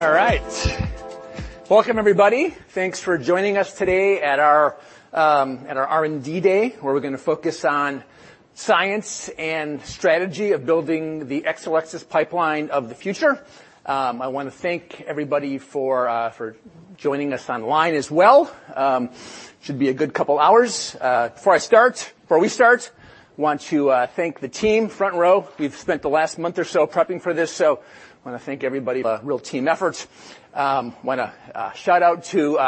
All right. Welcome, everybody. Thanks for joining us today at our R&D Day, where we're gonna focus on science and strategy of building the Exelixis pipeline of the future. I wanna thank everybody for joining us online as well. Should be a good couple hours. Before I start, before we start, I want to thank the team, front row. We've spent the last month or so prepping for this, so I wanna thank everybody, the real team efforts. Wanna shout out to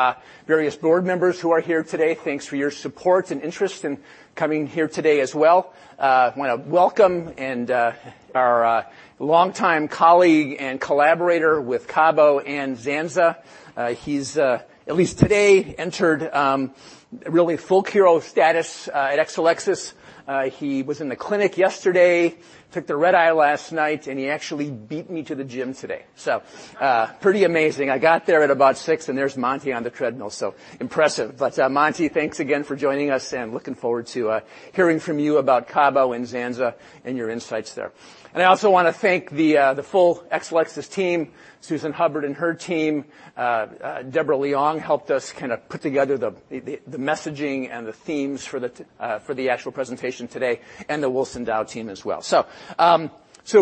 various board members who are here today. Thanks for your support and interest in coming here today as well. I wanna welcome and our longtime colleague and collaborator with cabo and zanza. He's at least today entered really full hero status at Exelixis. He was in the clinic yesterday, took the red-eye last night, and he actually beat me to the gym today. So, pretty amazing. I got there at about six, and there's Monty on the treadmill, so impressive. But, Monty, thanks again for joining us, and looking forward to hearing from you about cabo and zanza and your insights there. And I also wanna thank the full Exelixis team, Susan Hubbard and her team. Deborah Leong helped us kinda put together the messaging and the themes for the actual presentation today, and the Wilson Dow team as well. So,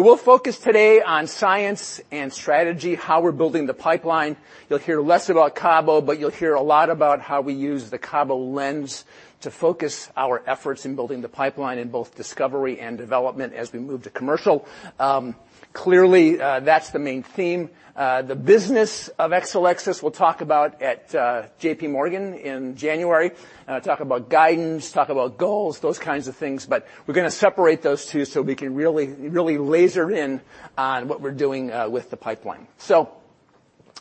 we'll focus today on science and strategy, how we're building the pipeline. You'll hear less about cabo, but you'll hear a lot about how we use the cabo lens to focus our efforts in building the pipeline in both discovery and development as we move to commercial. Clearly, that's the main theme. The business of Exelixis, we'll talk about at J.P. Morgan in January. Talk about guidance, talk about goals, those kinds of things, but we're gonna separate those two so we can really, really laser in on what we're doing with the pipeline. So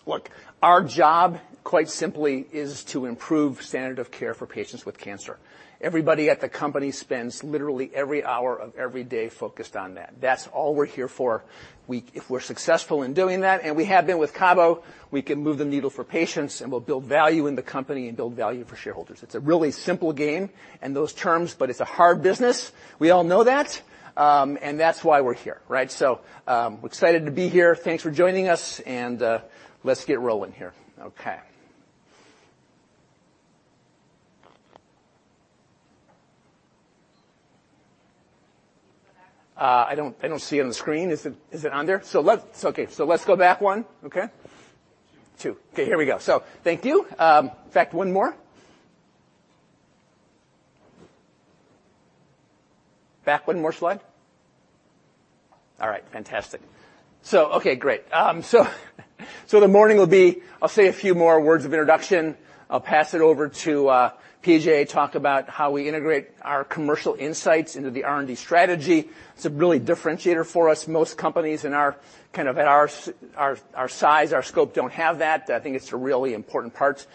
look, our job, quite simply, is to improve standard of care for patients with cancer. Everybody at the company spends literally every hour of every day focused on that. That's all we're here for. If we're successful in doing that, and we have been with cabo, we can move the needle for patients, and we'll build value in the company and build value for shareholders. It's a really simple game in those terms, but it's a hard business. We all know that, and that's why we're here, right? So, we're excited to be here. Thanks for joining us, and, let's get rolling here. Okay. I don't see it on the screen. Is it on there? So let's... Okay, so let's go back one, okay? Two. Two. Okay, here we go. So thank you. In fact, one more. Back one more slide. All right, fantastic. So okay, great. So the morning will be... I'll say a few more words of introduction. I'll pass it over to P.J. to talk about how we integrate our commercial insights into the R&D strategy. It's a really differentiator for us. Most companies in our, kind of at our size, our scope, don't have that. I think it's a really important part.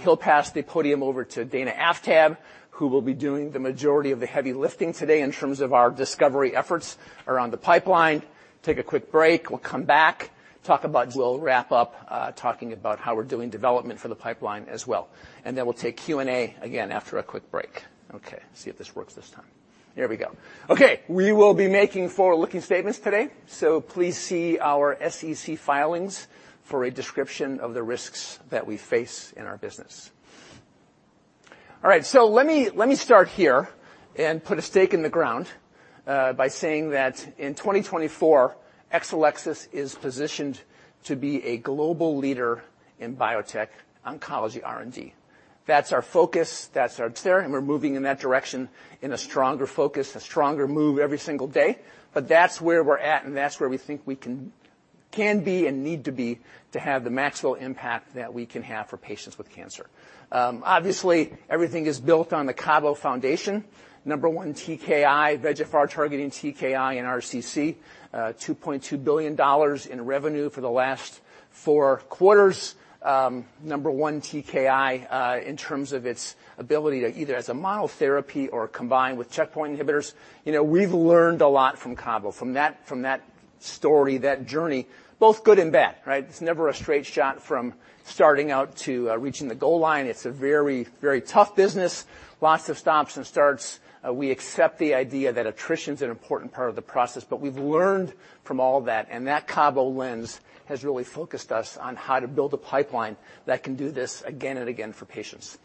He'll pass the podium over to Dana Aftab, who will be doing the majority of the heavy lifting today in terms of our discovery efforts around the pipeline. Take a quick break. We'll come back, talk about... We'll wrap up, talking about how we're doing development for the pipeline as well. Then we'll take Q&A again after a quick break. Okay, see if this works this time. Here we go. Okay, we will be making forward-looking statements today, so please see our SEC filings for a description of the risks that we face in our business. All right, so let me, let me start here and put a stake in the ground, by saying that in 2024, Exelixis is positioned to be a global leader in biotech oncology R&D. That's our focus, that's our theory, and we're moving in that direction in a stronger focus, a stronger move every single day. But that's where we're at, and that's where we think we can, can be and need to be to have the maximal impact that we can have for patients with cancer. Obviously, everything is built on the cabo foundation. Number one TKI, VEGFR-targeting TKI and RCC, $2.2 billion in revenue for the last four quarters. Number one TKI, in terms of its ability to either as a monotherapy or combined with checkpoint inhibitors. You know, we've learned a lot from cabo, from that, from that story, that journey, both good and bad, right? It's never a straight shot from starting out to, reaching the goal line. It's a very, very tough business. Lots of stops and starts. We accept the idea that attrition is an important part of the process, but we've learned from all that, and that cabo lens has really focused us on how to build a pipeline that can do this again and again for patients.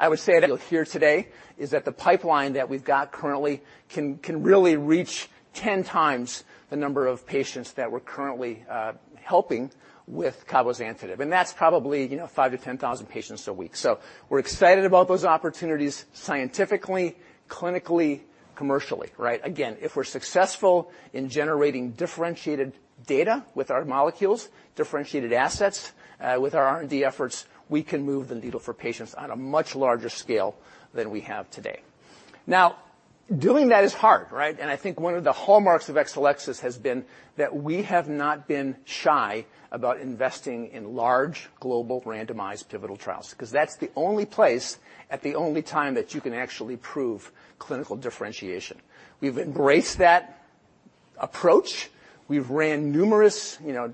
I would say that you'll hear today is that the pipeline that we've got currently can really reach 10 times the number of patients that we're currently helping with cabozantinib, and that's probably, you know, 5,000-10,000 thousand patients a week. So we're excited about those opportunities scientifically, clinically, commercially, right? Again, if we're successful in generating differentiated data with our molecules, differentiated assets with our R&D efforts, we can move the needle for patients on a much larger scale than we have today. Now, doing that is hard, right? And I think one of the hallmarks of Exelixis has been that we have not been shy about investing in large, global, randomized, pivotal trials, 'cause that's the only place at the only time that you can actually prove clinical differentiation. We've embraced that approach. We've ran numerous, you know,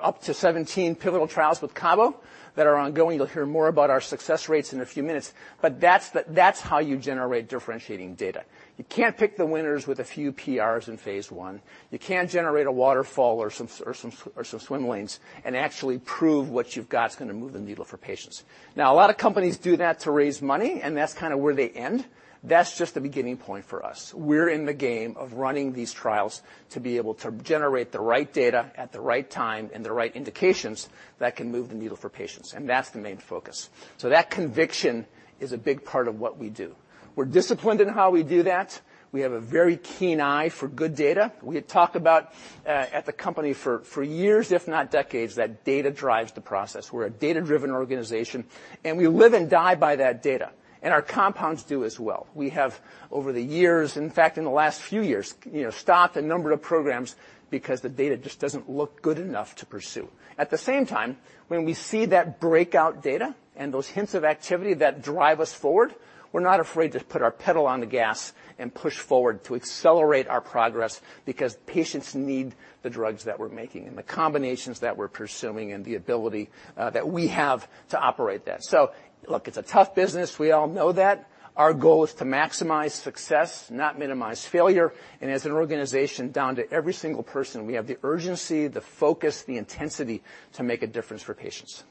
up to 17 pivotal trials with cabo that are ongoing. You'll hear more about our success rates in a few minutes, but that's how you generate differentiating data. You can't pick the winners with a few PRs in phase I. You can't generate a waterfall or some swim lanes and actually prove what you've got is gonna move the needle for patients. Now, a lot of companies do that to raise money, and that's kind of where they end. That's just the beginning point for us. We're in the game of running these trials to be able to generate the right data at the right time and the right indications that can move the needle for patients, and that's the main focus. So that conviction is a big part of what we do. We're disciplined in how we do that. We have a very keen eye for good data. We had talked about at the company for years, if not decades, that data drives the process. We're a data-driven organization, and we live and die by that data, and our compounds do as well. We have, over the years, in fact, in the last few years, you know, stopped a number of programs because the data just doesn't look good enough to pursue. At the same time, when we see that breakout data and those hints of activity that drive us forward, we're not afraid to put our pedal on the gas and push forward to accelerate our progress because patients need the drugs that we're making and the combinations that we're pursuing and the ability that we have to operate that. So look, it's a tough business. We all know that. Our goal is to maximize success, not minimize failure, and as an organization, down to every single person, we have the urgency, the focus, the intensity to make a difference for patients.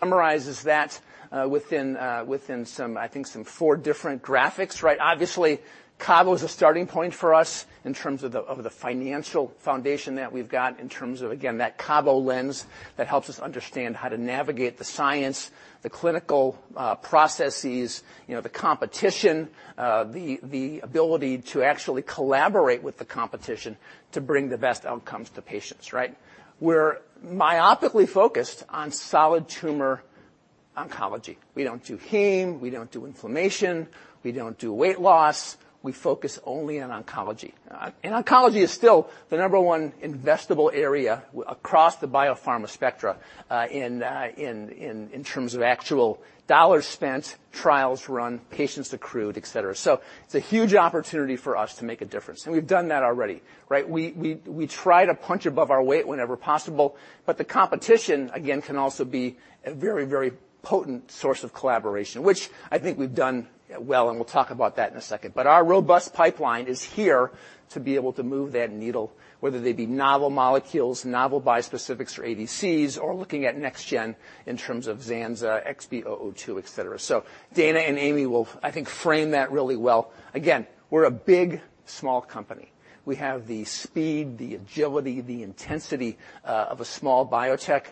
Summarizes that within some, I think, some four different graphics, right? Obviously, cabo is a starting point for us in terms of the financial foundation that we've got, in terms of, again, that cabo lens that helps us understand how to navigate the science, the clinical processes, you know, the competition, the ability to actually collaborate with the competition to bring the best outcomes to patients, right? We're myopically focused on solid tumor oncology. We don't do heme, we don't do inflammation, we don't do weight loss. We focus only on oncology. Oncology is still the number one investable area across the biopharma spectra, in terms of actual dollars spent, trials run, patients accrued, et cetera. So it's a huge opportunity for us to make a difference, and we've done that already, right? We try to punch above our weight whenever possible, but the competition, again, can also be a very, very potent source of collaboration, which I think we've done well, and we'll talk about that in a second. But our robust pipeline is here to be able to move that needle, whether they be novel molecules, novel bispecifics or ADCs, or looking at next gen in terms of zanza, XB002, et cetera. So Dana and Amy will, I think, frame that really well. Again, we're a big, small company. We have the speed, the agility, the intensity, of a small biotech,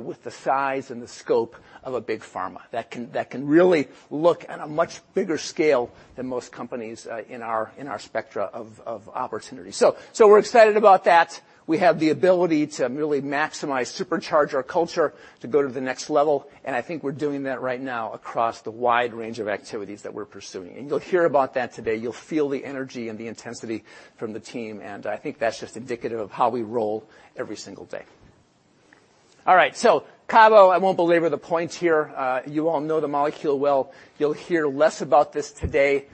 with the size and the scope of a big pharma that can, that can really look at a much bigger scale than most companies, in our, in our spectra of, of opportunity. So, so we're excited about that. We have the ability to really maximize, supercharge our culture to go to the next level, and I think we're doing that right now across the wide range of activities that we're pursuing. And you'll hear about that today. You'll feel the energy and the intensity from the team, and I think that's just indicative of how we roll every single day. All right, so cabo, I won't belabor the point here. You all know the molecule well. You'll hear less about this today,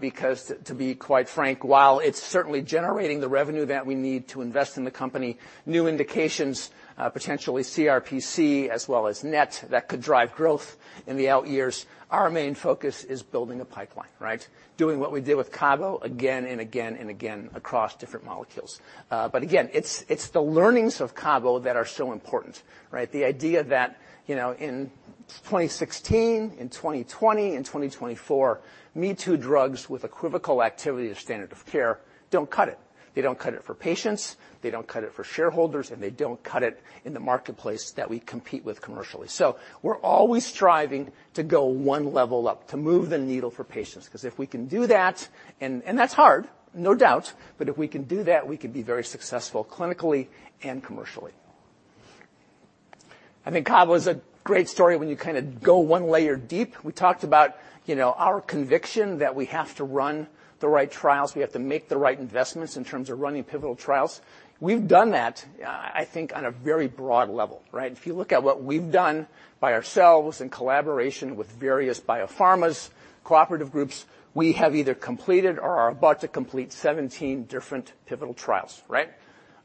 because to, to be quite frank, while it's certainly generating the revenue that we need to invest in the company, new indications, potentially CRPC, as well as NET, that could drive growth in the out years, our main focus is building a pipeline, right? Doing what we did with cabo again and again and again across different molecules. But again, it's, it's the learnings of cabo that are so important, right? The idea that, you know, in 2016, in 2020, in 2024, me-too drugs with equivocal activity or standard of care don't cut it. They don't cut it for patients, they don't cut it for shareholders, and they don't cut it in the marketplace that we compete with commercially. We're always striving to go one level up, to move the needle for patients, 'cause if we can do that... And that's hard, no doubt, but if we can do that, we can be very successful clinically and commercially. I think cabo is a great story when you kind of go one layer deep. We talked about, you know, our conviction that we have to run the right trials, we have to make the right investments in terms of running pivotal trials. We've done that, I think on a very broad level, right? If you look at what we've done by ourselves in collaboration with various biopharmas, cooperative groups, we have either completed or are about to complete 17 different pivotal trials, right?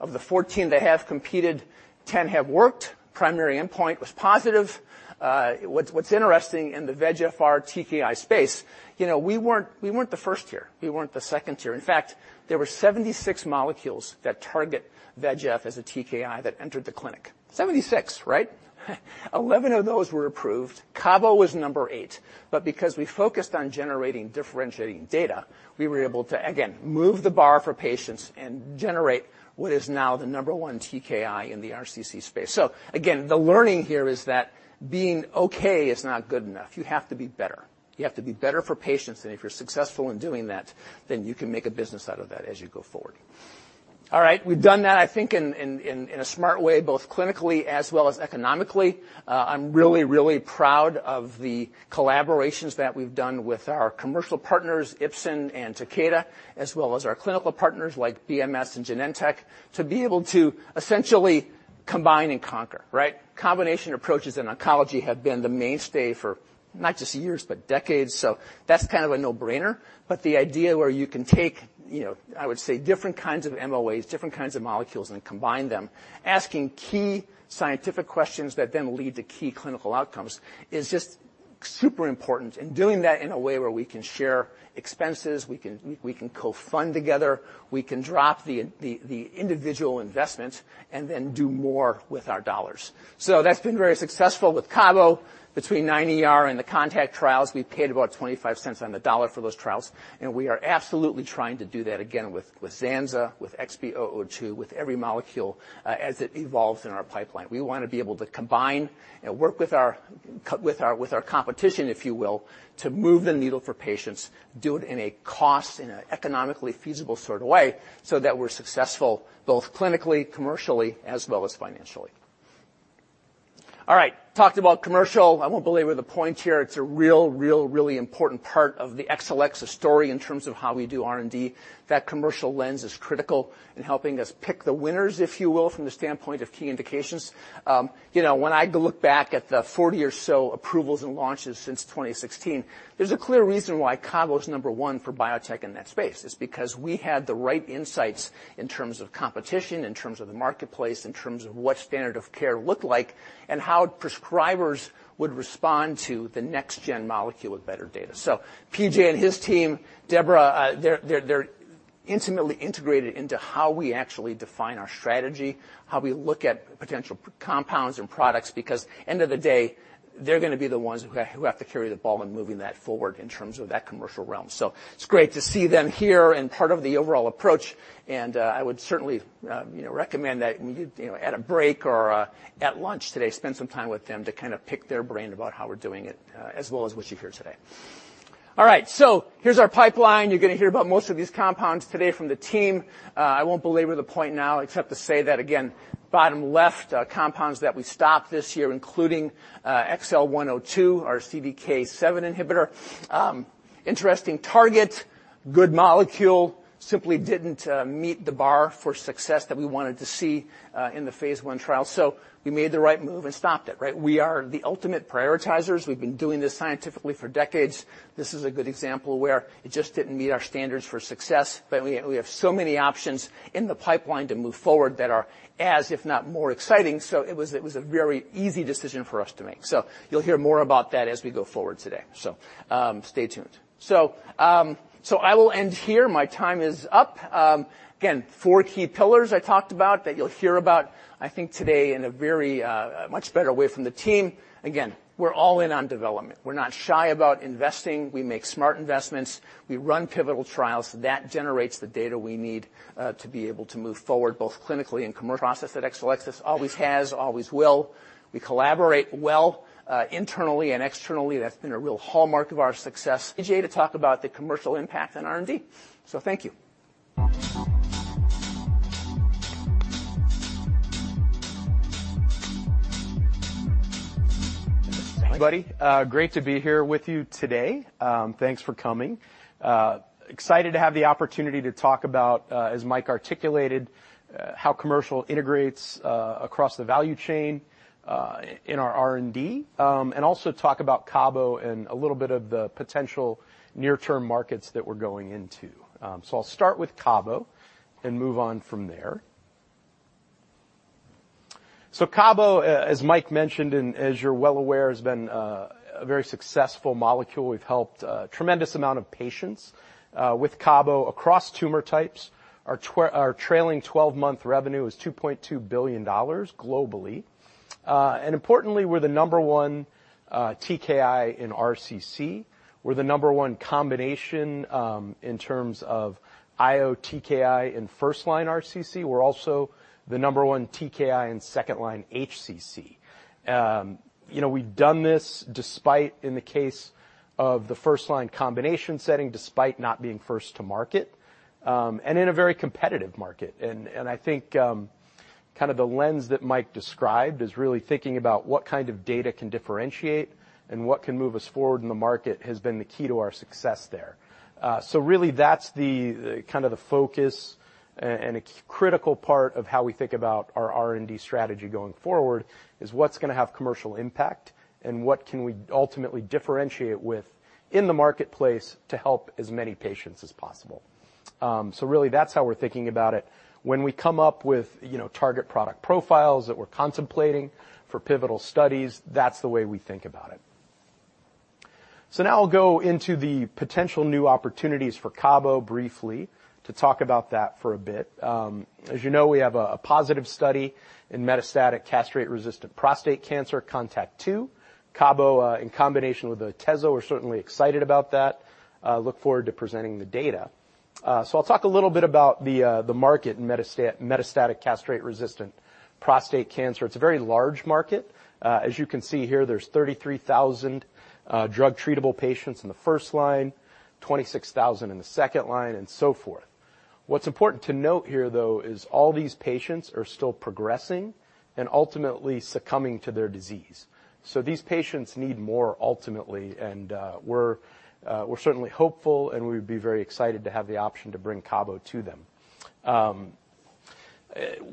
Of the 14 that have completed, 10 have worked. Primary endpoint was positive. What's interesting in the VEGFR TKI space, you know, we weren't the first here. We weren't the second here. In fact, there were 76 molecules that target VEGF as a TKI that entered the clinic. 76, right? 11 of those were approved. cabo was number eight. But because we focused on generating differentiating data, we were able to, again, move the bar for patients and generate what is now the number one TKI in the RCC space. So again, the learning here is that being okay is not good enough. You have to be better. You have to be better for patients, and if you're successful in doing that, then you can make a business out of that as you go forward. All right. We've done that, I think, in a smart way, both clinically as well as economically. I'm really, really proud of the collaborations that we've done with our commercial partners, Ipsen and Takeda, as well as our clinical partners like BMS and Genentech, to be able to essentially combine and conquer, right? Combination approaches in oncology have been the mainstay for not just years, but decades, so that's kind of a no-brainer. But the idea where you can take, you know, I would say, different kinds of MOAs, different kinds of molecules, and combine them, asking key scientific questions that then lead to key clinical outcomes, is just super important. And doing that in a way where we can share expenses, we can, we can co-fund together, we can drop the, the, the individual investment, and then do more with our dollars. So that's been very successful with cabo. Between 9ER and the CONTACT trials, we paid about $0.25 on the dollar for those trials, and we are absolutely trying to do that again with zanzalutinib, with XB002, with every molecule, as it evolves in our pipeline. We want to be able to combine and work with our competition, if you will, to move the needle for patients, do it in a cost and an economically feasible sort of way so that we're successful both clinically, commercially, as well as financially. All right, talked about commercial. I won't belabor the point here. It's a real, real, really important part of the Exelixis story in terms of how we do R&D. That commercial lens is critical in helping us pick the winners, if you will, from the standpoint of key indications. You know, when I look back at the 40 or so approvals and launches since 2016, there's a clear reason why cabo is number one for biotech in that space. It's because we had the right insights in terms of competition, in terms of the marketplace, in terms of what standard of care looked like, and how prescribers would respond to the next-gen molecule with better data. So P.J. and his team, Deborah, they're intimately integrated into how we actually define our strategy, how we look at potential compounds and products, because end of the day, they're gonna be the ones who have to carry the ball in moving that forward in terms of that commercial realm. It's great to see them here and part of the overall approach, and, I would certainly, you know, recommend that you, you know, at a break or, at lunch today, spend some time with them to kind of pick their brain about how we're doing it, as well as what you hear today. All right, so here's our pipeline. You're gonna hear about most of these compounds today from the team. I won't belabor the point now, except to say that, again, bottom left, compounds that we stopped this year, including, XL102, our CDK7 inhibitor. Interesting target, good molecule, simply didn't, meet the bar for success that we wanted to see, in the phase I trial, so we made the right move and stopped it, right? We are the ultimate prioritizers. We've been doing this scientifically for decades. This is a good example where it just didn't meet our standards for success, but we, we have so many options in the pipeline to move forward that are as, if not more exciting, so it was, it was a very easy decision for us to make. So you'll hear more about that as we go forward today, so, stay tuned. So, so I will end here. My time is up. Again, four key pillars I talked about that you'll hear about, I think, today in a very much better way from the team. Again, we're all in on development. We're not shy about investing. We make smart investments. We run pivotal trials. That generates the data we need to be able to move forward, both clinically and commercial process at Exelixis. Always has, always will. We collaborate well, internally and externally. That's been a real hallmark of our success. P.J., to talk about the commercial impact on R&D. So thank you. Everybody, great to be here with you today. Thanks for coming. Excited to have the opportunity to talk about, as Mike articulated, how commercial integrates across the value chain in our R&D, and also talk about cabo and a little bit of the potential near-term markets that we're going into. I'll start with cabo and move on from there. cabo, as Mike mentioned, and as you're well aware, has been a very successful molecule. We've helped a tremendous amount of patients with cabo across tumor types. Our trailing twelve-month revenue is $2.2 billion globally. Importantly, we're the number one TKI in RCC. We're the number one combination in terms of IO TKI in first-line RCC. We're also the number one TKI in second-line HCC. You know, we've done this despite, in the case of the first-line combination setting, despite not being first to market, and in a very competitive market. And I think, kind of the lens that Mike described is really thinking about what kind of data can differentiate and what can move us forward in the market has been the key to our success there. So really that's the kind of focus and a critical part of how we think about our R&D strategy going forward, is what's gonna have commercial impact and what can we ultimately differentiate with in the marketplace to help as many patients as possible? So really, that's how we're thinking about it. When we come up with, you know, target product profiles that we're contemplating for pivotal studies, that's the way we think about it. Now I'll go into the potential new opportunities for cabo briefly, to talk about that for a bit. As you know, we have a positive study in metastatic castration-resistant prostate cancer, CONTACT-02. cabo in combination with Tecentriq, we're certainly excited about that. Look forward to presenting the data. So I'll talk a little bit about the market in metastatic castration-resistant prostate cancer. It's a very large market. As you can see here, there's 33,000 drug-treatable patients in the first line, 26,000 in the second line, and so forth. What's important to note here, though, is all these patients are still progressing and ultimately succumbing to their disease. So these patients need more ultimately, and we're certainly hopeful, and we'd be very excited to have the option to bring cabo to them.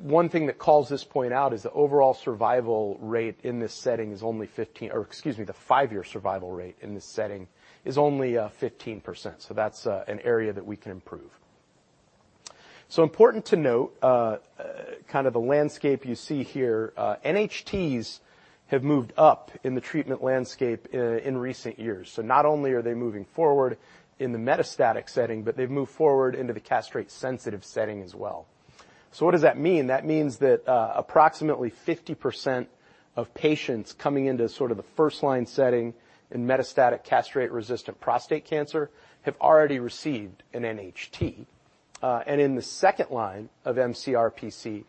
One thing that calls this point out is the overall survival rate in this setting is only fifteen, or excuse me, the five-year survival rate in this setting is only fifteen percent. So that's an area that we can improve. So important to note, kind of the landscape you see here, NHTs have moved up in the treatment landscape in recent years. So not only are they moving forward in the metastatic setting, but they've moved forward into the castrate-sensitive setting as well. So what does that mean? That means that approximately 50% of patients coming into sort of the first-line setting in metastatic castrate-resistant prostate cancer have already received an NHT. And in the second line of mCRPC,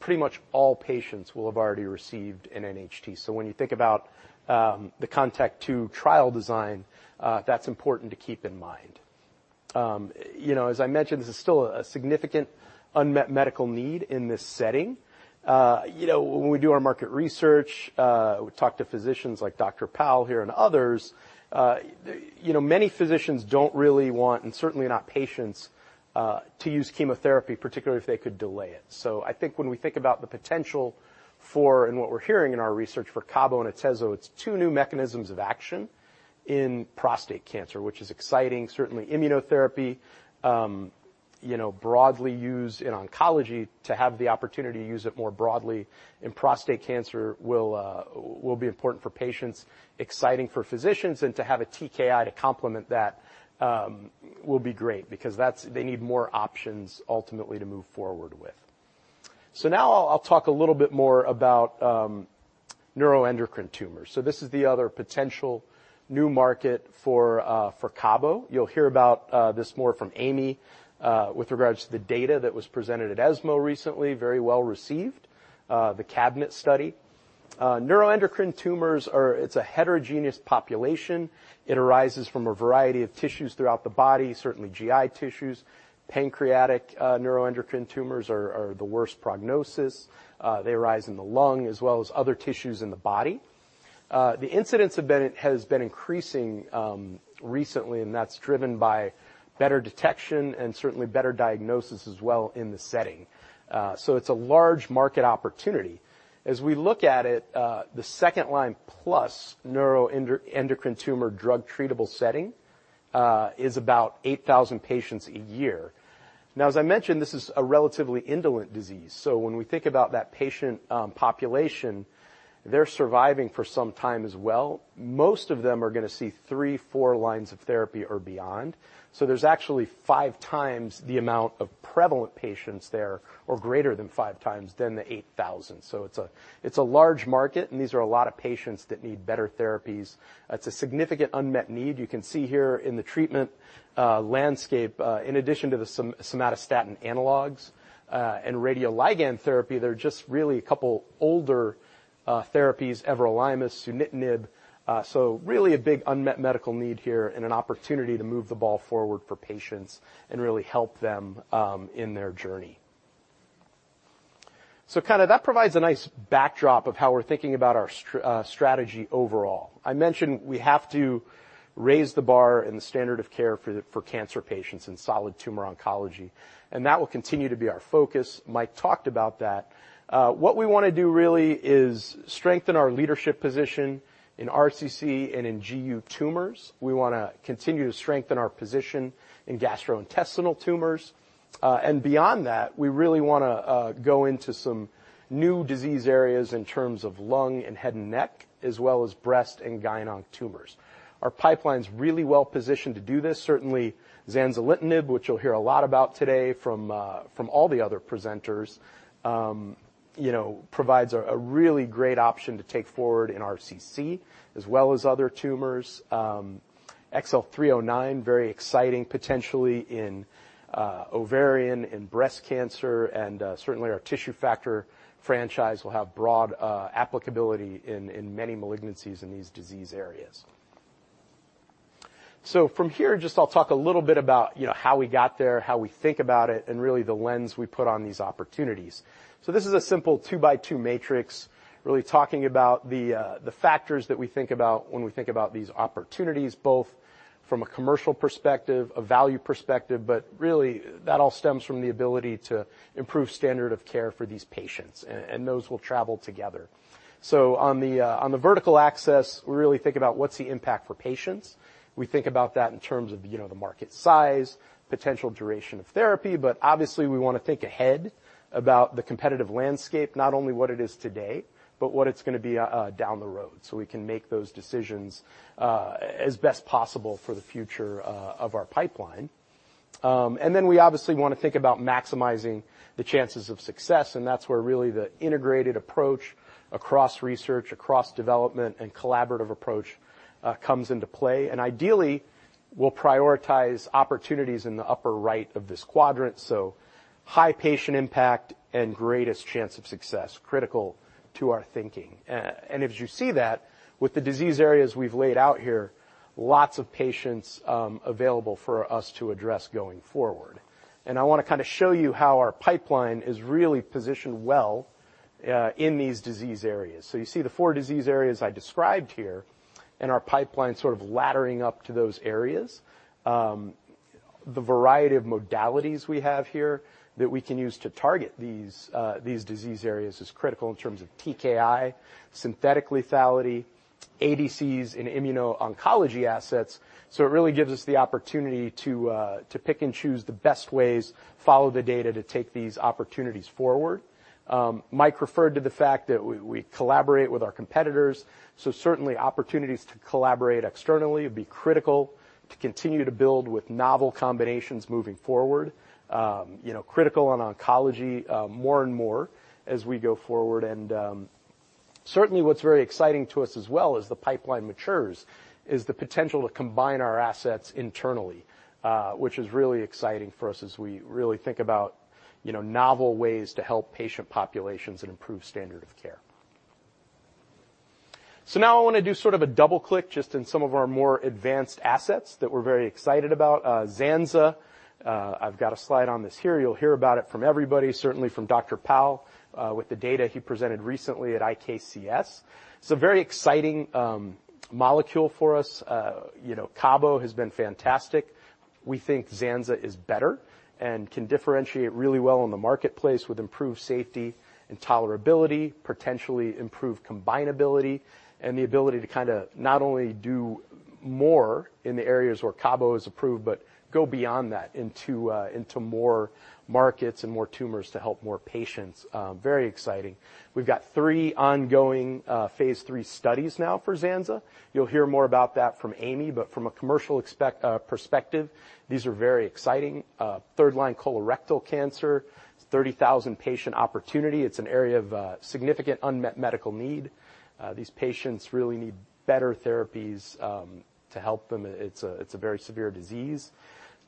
pretty much all patients will have already received an NHT. When you think about the CONTACT-02 trial design, that's important to keep in mind. You know, as I mentioned, this is still a significant unmet medical need in this setting. You know, when we do our market research, we talk to physicians like Dr. Pal here and others, you know, many physicians don't really want, and certainly not patients, to use chemotherapy, particularly if they could delay it. So I think when we think about the potential for, and what we're hearing in our research for cabo and atezo, it's two new mechanisms of action in prostate cancer, which is exciting. Certainly, immunotherapy, you know, broadly used in oncology to have the opportunity to use it more broadly in prostate cancer will be important for patients, exciting for physicians, and to have a TKI to complement that will be great because that's... They need more options ultimately to move forward with. So now I'll talk a little bit more about neuroendocrine tumors. So this is the other potential new market for cabo. You'll hear about this more from Amy with regards to the data that was presented at ESMO recently, very well-received, the CABINET study. Neuroendocrine tumors are. It's a heterogeneous population. It arises from a variety of tissues throughout the body, certainly GI tissues. Pancreatic neuroendocrine tumors are the worst prognosis. They arise in the lung as well as other tissues in the body. The incidence has been increasing recently, and that's driven by better detection and certainly better diagnosis as well in this setting. So it's a large market opportunity. As we look at it, the second-line plus neuroendocrine tumor drug treatable setting is about 8,000 patients a year. Now, as I mentioned, this is a relatively indolent disease. So when we think about that patient population, they're surviving for some time as well. Most of them are gonna see three, four lines of therapy or beyond. So there's actually 5x the amount of prevalent patients there, or greater than 5x, than the 8,000. So it's a large market, and these are a lot of patients that need better therapies. It's a significant unmet need. You can see here in the treatment landscape, in addition to the somatostatin analogs and radioligand therapy, there are just really a couple older therapies, everolimus, sunitinib. So really a big unmet medical need here and an opportunity to move the ball forward for patients and really help them in their journey. So kind of that provides a nice backdrop of how we're thinking about our strategy overall. I mentioned we have to raise the bar in the standard of care for the, for cancer patients in solid tumor oncology, and that will continue to be our focus. Mike talked about that. What we wanna do really is strengthen our leadership position in RCC and in GU tumors. We wanna continue to strengthen our position in gastrointestinal tumors. Beyond that, we really wanna go into some new disease areas in terms of lung and head and neck, as well as breast and gyn onc tumors. Our pipeline's really well-positioned to do this. Certainly, zanzalutinib, which you'll hear a lot about today from all the other presenters, you know, provides a really great option to take forward in RCC as well as other tumors. XL309, very exciting, potentially in ovarian and breast cancer, and certainly our tissue factor franchise will have broad applicability in many malignancies in these disease areas. So from here, just I'll talk a little bit about, you know, how we got there, how we think about it, and really the lens we put on these opportunities. This is a simple two-by-two matrix, really talking about the, the factors that we think about when we think about these opportunities, both from a commercial perspective, a value perspective, but really that all stems from the ability to improve standard of care for these patients, and, and those will travel together. So on the, on the vertical axis, we really think about what's the impact for patients. We think about that in terms of, you know, the market size, potential duration of therapy, but obviously, we wanna think ahead about the competitive landscape, not only what it is today, but what it's gonna be, down the road, so we can make those decisions, as best possible for the future, of our pipeline. Then we obviously wanna think about maximizing the chances of success, and that's where really the integrated approach across research, across development, and collaborative approach, comes into play. And ideally, we'll prioritize opportunities in the upper right of this quadrant, so high patient impact and greatest chance of success, critical to our thinking. And as you see that, with the disease areas we've laid out here, lots of patients, available for us to address going forward. And I wanna kind of show you how our pipeline is really positioned well in these disease areas. So you see the four disease areas I described here, and our pipeline sort of laddering up to those areas. The variety of modalities we have here that we can use to target these, these disease areas is critical in terms of TKI, synthetic lethality, ADCs, and immuno-oncology assets. It really gives us the opportunity to pick and choose the best ways, follow the data to take these opportunities forward. Mike referred to the fact that we collaborate with our competitors, so certainly opportunities to collaborate externally would be critical, to continue to build with novel combinations moving forward. You know, critical on oncology, more and more as we go forward. And certainly what's very exciting to us as well as the pipeline matures is the potential to combine our assets internally, which is really exciting for us as we really think about, you know, novel ways to help patient populations and improve standard of care. So now I wanna do sort of a double click just in some of our more advanced assets that we're very excited about zanza, I've got a slide on this here. You'll hear about it from everybody, certainly from Dr. Pal, with the data he presented recently at IKCS. It's a very exciting molecule for us. You know, cabo has been fantastic. We think zanza is better and can differentiate really well in the marketplace with improved safety and tolerability, potentially improved combinability, and the ability to kinda not only do more in the areas where cabo is approved, but go beyond that into more markets and more tumors to help more patients. Very exciting. We've got three ongoing phase three studies now for zanza. You'll hear more about that from Amy, but from a commercial perspective, these are very exciting. Third line colorectal cancer, 30,000-patient opportunity. It's an area of significant unmet medical need. These patients really need better therapies to help them. It's a very severe disease.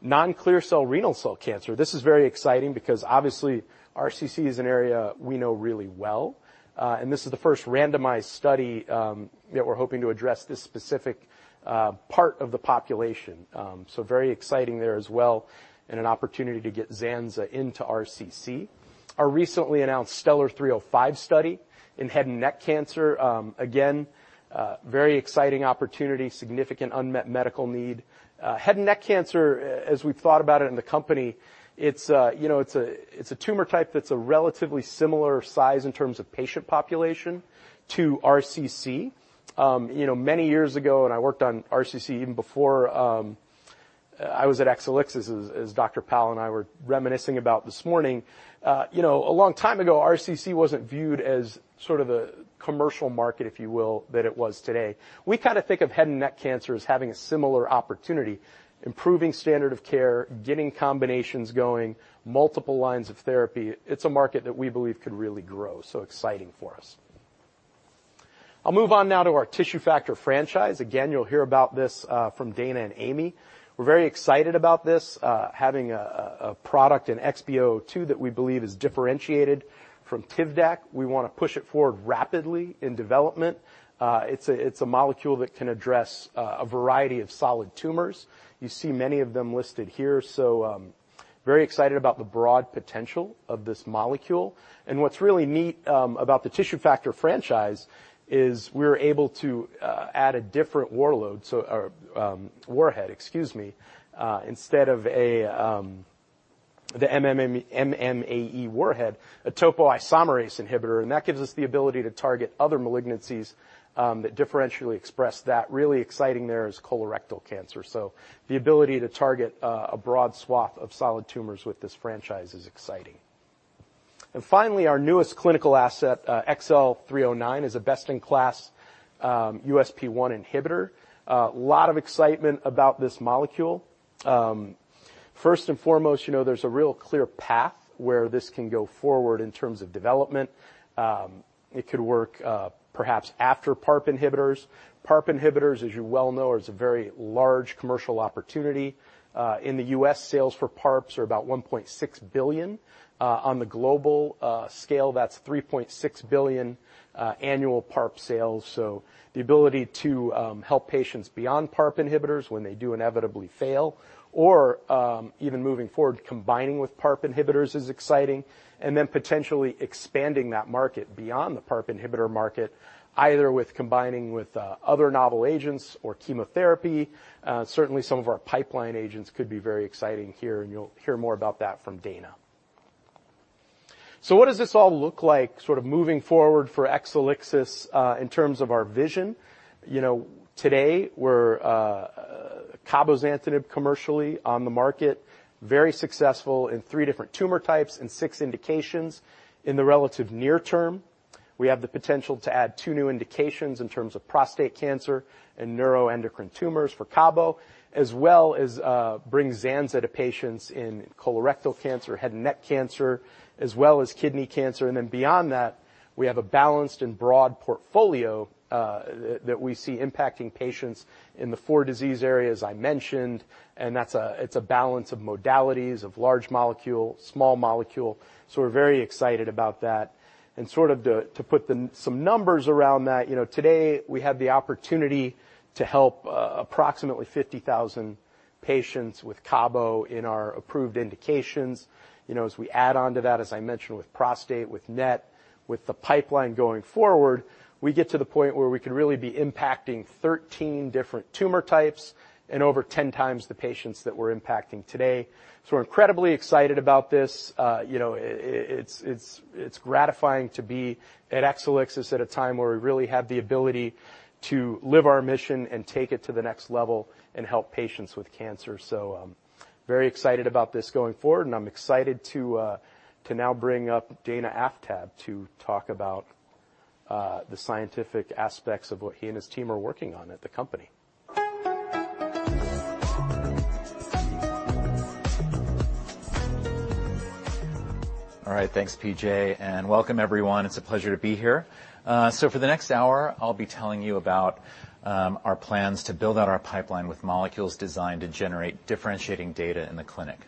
Non-clear cell renal cell cancer. This is very exciting because, obviously, RCC is an area we know really well, and this is the first randomized study that we're hoping to address this specific part of the population. So very exciting there as well, and an opportunity to get zanza into RCC. Our recently announced STELLAR-305 study in head and neck cancer, again, a very exciting opportunity, significant unmet medical need. Head and neck cancer, as we've thought about it in the company, it's, you know, it's a tumor type that's a relatively similar size in terms of patient population to RCC. You know, many years ago, and I worked on RCC even before I was at Exelixis, as Dr. Pal and I were reminiscing about this morning. You know, a long time ago, RCC wasn't viewed as sort of a commercial market, if you will, than it was today. We kinda think of head and neck cancer as having a similar opportunity, improving standard of care, getting combinations going, multiple lines of therapy. It's a market that we believe could really grow, so exciting for us. I'll move on now to our tissue factor franchise. Again, you'll hear about this from Dana and Amy. We're very excited about this, having a product in XB002 that we believe is differentiated from Tivdak. We wanna push it forward rapidly in development. It's a molecule that can address a variety of solid tumors. You see many of them listed here, so very excited about the broad potential of this molecule. What's really neat about the tissue factor franchise is we're able to add a different warhead, excuse me, instead of the MMAE warhead, a topoisomerase inhibitor, and that gives us the ability to target other malignancies that differentially express that. Really exciting there is colorectal cancer. So the ability to target a broad swath of solid tumors with this franchise is exciting. And finally, our newest clinical asset, XL309, is a best-in-class USP1 inhibitor. A lot of excitement about this molecule. First and foremost, you know, there's a real clear path where this can go forward in terms of development. It could work, perhaps after PARP inhibitors. PARP inhibitors, as you well know, is a very large commercial opportunity. In the U.S., sales for PARPs are about $1.6 billion. On the global scale, that's $3.6 billion annual PARP sales. So the ability to help patients beyond PARP inhibitors when they do inevitably fail, or even moving forward, combining with PARP inhibitors is exciting. And then potentially expanding that market beyond the PARP inhibitor market, either with combining with other novel agents or chemotherapy. Certainly some of our pipeline agents could be very exciting here, and you'll hear more about that from Dana. So what does this all look like sort of moving forward for Exelixis in terms of our vision? You know, today, we're cabozantinib commercially on the market, very successful in three different tumor types and six indications in the relative near term. We have the potential to add two new indications in terms of prostate cancer and neuroendocrine tumors for cabo, as well as, bring zanza to patients in colorectal cancer, head and neck cancer, as well as kidney cancer. And then beyond that, we have a balanced and broad portfolio, that we see impacting patients in the four disease areas I mentioned, and that's—it's a balance of modalities, of large molecule, small molecule. So we're very excited about that. And sort of to put some numbers around that, you know, today we have the opportunity to help, approximately 50,000 patients with cabo in our approved indications. You know, as we add on to that, as I mentioned, with prostate, with NET, with the pipeline going forward, we get to the point where we could really be impacting 13 different tumor types and over 10x the patients that we're impacting today. So we're incredibly excited about this. You know, it's gratifying to be at Exelixis at a time where we really have the ability to live our mission and take it to the next level and help patients with cancer. So, very excited about this going forward, and I'm excited to now bring up Dana Aftab to talk about the scientific aspects of what he and his team are working on at the company. All right, thanks, P.J., and welcome everyone. It's a pleasure to be here. So for the next hour, I'll be telling you about our plans to build out our pipeline with molecules designed to generate differentiating data in the clinic.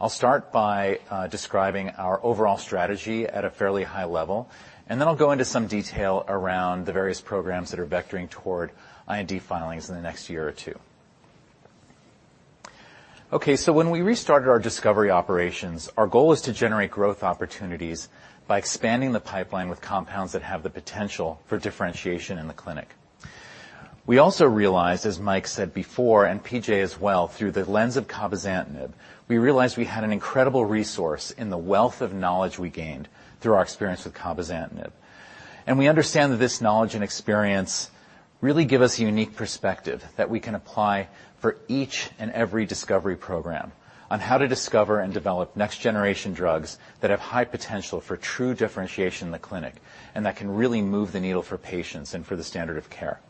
I'll start by describing our overall strategy at a fairly high level, and then I'll go into some detail around the various programs that are vectoring toward IND filings in the next year or two. Okay, so when we restarted our discovery operations, our goal was to generate growth opportunities by expanding the pipeline with compounds that have the potential for differentiation in the clinic. We also realized, as Mike said before, and P.J. as well, through the lens of cabozantinib, we realized we had an incredible resource in the wealth of knowledge we gained through our experience with cabozantinib. We understand that this knowledge and experience really give us a unique perspective that we can apply for each and every discovery program on how to discover and develop next-generation drugs that have high potential for true differentiation in the clinic, and that can really move the needle for patients and for the standard of care.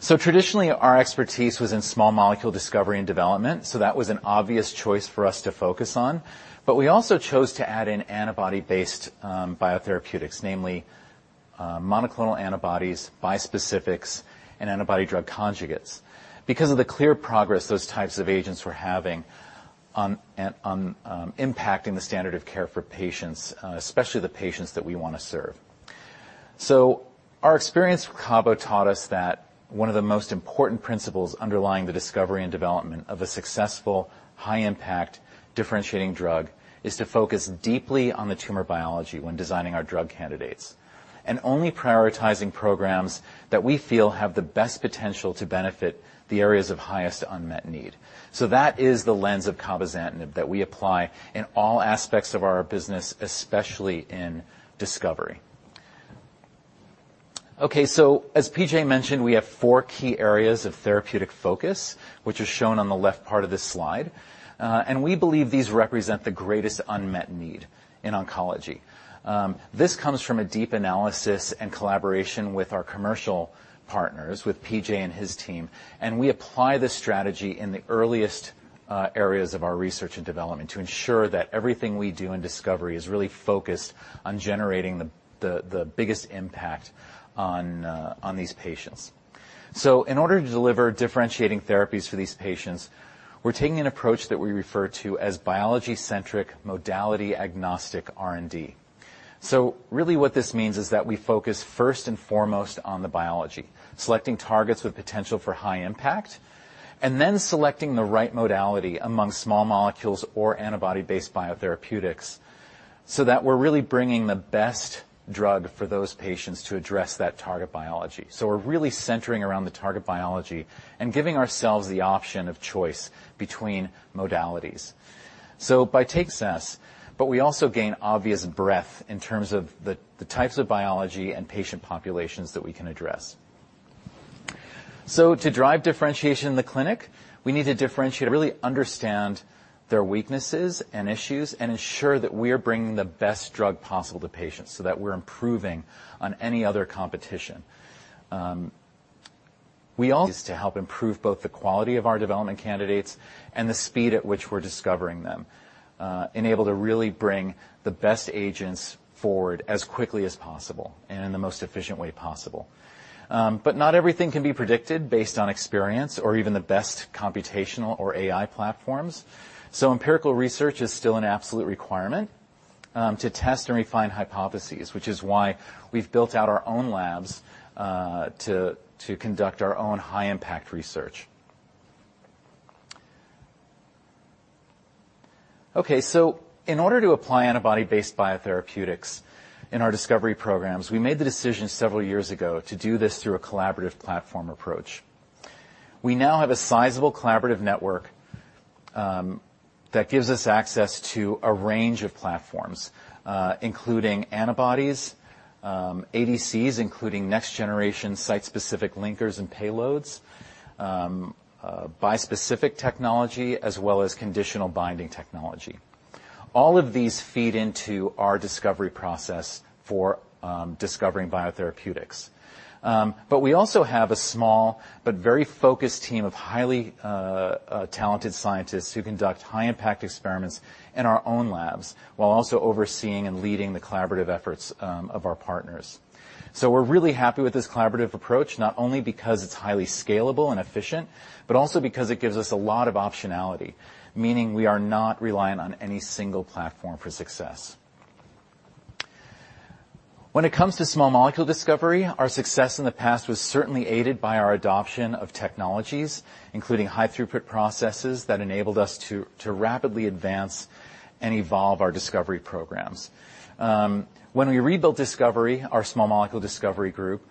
Traditionally, our expertise was in small molecule discovery and development, so that was an obvious choice for us to focus on. But we also chose to add in antibody-based biotherapeutics, namely, monoclonal antibodies, bispecifics, and antibody drug conjugates. Because of the clear progress those types of agents were having on impacting the standard of care for patients, especially the patients that we want to serve. Our experience with cabo taught us that one of the most important principles underlying the discovery and development of a successful, high-impact, differentiating drug is to focus deeply on the tumor biology when designing our drug candidates, and only prioritizing programs that we feel have the best potential to benefit the areas of highest unmet need. So that is the lens of cabozantinib that we apply in all aspects of our business, especially in discovery. Okay, so as P.J. mentioned, we have four key areas of therapeutic focus, which is shown on the left part of this slide, and we believe these represent the greatest unmet need in oncology. This comes from a deep analysis and collaboration with our commercial partners, with P.J. and his team, and we apply this strategy in the earliest areas of our research and development to ensure that everything we do in discovery is really focused on generating the biggest impact on these patients. So in order to deliver differentiating therapies for these patients, we're taking an approach that we refer to as biology-centric, modality-agnostic R&D. So really what this means is that we focus first and foremost on the biology, selecting targets with potential for high impact, and then selecting the right modality among small molecules or antibody-based biotherapeutics, so that we're really bringing the best drug for those patients to address that target biology. So we're really centering around the target biology and giving ourselves the option of choice between modalities. Biotech takes us, but we also gain obvious breadth in terms of the types of biology and patient populations that we can address. So to drive differentiation in the clinic, we need to differentiate, really understand their weaknesses and issues, and ensure that we are bringing the best drug possible to patients so that we're improving on any other competition. Our goal is to help improve both the quality of our development candidates and the speed at which we're discovering them, and able to really bring the best agents forward as quickly as possible and in the most efficient way possible. Not everything can be predicted based on experience or even the best computational or AI platforms, so empirical research is still an absolute requirement, to test and refine hypotheses, which is why we've built out our own labs, to conduct our own high-impact research. Okay, so in order to apply antibody-based biotherapeutics in our discovery programs, we made the decision several years ago to do this through a collaborative platform approach. We now have a sizable collaborative network, that gives us access to a range of platforms, including antibodies, ADCs, including next generation site-specific linkers and payloads, bispecific technology, as well as conditional binding technology. All of these feed into our discovery process for discovering biotherapeutics. We also have a small but very focused team of highly talented scientists who conduct high-impact experiments in our own labs, while also overseeing and leading the collaborative efforts of our partners. So we're really happy with this collaborative approach, not only because it's highly scalable and efficient, but also because it gives us a lot of optionality, meaning we are not reliant on any single platform for success. When it comes to small molecule discovery, our success in the past was certainly aided by our adoption of technologies, including high throughput processes, that enabled us to rapidly advance and evolve our discovery programs. When we rebuilt discovery, our small molecule discovery group,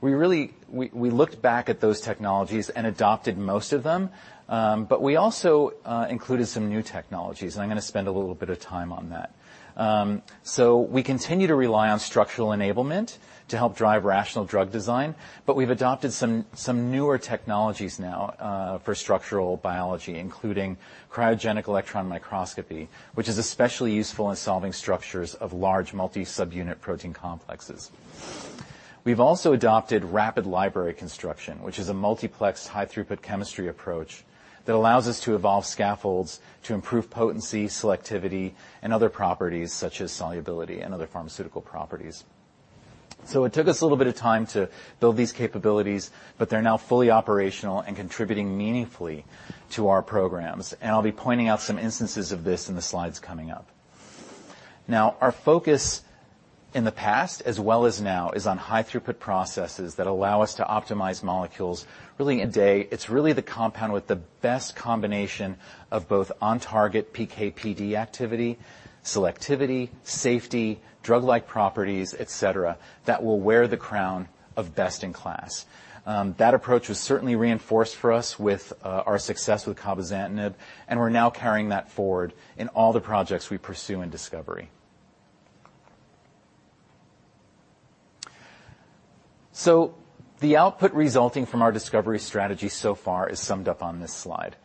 we really—we looked back at those technologies and adopted most of them, but we also included some new technologies, and I'm gonna spend a little bit of time on that. So we continue to rely on structural enablement to help drive rational drug design, but we've adopted some newer technologies now for structural biology, including cryogenic electron microscopy, which is especially useful in solving structures of large multi-subunit protein complexes. We've also adopted rapid library construction, which is a multiplexed, high-throughput chemistry approach that allows us to evolve scaffolds to improve potency, selectivity, and other properties, such as solubility and other pharmaceutical properties. It took us a little bit of time to build these capabilities, but they're now fully operational and contributing meaningfully to our programs, and I'll be pointing out some instances of this in the slides coming up. Now, our focus in the past, as well as now, is on high throughput processes that allow us to optimize molecules. It's really the compound with the best combination of both on-target PK/PD activity, selectivity, safety, drug-like properties, et cetera, that will wear the crown of best-in-class. That approach was certainly reinforced for us with our success with cabozantinib, and we're now carrying that forward in all the projects we pursue in discovery. So the output resulting from our discovery strategy so far is summed up on this slide.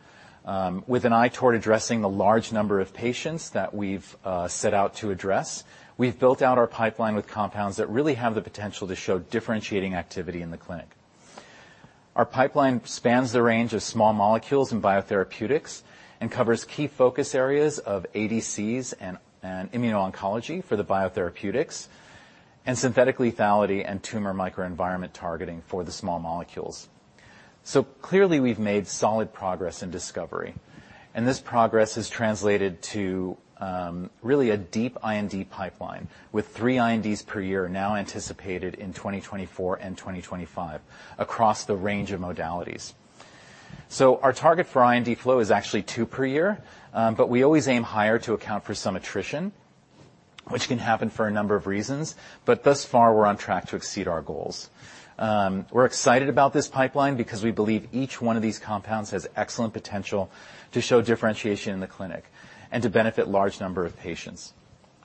With an eye toward addressing the large number of patients that we've set out to address, we've built out our pipeline with compounds that really have the potential to show differentiating activity in the clinic. Our pipeline spans the range of small molecules and biotherapeutics, and covers key focus areas of ADCs and immuno-oncology for the biotherapeutics, and synthetic lethality and tumor microenvironment targeting for the small molecules. So clearly, we've made solid progress in discovery, and this progress has translated to really a deep IND pipeline, with three INDs per year now anticipated in 2024 and 2025 across the range of modalities. So our target for IND flow is actually two per year, but we always aim higher to account for some attrition, which can happen for a number of reasons. But thus far, we're on track to exceed our goals. We're excited about this pipeline because we believe each one of these compounds has excellent potential to show differentiation in the clinic and to benefit large number of patients,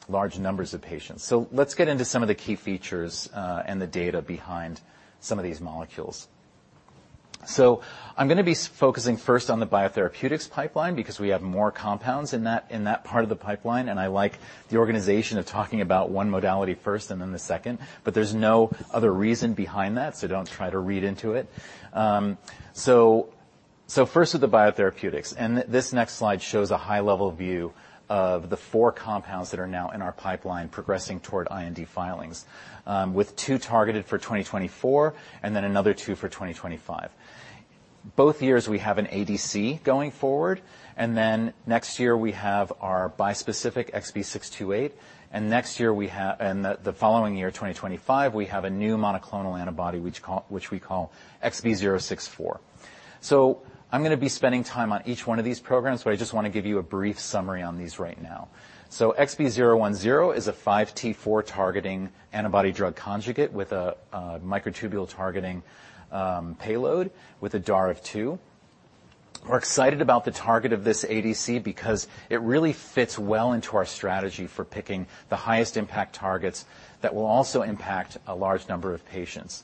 large numbers of patients. So let's get into some of the key features, and the data behind some of these molecules. So I'm gonna be focusing first on the biotherapeutics pipeline, because we have more compounds in that, in that part of the pipeline, and I like the organization of talking about one modality first and then the second, but there's no other reason behind that, so don't try to read into it. So first are the biotherapeutics, and this next slide shows a high-level view of the four compounds that are now in our pipeline, progressing toward IND filings, with two targeted for 2024 and then another two for 2025. Both years, we have an ADC going forward, and then next year we have our bispecific XB628, and next year we have... And the following year, 2025, we have a new monoclonal antibody, which we call XB064. So I'm gonna be spending time on each one of these programs, but I just want to give you a brief summary on these right now. So XB010 is a 5T4-targeting antibody-drug conjugate with a microtubule-targeting payload with a DAR of two. We're excited about the target of this ADC because it really fits well into our strategy for picking the highest impact targets that will also impact a large number of patients.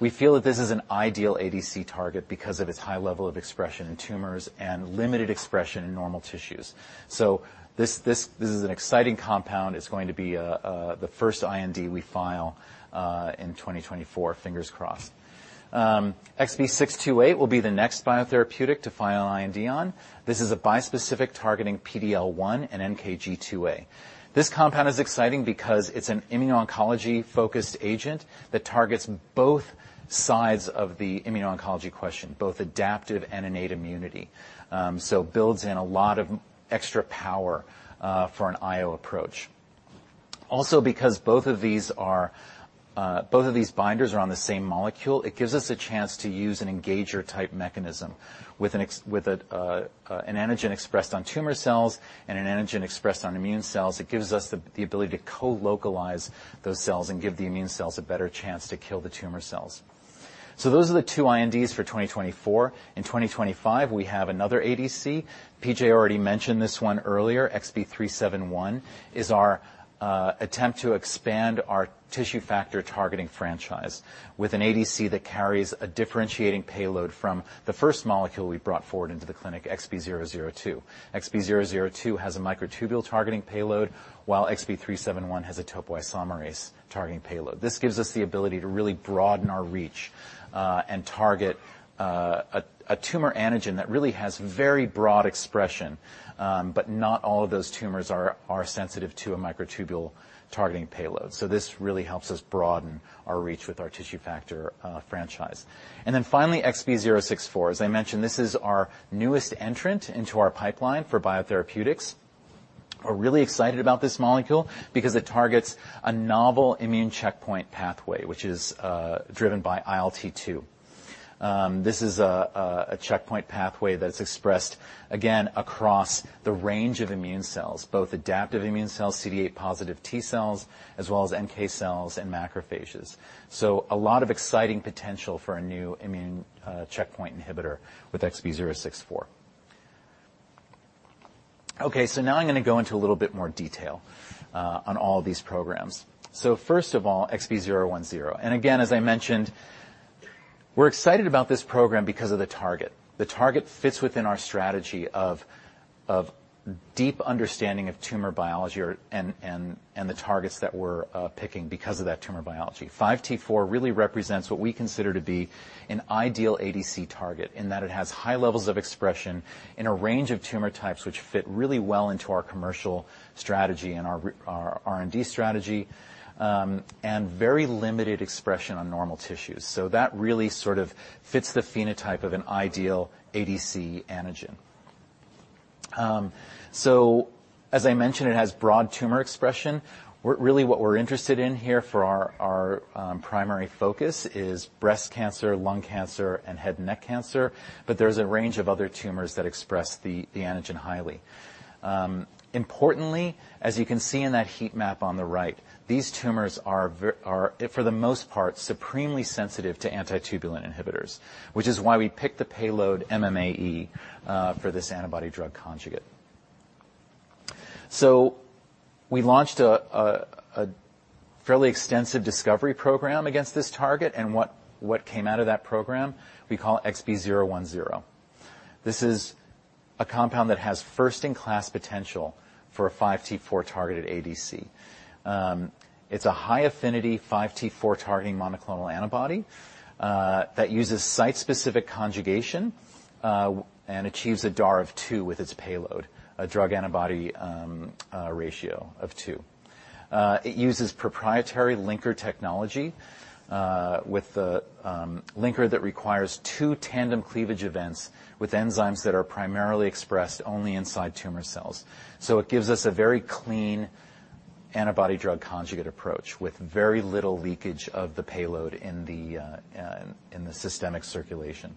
We feel that this is an ideal ADC target because of its high level of expression in tumors and limited expression in normal tissues. This is an exciting compound. It's going to be the first IND we file in 2024. Fingers crossed. XB628 will be the next biotherapeutic to file an IND on. This is a bispecific targeting PD-L1 and NKG2A. This compound is exciting because it's an immuno-oncology-focused agent that targets both sides of the immuno-oncology equation, both adaptive and innate immunity. So builds in a lot of extra power for an IO approach. Also, because both of these binders are on the same molecule, it gives us a chance to use an engager-type mechanism. With an antigen expressed on tumor cells and an antigen expressed on immune cells, it gives us the ability to co-localize those cells and give the immune cells a better chance to kill the tumor cells. Those are the two INDs for 2024. In 2025, we have another ADC. P.J. already mentioned this one earlier. XB371 is our attempt to expand our tissue factor-targeting franchise with an ADC that carries a differentiating payload from the first molecule we brought forward into the clinic, XB002. XB002 has a microtubule targeting payload, while XB371 has a topoisomerase-targeting payload. This gives us the ability to really broaden our reach and target a tumor antigen that really has very broad expression. But not all of those tumors are sensitive to a microtubule-targeting payload, so this really helps us broaden our reach with our tissue factor franchise. And then finally, XB064. As I mentioned, this is our newest entrant into our pipeline for biotherapeutics. We're really excited about this molecule, because it targets a novel immune checkpoint pathway, which is driven by ILT2. This is a checkpoint pathway that's expressed, again, across the range of immune cells, both adaptive immune cells, CD8-positive T cells, as well as NK cells and macrophages. So a lot of exciting potential for a new immune checkpoint inhibitor with XB064. Okay, so now I'm gonna go into a little bit more detail on all of these programs. So first of all, XB010, and again, as I mentioned, we're excited about this program because of the target. The target fits within our strategy of deep understanding of tumor biology and the targets that we're picking because of that tumor biology. 5T4 really represents what we consider to be an ideal ADC target in that it has high levels of expression in a range of tumor types, which fit really well into our commercial strategy and our R&D strategy, and very limited expression on normal tissues. So that really sort of fits the phenotype of an ideal ADC antigen. So as I mentioned, it has broad tumor expression. We're really, what we're interested in here for our primary focus is breast cancer, lung cancer, and head and neck cancer, but there's a range of other tumors that express the antigen highly. Importantly, as you can see in that heat map on the right, these tumors are, for the most part, supremely sensitive to antitubulin inhibitors, which is why we picked the payload MMAE for this antibody-drug conjugate. We launched a fairly extensive discovery program against this target, and what came out of that program we call XB010. This is a compound that has first-in-class potential for a 5T4-targeted ADC. It's a high-affinity 5T4-targeting monoclonal antibody that uses site-specific conjugation and achieves a DAR of two with its payload, a drug-antibody ratio of two. It uses proprietary linker technology with a linker that requires two tandem cleavage events with enzymes that are primarily expressed only inside tumor cells. So it gives us a very clean antibody-drug conjugate approach with very little leakage of the payload in the systemic circulation.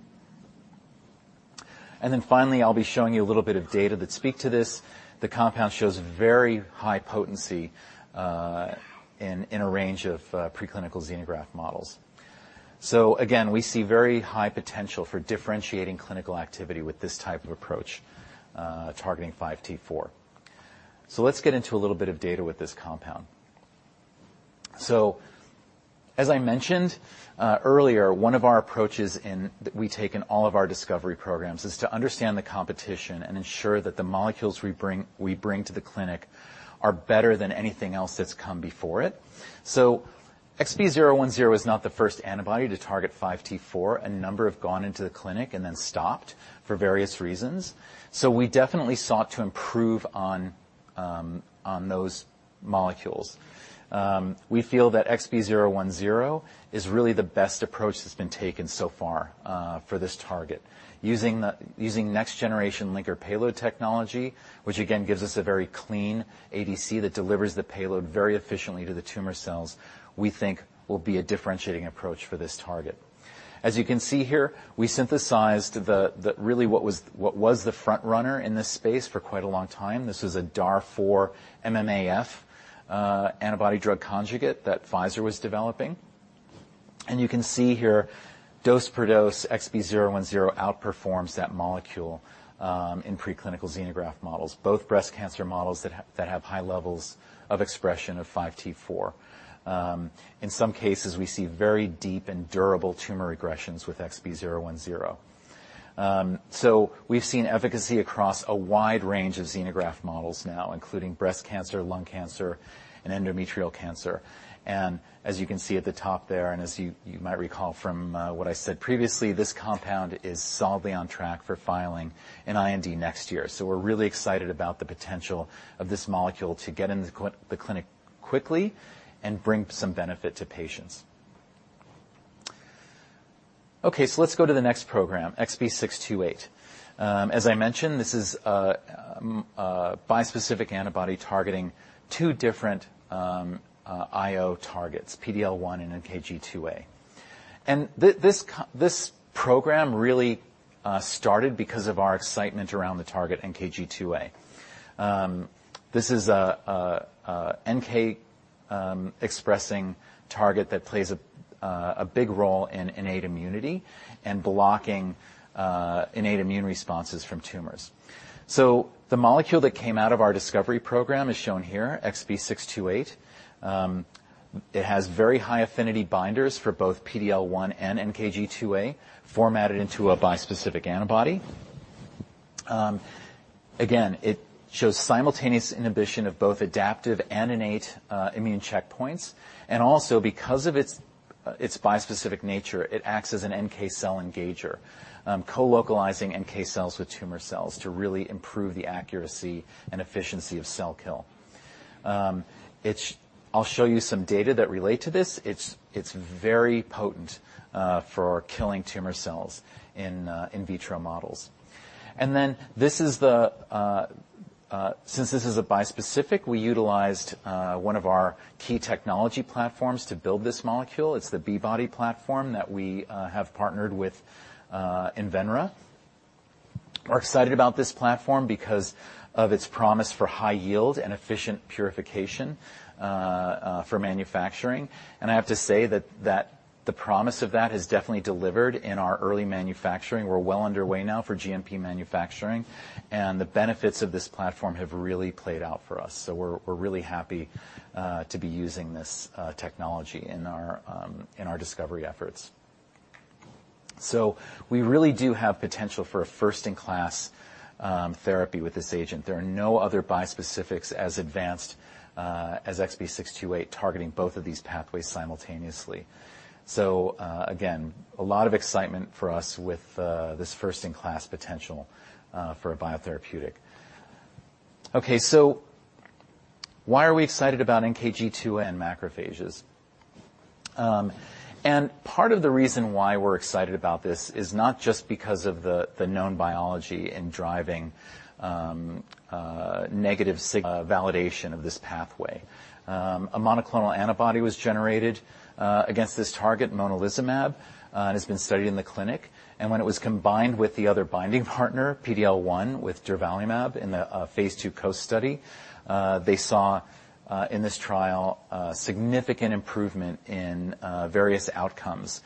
And then finally, I'll be showing you a little bit of data that speak to this. The compound shows very high potency in a range of preclinical xenograft models. So again, we see very high potential for differentiating clinical activity with this type of approach targeting 5T4. So let's get into a little bit of data with this compound. So as I mentioned earlier, one of our approaches in that we take in all of our discovery programs is to understand the competition and ensure that the molecules we bring to the clinic are better than anything else that's come before it. So XB010 is not the first antibody to target 5T4. A number have gone into the clinic and then stopped for various reasons, so we definitely sought to improve on those molecules. We feel that XB010 is really the best approach that's been taken so far for this target. Using next-generation linker payload technology, which again gives us a very clean ADC that delivers the payload very efficiently to the tumor cells, we think will be a differentiating approach for this target. As you can see here, we synthesized the really what was the frontrunner in this space for quite a long time. This was a DAR4 MMAF antibody-drug conjugate that Pfizer was developing. You can see here, dose per dose, XB010 outperforms that molecule in preclinical xenograft models, both breast cancer models that have high levels of expression of 5T4. In some cases, we see very deep and durable tumor regressions with XB010. So we've seen efficacy across a wide range of xenograft models now, including breast cancer, lung cancer, and endometrial cancer. As you can see at the top there, and as you might recall from what I said previously, this compound is solidly on track for filing an IND next year. So we're really excited about the potential of this molecule to get into the clinic quickly and bring some benefit to patients. Okay, so let's go to the next program, XB628. As I mentioned, this is a bispecific antibody targeting two different IO targets, PD-L1 and NKG2A. And this program really started because of our excitement around the target NKG2A. This is an NKG2A-expressing target that plays a big role in innate immunity and blocking innate immune responses from tumors. So the molecule that came out of our discovery program is shown here, XB628. It has very high-affinity binders for both PD-L1 and NKG2A, formatted into a bispecific antibody. Again, it shows simultaneous inhibition of both adaptive and innate immune checkpoints, and also because of its bispecific nature, it acts as an NK cell engager, co-localizing NK cells with tumor cells to really improve the accuracy and efficiency of cell kill. It's... I'll show you some data that relate to this. It's very potent for killing tumor cells in in vitro models. And then, since this is a bispecific, we utilized one of our key technology platforms to build this molecule. It's the B-Body platform that we have partnered with Invenra. We're excited about this platform because of its promise for high yield and efficient purification for manufacturing. I have to say that the promise of that has definitely delivered in our early manufacturing. We're well underway now for GMP manufacturing, and the benefits of this platform have really played out for us, so we're really happy to be using this technology in our discovery efforts. So we really do have potential for a first-in-class therapy with this agent. There are no other bispecifics as advanced as XB628, targeting both of these pathways simultaneously. So again, a lot of excitement for us with this first-in-class potential for a biotherapeutic. Okay, so why are we excited about NKG2A and macrophages? And part of the reason why we're excited about this is not just because of the known biology in driving negative signaling validation of this pathway. A monoclonal antibody was generated against this target, monalizumab, and has been studied in the clinic, and when it was combined with the other binding partner, PD-L1, with durvalumab in the phase II COAST study, they saw in this trial significant improvement in various outcomes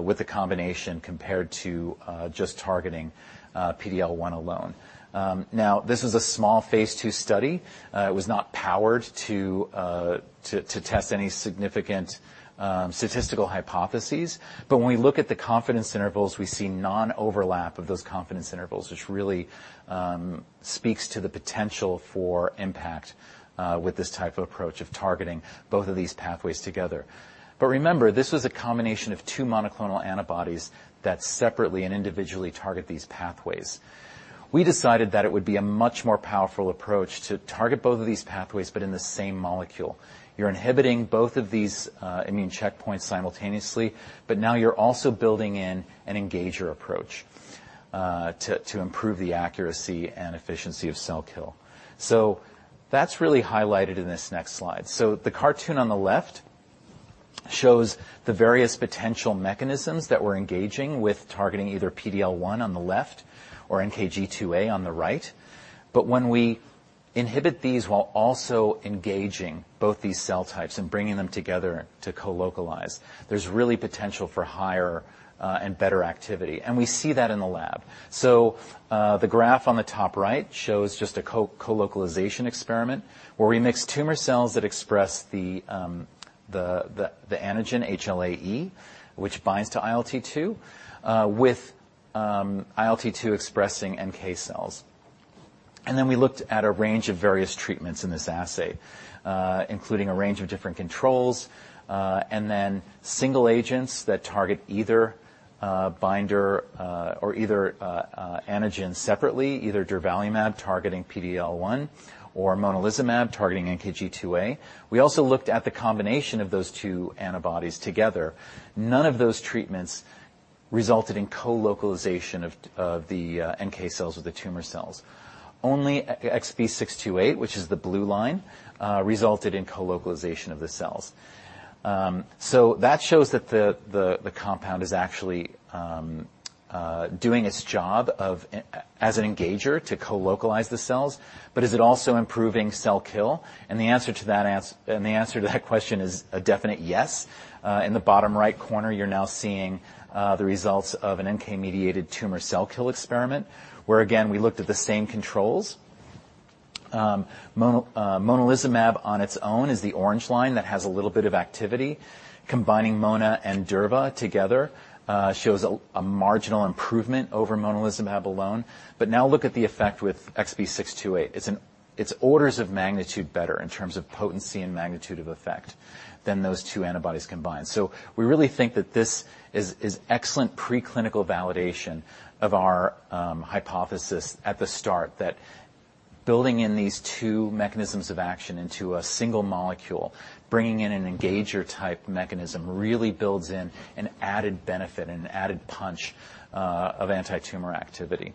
with the combination, compared to just targeting PD-L1 alone. Now, this was a small phase II study. It was not powered to test any significant statistical hypotheses. But when we look at the confidence intervals, we see non-overlap of those confidence intervals, which really speaks to the potential for impact with this type of approach of targeting both of these pathways together. But remember, this was a combination of two monoclonal antibodies that separately and individually target these pathways. We decided that it would be a much more powerful approach to target both of these pathways, but in the same molecule. You're inhibiting both of these immune checkpoints simultaneously, but now you're also building in an engager approach to improve the accuracy and efficiency of cell kill. So that's really highlighted in this next slide. So the cartoon on the left shows the various potential mechanisms that we're engaging with, targeting either PD-L1 on the left or NKG2A on the right. But when we inhibit these while also engaging both these cell types and bringing them together to co-localize, there's really potential for higher and better activity, and we see that in the lab. The graph on the top right shows just a colocalization experiment, where we mixed tumor cells that express the antigen HLA-E, which binds to ILT2, with ILT2 expressing NK cells. And then we looked at a range of various treatments in this assay, including a range of different controls, and then single agents that target either binder or either antigen separately, either durvalumab targeting PD-L1 or monalizumab targeting NKG2A. We also looked at the combination of those two antibodies together. None of those treatments resulted in colocalization of the NK cells or the tumor cells. Only XB628, which is the blue line, resulted in colocalization of the cells. So that shows that the compound is actually doing its job as an engager to colocalize the cells. Is it also improving cell kill? And the answer to that question is a definite yes. In the bottom right corner, you're now seeing the results of an NK-mediated tumor cell kill experiment, where, again, we looked at the same controls. Monalizumab on its own is the orange line that has a little bit of activity. Combining Mona and Durva together shows a marginal improvement over monalizumab alone. But now look at the effect with XB628. It's orders of magnitude better in terms of potency and magnitude of effect than those two antibodies combined. We really think that this is excellent preclinical validation of our hypothesis at the start, that building in these two mechanisms of action into a single molecule, bringing in an engager-type mechanism, really builds in an added benefit and an added punch of anti-tumor activity.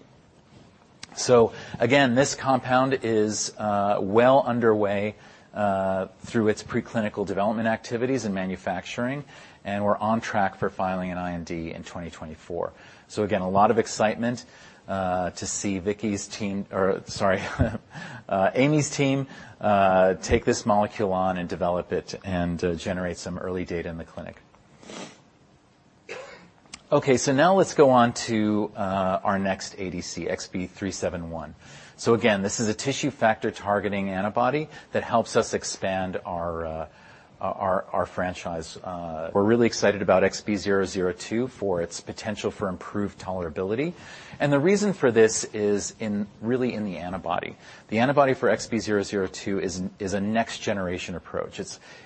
So again, this compound is well underway through its preclinical development activities and manufacturing, and we're on track for filing an IND in 2024. So again, a lot of excitement to see Amy's team take this molecule on and develop it and generate some early data in the clinic. Okay, so now let's go on to our next ADC, XB371. So again, this is a tissue factor targeting antibody that helps us expand our franchise. We're really excited about XB002 for its potential for improved tolerability, and the reason for this is really in the antibody. The antibody for XB002 is a next generation approach.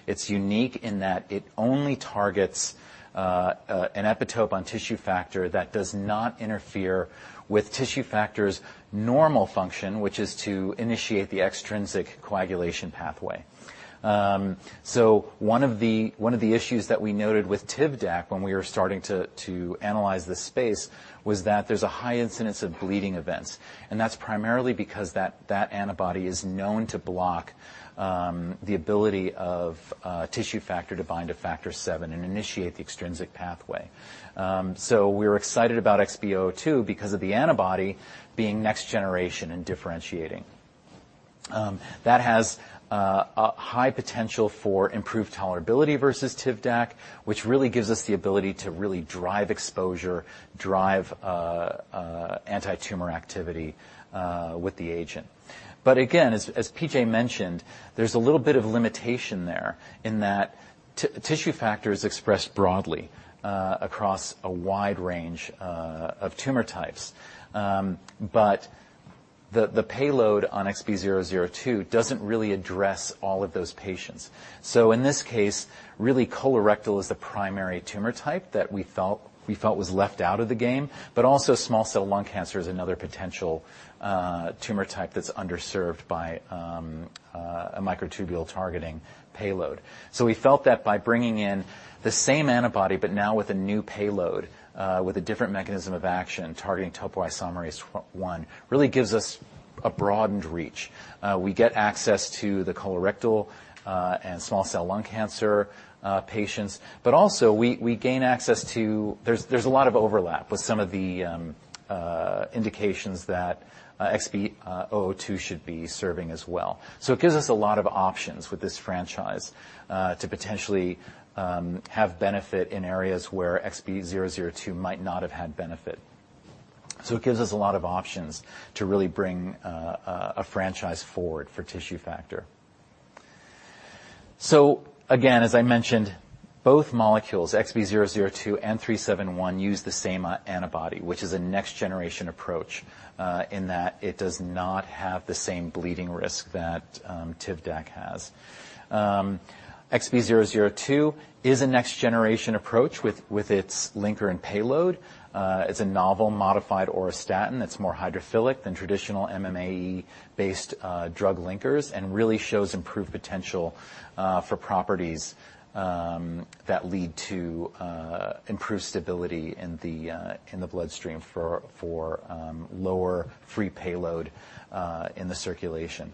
It's unique in that it only targets an epitope on tissue factor that does not interfere with tissue factor's normal function, which is to initiate the extrinsic coagulation pathway. So one of the issues that we noted with Tivdak when we were starting to analyze the space was that there's a high incidence of bleeding events, and that's primarily because that antibody is known to block the ability of tissue factor to bind to factor seven and initiate the extrinsic pathway. So we're excited about XB002 because of the antibody being next generation and differentiating. That has a high potential for improved tolerability versus Tivdak, which really gives us the ability to really drive exposure, drive anti-tumor activity with the agent. But again, as P.J. mentioned, there's a little bit of limitation there in that tissue factor is expressed broadly across a wide range of tumor types. But the payload on XB002 doesn't really address all of those patients. So in this case, really, colorectal is the primary tumor type that we felt was left out of the game, but also small cell lung cancer is another potential tumor type that's underserved by a microtubule targeting payload. So we felt that by bringing in the same antibody, but now with a new payload with a different mechanism of action, targeting topoisomerase one, really gives us a broadened reach. We get access to the colorectal and small cell lung cancer patients, but also we gain access to... There's a lot of overlap with some of the indications that XB002 should be serving as well. So it gives us a lot of options with this franchise to potentially have benefit in areas where XB002 might not have had benefit. So it gives us a lot of options to really bring a franchise forward for tissue factor. So again, as I mentioned, both molecules, XB002 and XB371, use the same antibody, which is a next generation approach in that it does not have the same bleeding risk that Tivdak has. XB002 is a next generation approach with its linker and payload. It's a novel modified auristatin that's more hydrophilic than traditional MMAE-based drug linkers, and really shows improved potential for properties that lead to improved stability in the bloodstream for lower free payload in the circulation.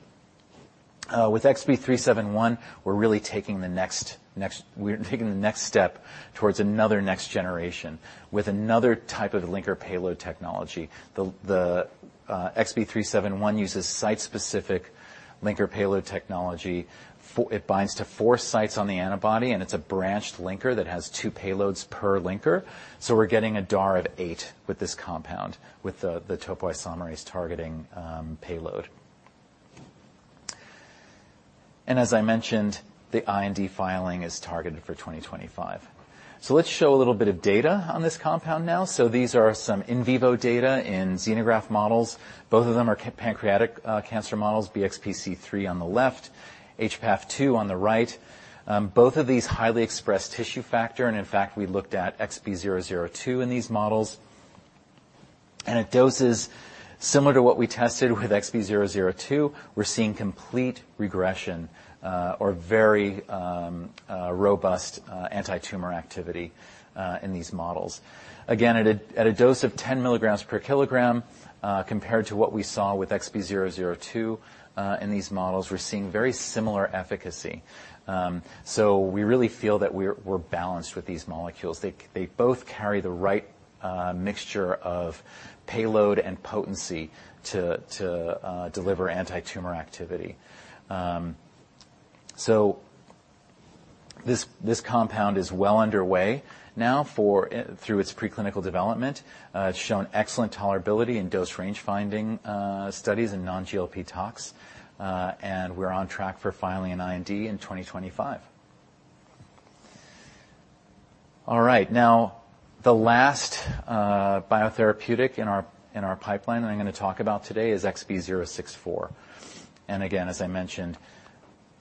With XB371, we're really taking the next step towards another next generation, with another type of linker payload technology. The XB371 uses site-specific linker payload technology. It binds to four sites on the antibody, and it's a branched linker that has two payloads per linker, so we're getting a DAR of eight with this compound, with the topoisomerase targeting payload. And as I mentioned, the IND filing is targeted for 2025. So let's show a little bit of data on this compound now. These are some in vivo data in xenograft models. Both of them are pancreatic cancer models, BxPC-3 on the left, HPAF-2 on the right. Both of these highly express tissue factor, and in fact, we looked at XB002 in these models. At doses similar to what we tested with XB002, we're seeing complete regression or very robust anti-tumor activity in these models. Again, at a dose of 10 milligrams per kilogram, compared to what we saw with XB002 in these models, we're seeing very similar efficacy. We really feel that we're balanced with these molecules. They both carry the right mixture of payload and potency to deliver anti-tumor activity. This compound is well underway now through its preclinical development. It's shown excellent tolerability in dose range-finding studies and non-GLP tox, and we're on track for filing an IND in 2025. All right. Now, the last biotherapeutic in our pipeline that I'm gonna talk about today is XB064. And again, as I mentioned,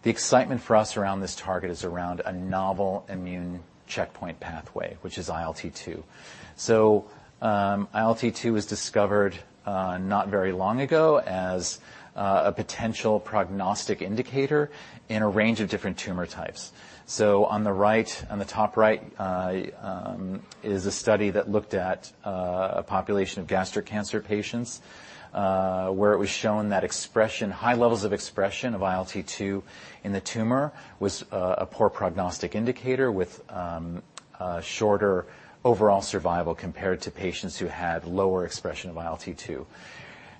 the excitement for us around this target is around a novel immune checkpoint pathway, which is ILT2. So, ILT2 was discovered not very long ago as a potential prognostic indicator in a range of different tumor types. So on the right, on the top right, is a study that looked at a population of gastric cancer patients, where it was shown that expression, high levels of expression of ILT2 in the tumor was a poor prognostic indicator, with shorter overall survival compared to patients who had lower expression of ILT2.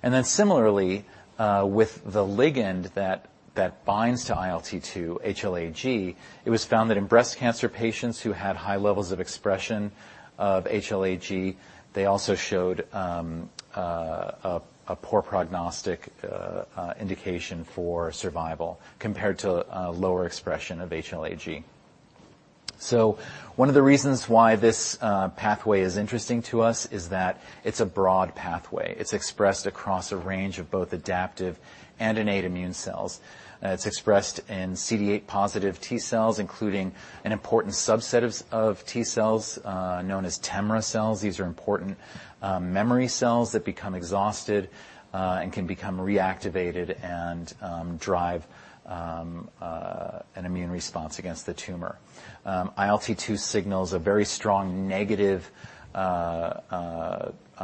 Then similarly, with the ligand that binds to ILT2, HLA-G, it was found that in breast cancer patients who had high levels of expression of HLA-G, they also showed a poor prognostic indication for survival compared to lower expression of HLA-G. So one of the reasons why this pathway is interesting to us is that it's a broad pathway. It's expressed across a range of both adaptive and innate immune cells. It's expressed in CD8 positive T cells, including an important subset of T cells known as TEMRA cells. These are important memory cells that become exhausted and can become reactivated and drive an immune response against the tumor. ILT2 signals a very strong negative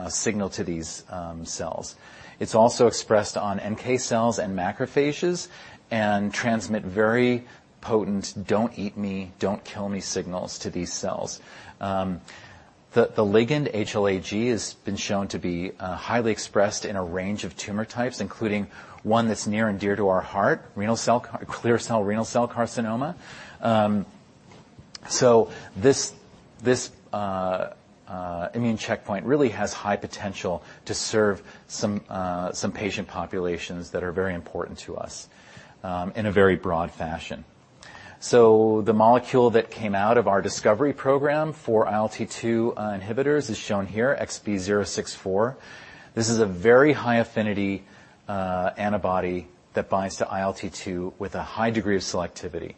signal to these cells. It's also expressed on NK cells and macrophages, and transmit very potent "don't eat me, don't kill me" signals to these cells. The ligand HLA-G has been shown to be highly expressed in a range of tumor types, including one that's near and dear to our heart, clear cell renal cell carcinoma. So this immune checkpoint really has high potential to serve some patient populations that are very important to us in a very broad fashion. So the molecule that came out of our discovery program for ILT2 inhibitors is shown here, XB064. This is a very high-affinity antibody that binds to ILT2 with a high degree of selectivity.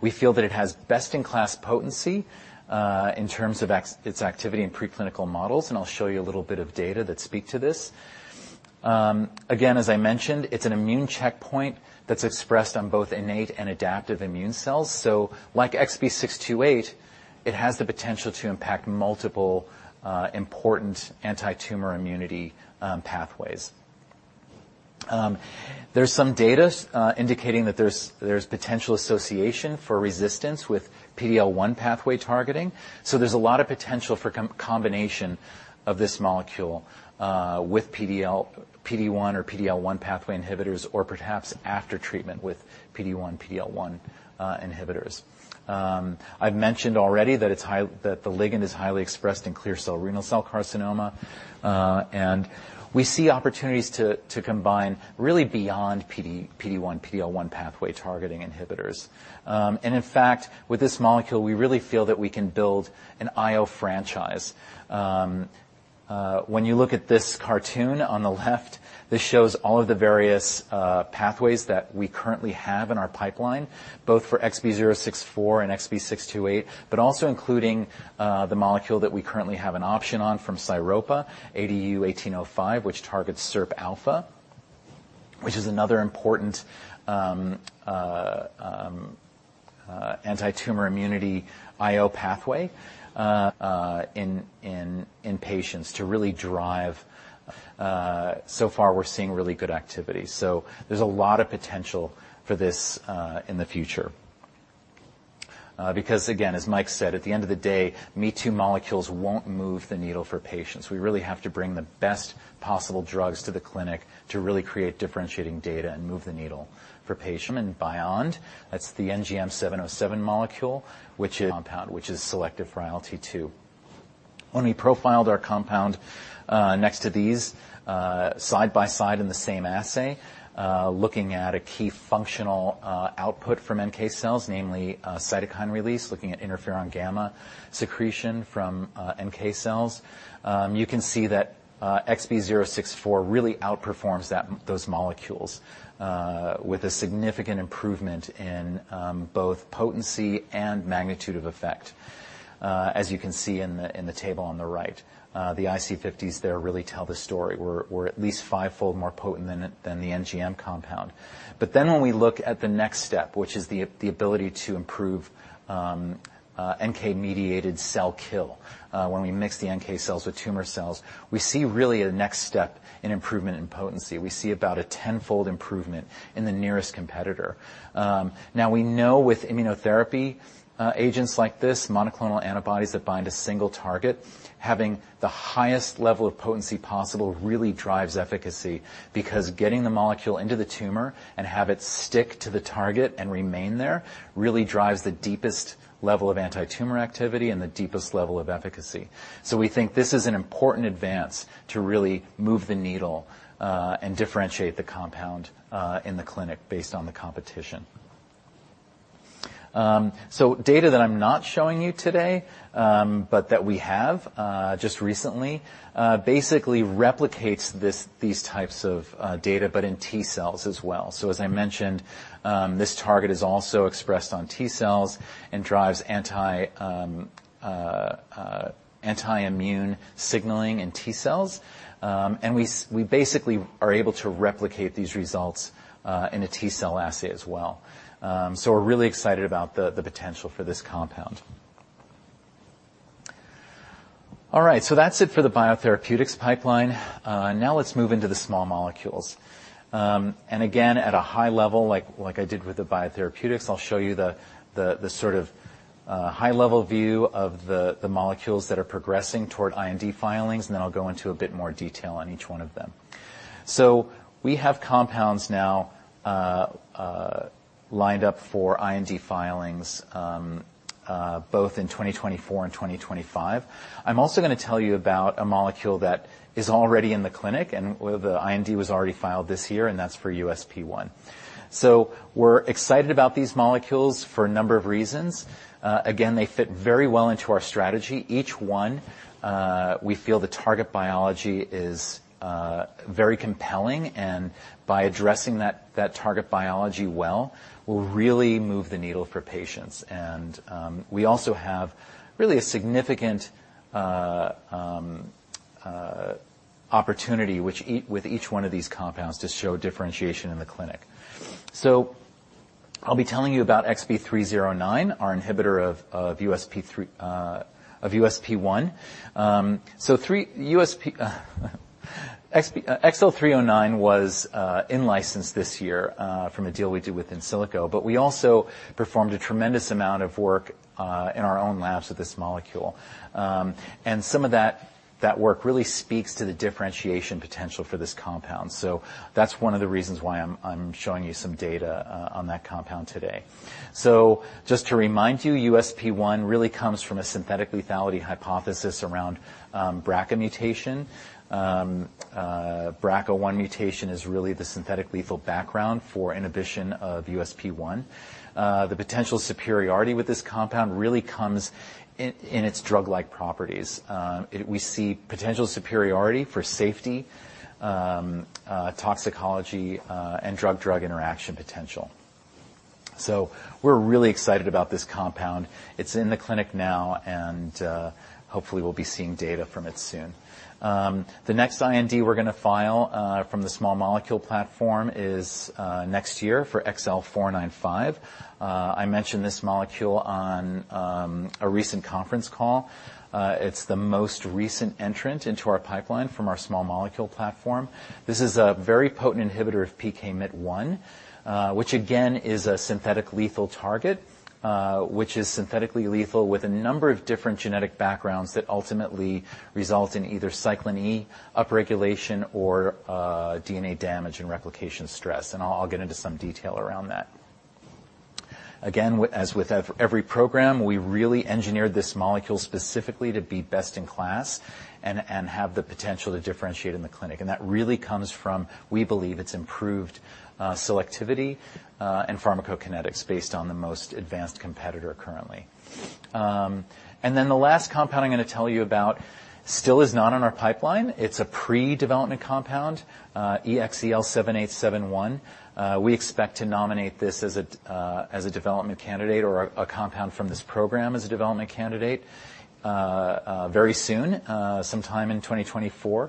We feel that it has best-in-class potency in terms of ex... its activity in preclinical models, and I'll show you a little bit of data that speak to this. Again, as I mentioned, it's an immune checkpoint that's expressed on both innate and adaptive immune cells. So like XB628, it has the potential to impact multiple, important anti-tumor immunity, pathways. There's some data, indicating that there's potential association for resistance with PD-L1 pathway targeting. So there's a lot of potential for combination of this molecule, with PD-1, or PD-L1 pathway inhibitors, or perhaps after treatment with PD-1, PD-L1, inhibitors. I've mentioned already that the ligand is highly expressed in clear cell renal cell carcinoma. And we see opportunities to combine really beyond PD-1, PD-L1 pathway targeting inhibitors. And in fact, with this molecule, we really feel that we can build an IO franchise. When you look at this cartoon on the left, this shows all of the various pathways that we currently have in our pipeline, both for XB064 and XB628, but also including the molecule that we currently have an option on from sairopa, ADU-1805, which targets SIRPalpha, which is another important anti-tumor immunity IO pathway in patients to really drive. So far, we're seeing really good activity. So there's a lot of potential for this in the future. Because again, as Mike said, at the end of the day, me-too molecules won't move the needle for patients. We really have to bring the best possible drugs to the clinic to really create differentiating data and move the needle for patient and beyond. That's the NGM-707 molecule, which is compound, which is selective for ILT2. When we profiled our compound, next to these, side by side in the same assay, looking at a key functional output from NK cells, namely, cytokine release, looking at interferon gamma secretion from NK cells, you can see that XB064 really outperforms that, those molecules, with a significant improvement in both potency and magnitude of effect. As you can see in the, in the table on the right, the IC50s there really tell the story. We're, we're at least fivefold more potent than, than the NGM compound. But then, when we look at the next step, which is the, the ability to improve NK-mediated cell kill, when we mix the NK cells with tumor cells, we see really a next step in improvement in potency. We see about a tenfold improvement in the nearest competitor. Now, we know with immunotherapy agents like this, monoclonal antibodies that bind a single target, having the highest level of potency possible really drives efficacy, because getting the molecule into the tumor and have it stick to the target and remain there, really drives the deepest level of anti-tumor activity and the deepest level of efficacy. So we think this is an important advance to really move the needle and differentiate the compound in the clinic based on the competition. So data that I'm not showing you today, but that we have just recently basically replicates this, these types of data, but in T cells as well. So as I mentioned, this target is also expressed on T cells and drives anti-immune signaling in T cells. We basically are able to replicate these results in a T cell assay as well. So we're really excited about the potential for this compound. All right, so that's it for the biotherapeutics pipeline. Now let's move into the small molecules. And again, at a high level, like I did with the biotherapeutics, I'll show you the sort of high-level view of the molecules that are progressing toward IND filings, and then I'll go into a bit more detail on each one of them. So we have compounds now lined up for IND filings both in 2024 and 2025. I'm also gonna tell you about a molecule that is already in the clinic, and well, the IND was already filed this year, and that's for USP1. We're excited about these molecules for a number of reasons. Again, they fit very well into our strategy. Each one, we feel the target biology is very compelling, and by addressing that, that target biology well, will really move the needle for patients. And we also have really a significant opportunity, which with each one of these compounds to show differentiation in the clinic. So I'll be telling you about XL309, our inhibitor of USP1. XL309 was in-licensed this year from a deal we did with Insilico, but we also performed a tremendous amount of work in our own labs with this molecule. And some of that, that work really speaks to the differentiation potential for this compound. That's one of the reasons why I'm showing you some data on that compound today. So just to remind you, USP1 really comes from a synthetic lethality hypothesis around BRCA mutation. BRCA1 mutation is really the synthetic lethal background for inhibition of USP1. The potential superiority with this compound really comes in its drug-like properties. We see potential superiority for safety, toxicology, and drug-drug interaction potential. So we're really excited about this compound. It's in the clinic now, and hopefully we'll be seeing data from it soon. The next IND we're gonna file from the small molecule platform is next year for XL495. I mentioned this molecule on a recent conference call. It's the most recent entrant into our pipeline from our small molecule platform. This is a very potent inhibitor of PKMYT1, which again, is a synthetic lethal target, which is synthetically lethal with a number of different genetic backgrounds that ultimately result in either cyclin E upregulation or, DNA damage and replication stress, and I'll get into some detail around that. Again, as with every program, we really engineered this molecule specifically to be best-in-class and, and have the potential to differentiate in the clinic, and that really comes from, we believe, its improved, selectivity, and pharmacokinetics based on the most advanced competitor currently. And then the last compound I'm gonna tell you about still is not in our pipeline. It's a pre-development compound, XL7871. We expect to nominate this as a development candidate or a compound from this program as a development candidate very soon, sometime in 2024.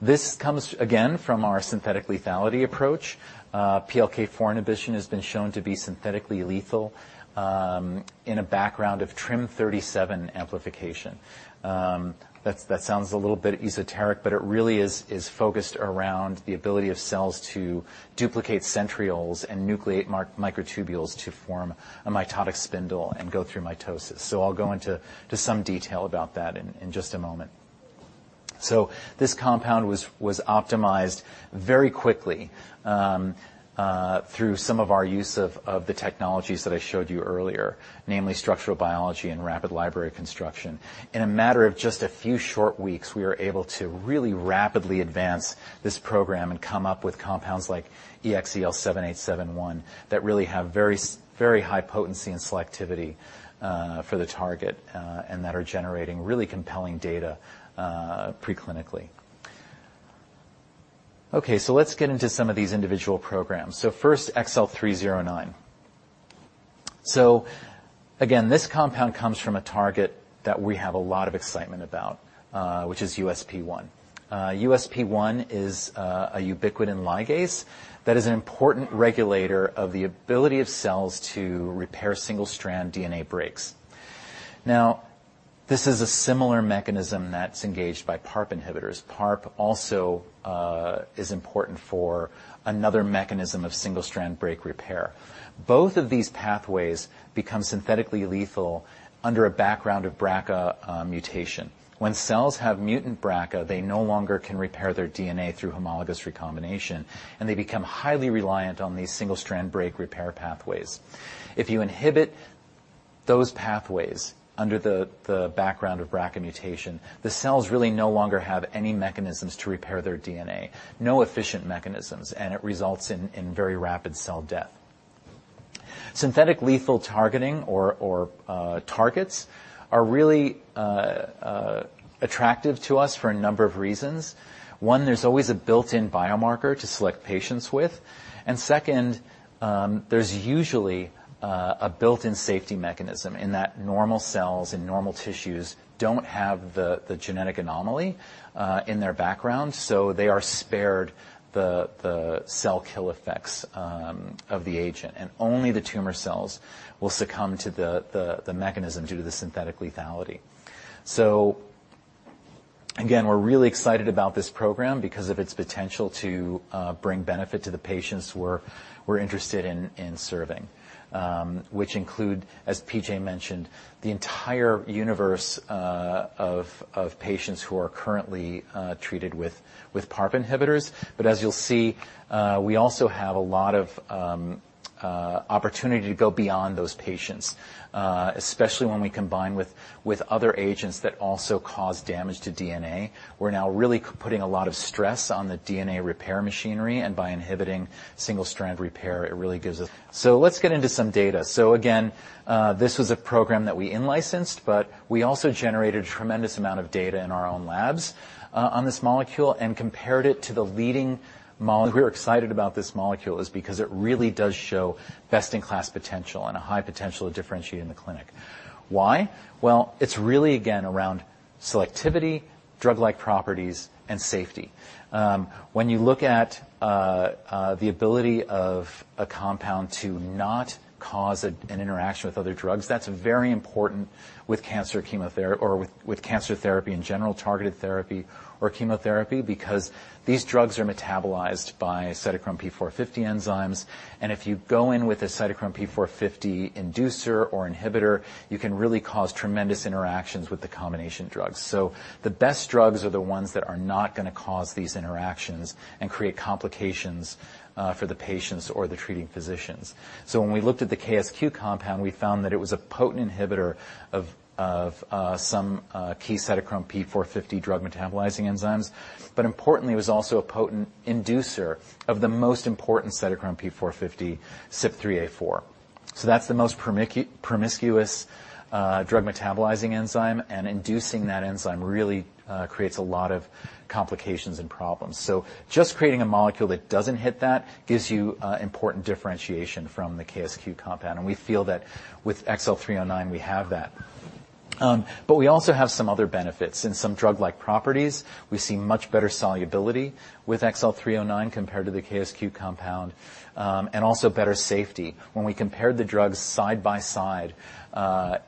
This comes again from our synthetic lethality approach. PLK4 inhibition has been shown to be synthetically lethal in a background of TRIM37 amplification. That sounds a little bit esoteric, but it really is focused around the ability of cells to duplicate centrioles and nucleate microtubules to form a mitotic spindle and go through mitosis. So I'll go into some detail about that in just a moment. So this compound was optimized very quickly through some of our use of the technologies that I showed you earlier, namely structural biology and rapid library construction. In a matter of just a few short weeks, we were able to really rapidly advance this program and come up with compounds like XL7871, that really have very high potency and selectivity for the target, and that are generating really compelling data preclinically. Okay, so let's get into some of these individual programs. So first, XL309. So again, this compound comes from a target that we have a lot of excitement about, which is USP1. USP1 is a ubiquitin ligase that is an important regulator of the ability of cells to repair single-strand DNA breaks. Now, this is a similar mechanism that's engaged by PARP inhibitors. PARP also is important for another mechanism of single-strand break repair. Both of these pathways become synthetically lethal under a background of BRCA mutation. When cells have mutant BRCA, they no longer can repair their DNA through homologous recombination, and they become highly reliant on these single-strand break repair pathways. If you inhibit those pathways under the background of BRCA mutation, the cells really no longer have any mechanisms to repair their DNA, no efficient mechanisms, and it results in very rapid cell death. Synthetic lethal targeting or targets are really attractive to us for a number of reasons. One, there's always a built-in biomarker to select patients with. And second, there's usually a built-in safety mechanism, in that normal cells and normal tissues don't have the genetic anomaly in their background, so they are spared the cell kill effects of the agent, and only the tumor cells will succumb to the mechanism due to the synthetic lethality. So-...Again, we're really excited about this program because of its potential to bring benefit to the patients we're interested in serving. Which include, as P.J. mentioned, the entire universe of patients who are currently treated with PARP inhibitors. As you'll see, we also have a lot of opportunity to go beyond those patients, especially when we combine with other agents that also cause damage to DNA. We're now really putting a lot of stress on the DNA repair machinery, and by inhibiting single-strand repair, it really gives us... So let's get into some data. So again, this was a program that we in-licensed, but we also generated a tremendous amount of data in our own labs on this molecule, and compared it to the leading mole... We're excited about this molecule is because it really does show best-in-class potential and a high potential to differentiate in the clinic. Why? Well, it's really, again, around selectivity, drug-like properties, and safety. When you look at the ability of a compound to not cause an interaction with other drugs, that's very important with cancer chemotherapy or with cancer therapy in general, targeted therapy or chemotherapy, because these drugs are metabolized by cytochrome P450 enzymes, and if you go in with a cytochrome P450 inducer or inhibitor, you can really cause tremendous interactions with the combination drugs. So the best drugs are the ones that are not gonna cause these interactions and create complications for the patients or the treating physicians. When we looked at the KSQ compound, we found that it was a potent inhibitor of some key cytochrome P450 drug-metabolizing enzymes, but importantly, it was also a potent inducer of the most important cytochrome P450, CYP3A4. So that's the most promiscuous drug-metabolizing enzyme, and inducing that enzyme really creates a lot of complications and problems. So just creating a molecule that doesn't hit that gives you important differentiation from the KSQ compound, and we feel that with XL309, we have that. But we also have some other benefits. In some drug-like properties, we see much better solubility with XL309 compared to the KSQ compound, and also better safety. When we compared the drugs side by side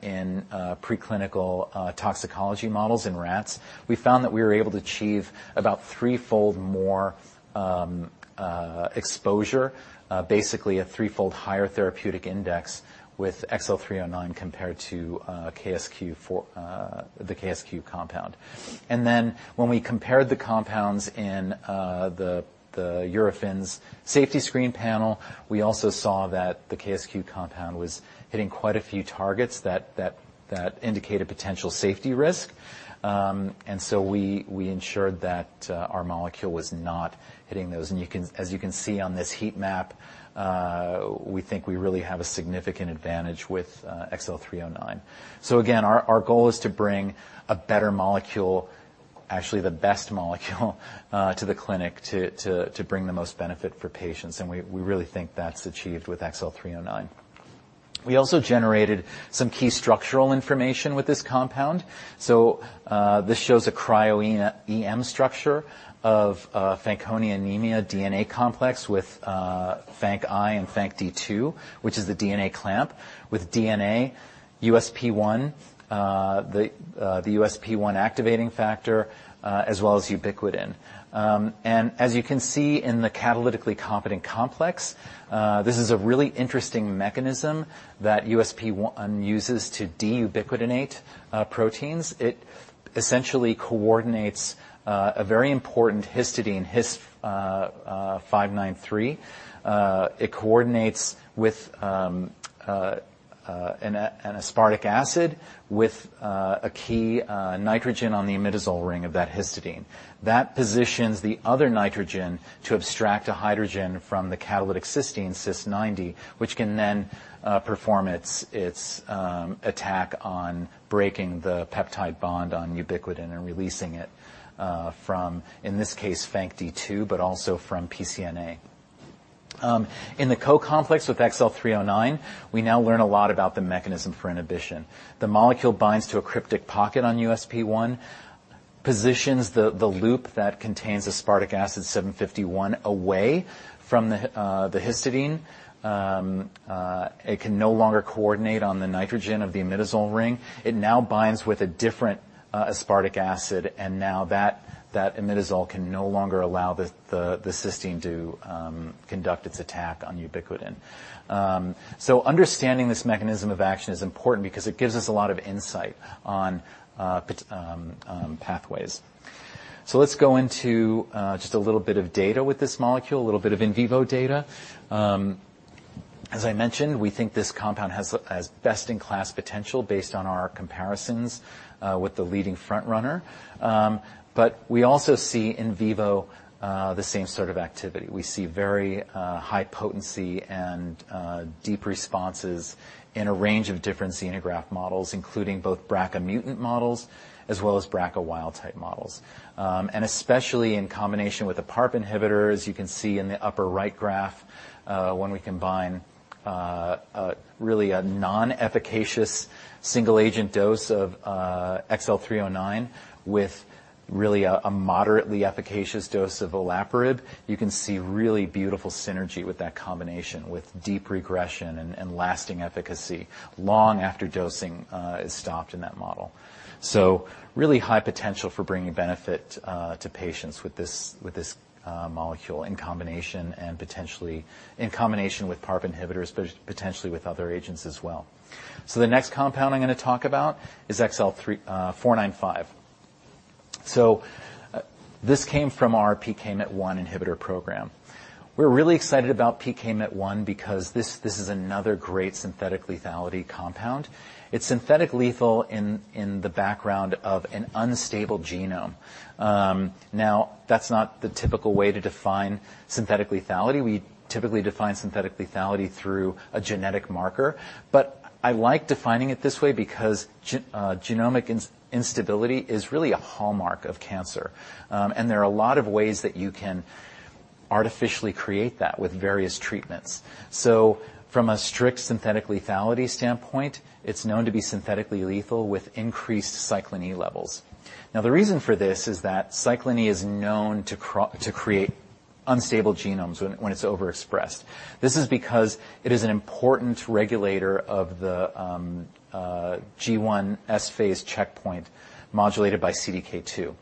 in preclinical toxicology models in rats, we found that we were able to achieve about threefold more exposure, basically a threefold higher therapeutic index with XL309 compared to KSQ four, the KSQ compound. And then, when we compared the compounds in the Eurofins safety screen panel, we also saw that the KSQ compound was hitting quite a few targets that indicated potential safety risk. And so we ensured that our molecule was not hitting those. As you can see on this heat map, we think we really have a significant advantage with XL309. Again, our goal is to bring a better molecule, actually the best molecule, to the clinic, to bring the most benefit for patients, and we really think that's achieved with XL309. We also generated some key structural information with this compound. So this shows a cryo-EM structure of Fanconi anemia DNA complex with FANC I and FANCD2, which is the DNA clamp, with DNA, USP1, the USP1 activating factor, as well as ubiquitin. And as you can see in the catalytically competent complex, this is a really interesting mechanism that USP1 uses to deubiquitinate proteins. It essentially coordinates a very important histidine, His 593. It coordinates with an aspartic acid, with a key nitrogen on the imidazole ring of that histidine. That positions the other nitrogen to abstract a hydrogen from the catalytic cysteine, Cys 90, which can then perform its attack on breaking the peptide bond on ubiquitin and releasing it from, in this case, FANCD2, but also from PCNA. In the co-complex with XL309, we now learn a lot about the mechanism for inhibition. The molecule binds to a cryptic pocket on USP1, positions the loop that contains aspartic acid 751 away from the histidine. It can no longer coordinate on the nitrogen of the imidazole ring. It now binds with a different aspartic acid, and now that imidazole can no longer allow the cysteine to conduct its attack on ubiquitin. Understanding this mechanism of action is important because it gives us a lot of insight on pathways. So let's go into just a little bit of data with this molecule, a little bit of in vivo data. As I mentioned, we think this compound has, has best-in-class potential based on our comparisons with the leading frontrunner. But we also see in vivo the same sort of activity. We see very high potency and deep responses in a range of different xenograft models, including both BRCA mutant models as well as BRCA wild-type models. And especially in combination with a PARP inhibitor, as you can see in the upper right graph-... When we combine really a non-efficacious single agent dose of XL309 with really a moderately efficacious dose of olaparib, you can see really beautiful synergy with that combination, with deep regression and lasting efficacy long after dosing is stopped in that model. So really high potential for bringing benefit to patients with this molecule in combination, and potentially in combination with PARP inhibitors, but potentially with other agents as well. So the next compound I'm gonna talk about is XL495. So this came from our PKMYT1 inhibitor program. We're really excited about PKMYT1 because this is another great synthetic lethality compound. It's synthetic lethal in the background of an unstable genome. Now, that's not the typical way to define synthetic lethality. We typically define synthetic lethality through a genetic marker. I like defining it this way because genomic instability is really a hallmark of cancer. And there are a lot of ways that you can artificially create that with various treatments. So from a strict synthetic lethality standpoint, it's known to be synthetically lethal with increased cyclin E levels. Now, the reason for this is that cyclin E is known to create unstable genomes when it's overexpressed. This is because it is an important regulator of the G1 S-phase checkpoint, modulated by CDK2.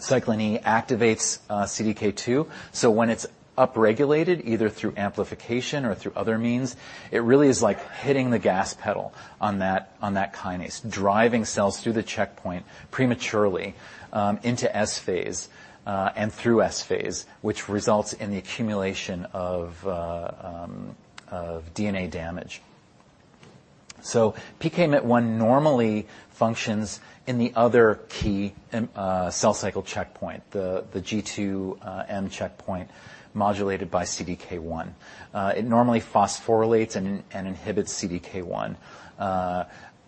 Cyclin E activates CDK2, so when it's upregulated, either through amplification or through other means, it really is like hitting the gas pedal on that kinase, driving cells through the checkpoint prematurely into S-phase and through S-phase, which results in the accumulation of DNA damage. PKMYT1 normally functions in the other key cell cycle checkpoint, the G2 M checkpoint, modulated by CDK1. It normally phosphorylates and inhibits CDK1,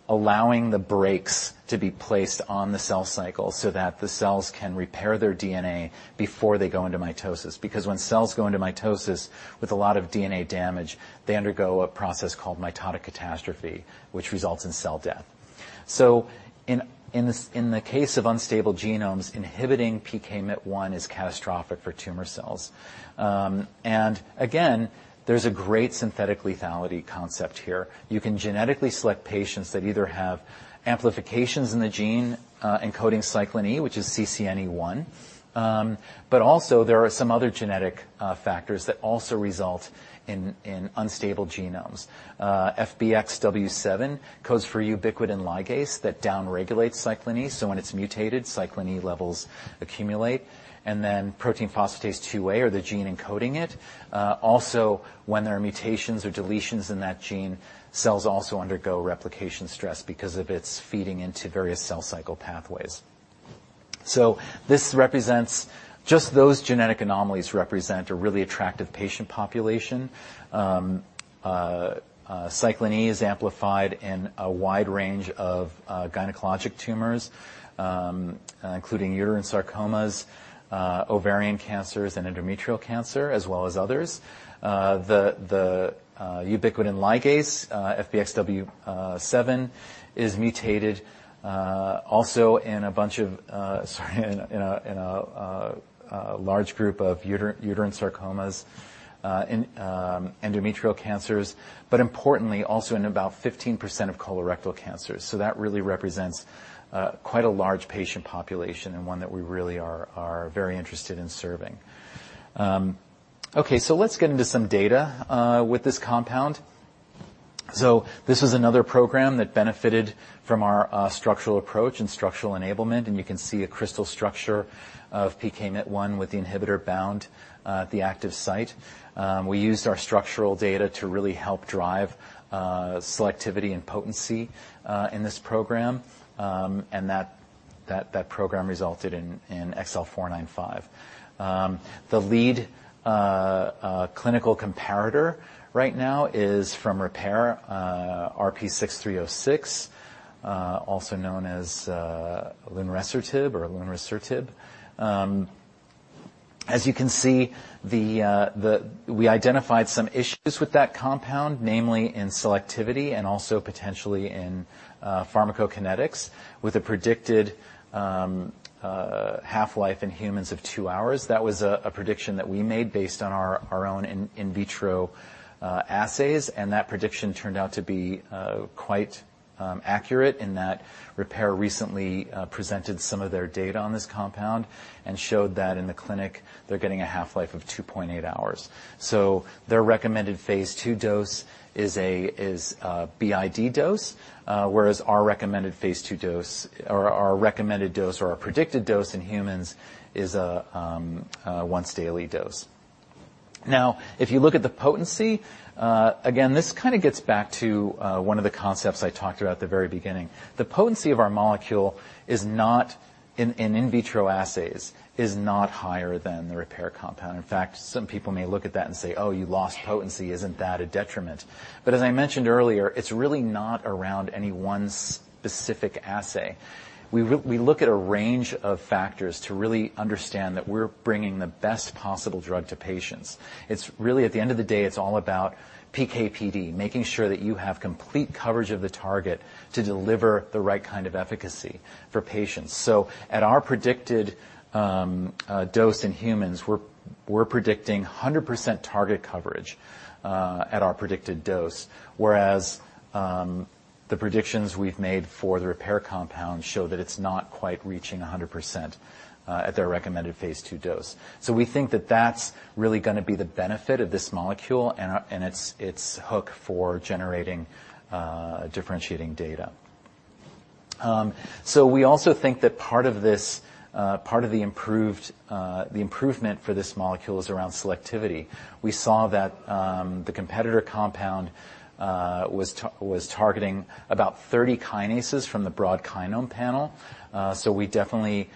allowing the brakes to be placed on the cell cycle so that the cells can Repare their DNA before they go into mitosis. Because when cells go into mitosis with a lot of DNA damage, they undergo a process called mitotic catastrophe, which results in cell death. So in the case of unstable genomes, inhibiting PKMYT1 is catastrophic for tumor cells. And again, there's a great synthetic lethality concept here. You can genetically select patients that either have amplifications in the gene encoding cyclin E, which is CCNE1. But also there are some other genetic factors that also result in unstable genomes. FBXW7 codes for ubiquitin ligase that downregulates cyclin E, so when it's mutated, cyclin E levels accumulate. Then protein phosphatase 2A, or the gene encoding it, also, when there are mutations or deletions in that gene, cells also undergo replication stress because of its feeding into various cell cycle pathways. So this represents... Just those genetic anomalies represent a really attractive patient population. Cyclin E is amplified in a wide range of gynecologic tumors, including uterine sarcomas, ovarian cancers, and endometrial cancer, as well as others. The ubiquitin ligase FBXW7 is mutated also in a bunch of, sorry, in a large group of uterine sarcomas, in endometrial cancers, but importantly, also in about 15% of colorectal cancers. That really represents quite a large patient population and one that we really are very interested in serving. Okay, so let's get into some data with this compound. So this is another program that benefited from our structural approach and structural enablement, and you can see a crystal structure of PKMYT1 with the inhibitor bound at the active site. We used our structural data to really help drive selectivity and potency in this program. And that program resulted in XL495. The lead clinical comparator right now is from Repare, RP-6306, also known as lunresertib. As you can see, the... We identified some issues with that compound, namely in selectivity and also potentially in pharmacokinetics, with a predicted half-life in humans of two hours. That was a prediction that we made based on our own in vitro assays, and that prediction turned out to be quite accurate in that Repare recently presented some of their data on this compound and showed that in the clinic they're getting a half-life of 2.8 hours. So their recommended phase II dose is a BID dose, whereas our recommended phase II dose, or our recommended dose, or our predicted dose in humans is a once-daily dose. Now, if you look at the potency, again, this kind of gets back to one of the concepts I talked about at the very beginning. The potency of our molecule is not in in vitro assays higher than the Repare compound. In fact, some people may look at that and say, "Oh, you lost potency. Isn't that a detriment?" But as I mentioned earlier, it's really not around any one specific assay. We look at a range of factors to really understand that we're bringing the best possible drug to patients. It's really, at the end of the day, it's all about PK/PD, making sure that you have complete coverage of the target to deliver the right kind of efficacy for patients. So at our predicted dose in humans, we're predicting 100% target coverage at our predicted dose, whereas the predictions we've made for the Repare compound show that it's not quite reaching 100% at their recommended phase II dose. We think that that's really gonna be the benefit of this molecule and its hook for generating differentiating data. So we also think that part of this, part of the improved, the improvement for this molecule is around selectivity. We saw that the competitor compound was targeting about 30 kinases from the broad kinome panel. So we definitely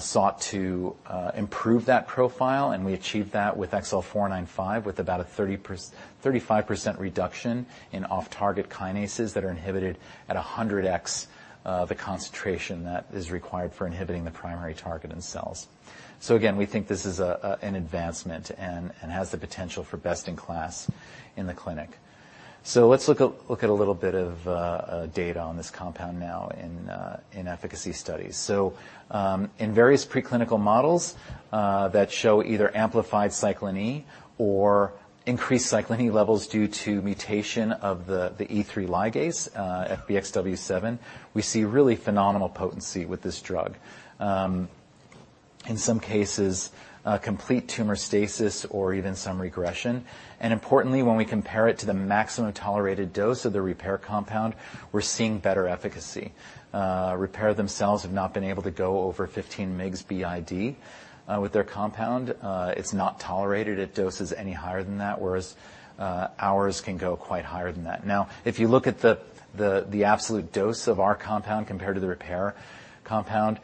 sought to improve that profile, and we achieved that with XL495, with about a 35% reduction in off-target kinases that are inhibited at 100x the concentration that is required for inhibiting the primary target in cells. So again, we think this is an advancement and has the potential for best-in-class in the clinic. Let's look at a little bit of data on this compound now in efficacy studies. So, in various preclinical models that show either amplified cyclin E or increased cyclin E levels due to mutation of the E3 ligase FBXW7, we see really phenomenal potency with this drug. In some cases, complete tumor stasis or even some regression, and importantly, when we compare it to the maximum tolerated dose of the Repare compound, we're seeing better efficacy. Repare themselves have not been able to go over 15 mgs BID with their compound. It's not tolerated at doses any higher than that, whereas ours can go quite higher than that. Now, if you look at the absolute dose of our compound compared to the Repare compound,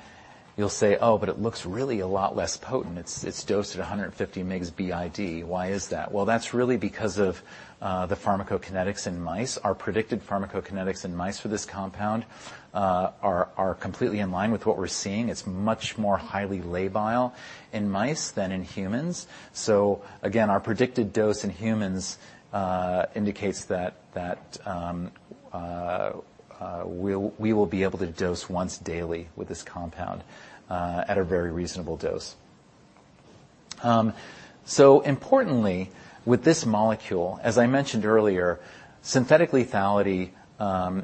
you'll say, "Oh, but it looks really a lot less potent. It's dosed at 150 mgs BID. Why is that?" Well, that's really because of the pharmacokinetics in mice. Our predicted pharmacokinetics in mice for this compound are completely in line with what we're seeing. It's much more highly labile in mice than in humans. So again, our predicted dose in humans indicates that we'll be able to dose once daily with this compound at a very reasonable dose. So importantly, with this molecule, as I mentioned earlier, synthetic lethality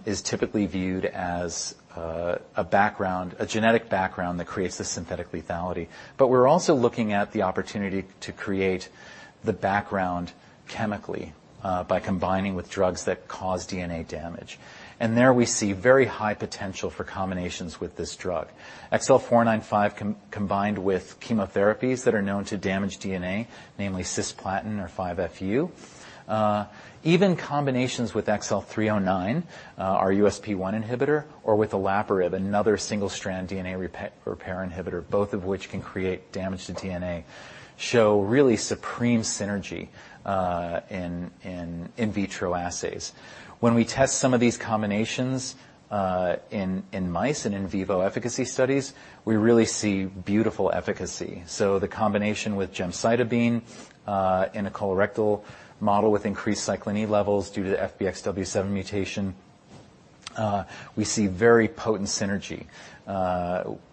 is typically viewed as a background, a genetic background that creates this synthetic lethality. We're also looking at the opportunity to create the background chemically, by combining with drugs that cause DNA damage, and there we see very high potential for combinations with this drug. XL495 combined with chemotherapies that are known to damage DNA, namely cisplatin or 5-FU. Even combinations with XL309, our USP1 inhibitor, or with olaparib, another single-strand DNA Repare inhibitor, both of which can create damage to DNA, show really supreme synergy, in vitro assays. When we test some of these combinations, in mice and in vivo efficacy studies, we really see beautiful efficacy. So the combination with gemcitabine, in a colorectal model with increased cyclin E levels due to the FBXW7 mutation, we see very potent synergy.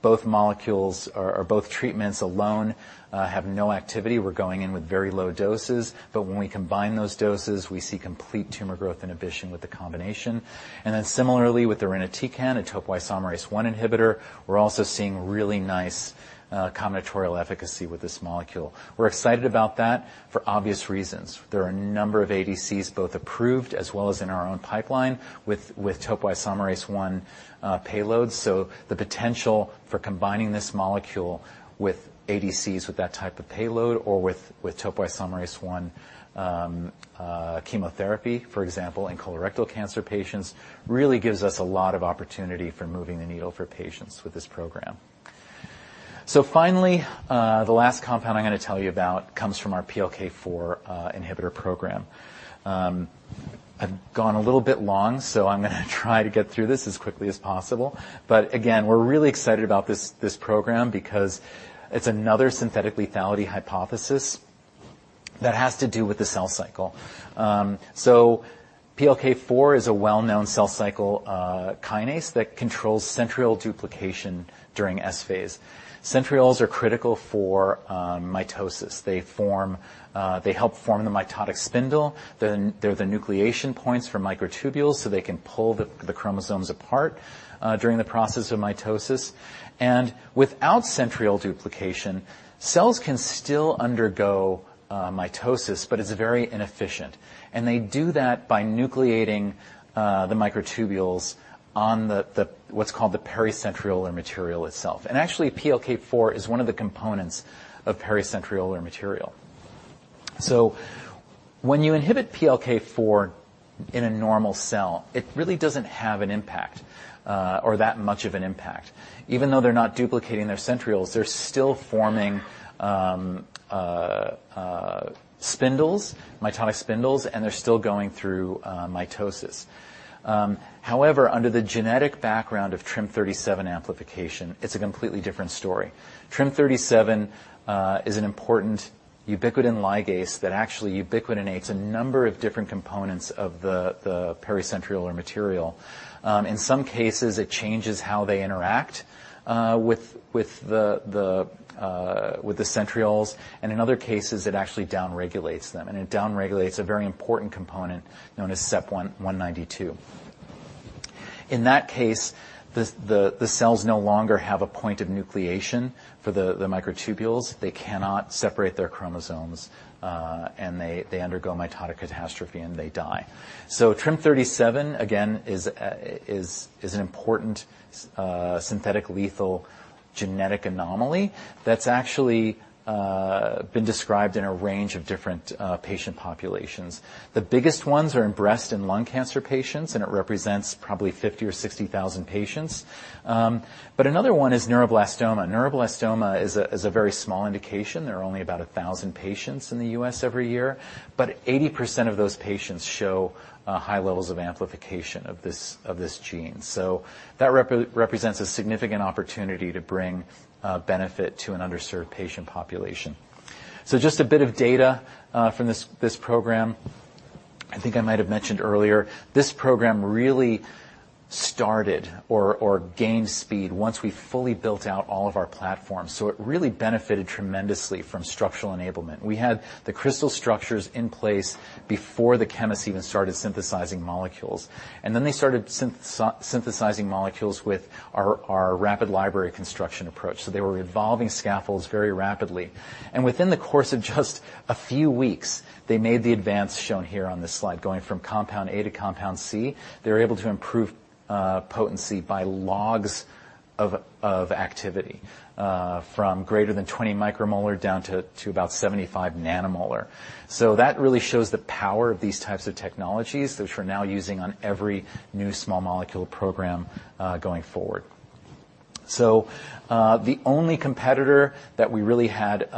Both molecules, or both treatments alone, have no activity. We're going in with very low doses, but when we combine those doses, we see complete tumor growth inhibition with the combination. And then similarly with irinotecan, a topoisomerase one inhibitor, we're also seeing really nice combinatorial efficacy with this molecule. We're excited about that for obvious reasons. There are a number of ADCs, both approved as well as in our own pipeline, with topoisomerase one payloads. So the potential for combining this molecule with ADCs, with that type of payload or with topoisomerase one chemotherapy, for example, in colorectal cancer patients, really gives us a lot of opportunity for moving the needle for patients with this program. So finally, the last compound I'm going to tell you about comes from our PLK4 inhibitor program. I've gone a little bit long, so I'm gonna try to get through this as quickly as possible. But again, we're really excited about this program because it's another synthetic lethality hypothesis that has to do with the cell cycle. So PLK4 is a well-known cell cycle kinase that controls centriole duplication during S-phase. Centrioles are critical for mitosis. They help form the mitotic spindle. Then they're the nucleation points for microtubules, so they can pull the chromosomes apart during the process of mitosis. And without centriole duplication, cells can still undergo mitosis, but it's very inefficient, and they do that by nucleating the microtubules on what's called the pericentriolar material itself. And actually, PLK4 is one of the components of pericentriolar material. When you inhibit PLK4 in a normal cell, it really doesn't have an impact, or that much of an impact. Even though they're not duplicating their centrioles, they're still forming spindles, mitotic spindles, and they're still going through mitosis. However, under the genetic background of TRIM37 amplification, it's a completely different story. TRIM37 is an important ubiquitin ligase that actually ubiquitinates a number of different components of the pericentriolar material. In some cases, it changes how they interact with the centrioles, and in other cases, it actually downregulates them. It downregulates a very important component known as CEP192. In that case, the cells no longer have a point of nucleation for the microtubules. They cannot separate their chromosomes, and they undergo mitotic catastrophe, and they die. TRIM37, again, is an important synthetic lethal genetic anomaly that's actually been described in a range of different patient populations. The biggest ones are in breast and lung cancer patients, and it represents probably 50,000 or 60,000 patients. But another one is neuroblastoma. Neuroblastoma is a very small indication. There are only about 1,000 patients in the U.S. every year, but 80% of those patients show high levels of amplification of this gene. So that represents a significant opportunity to bring benefit to an underserved patient population. So just a bit of data from this program. I think I might have mentioned earlier, this program really started or gained speed once we fully built out all of our platforms, so it really benefited tremendously from structural enablement. We had the crystal structures in place before the chemists even started synthesizing molecules, and then they started synthesizing molecules with our rapid library construction approach. So they were evolving scaffolds very rapidly, and within the course of just a few weeks, they made the advance shown here on this slide. Going from compound A to compound C, they were able to improve potency by logs of activity from greater than 20 micromolar down to about 75 nanomolar. So that really shows the power of these types of technologies, which we're now using on every new small molecule program going forward. So, the only competitor that we really had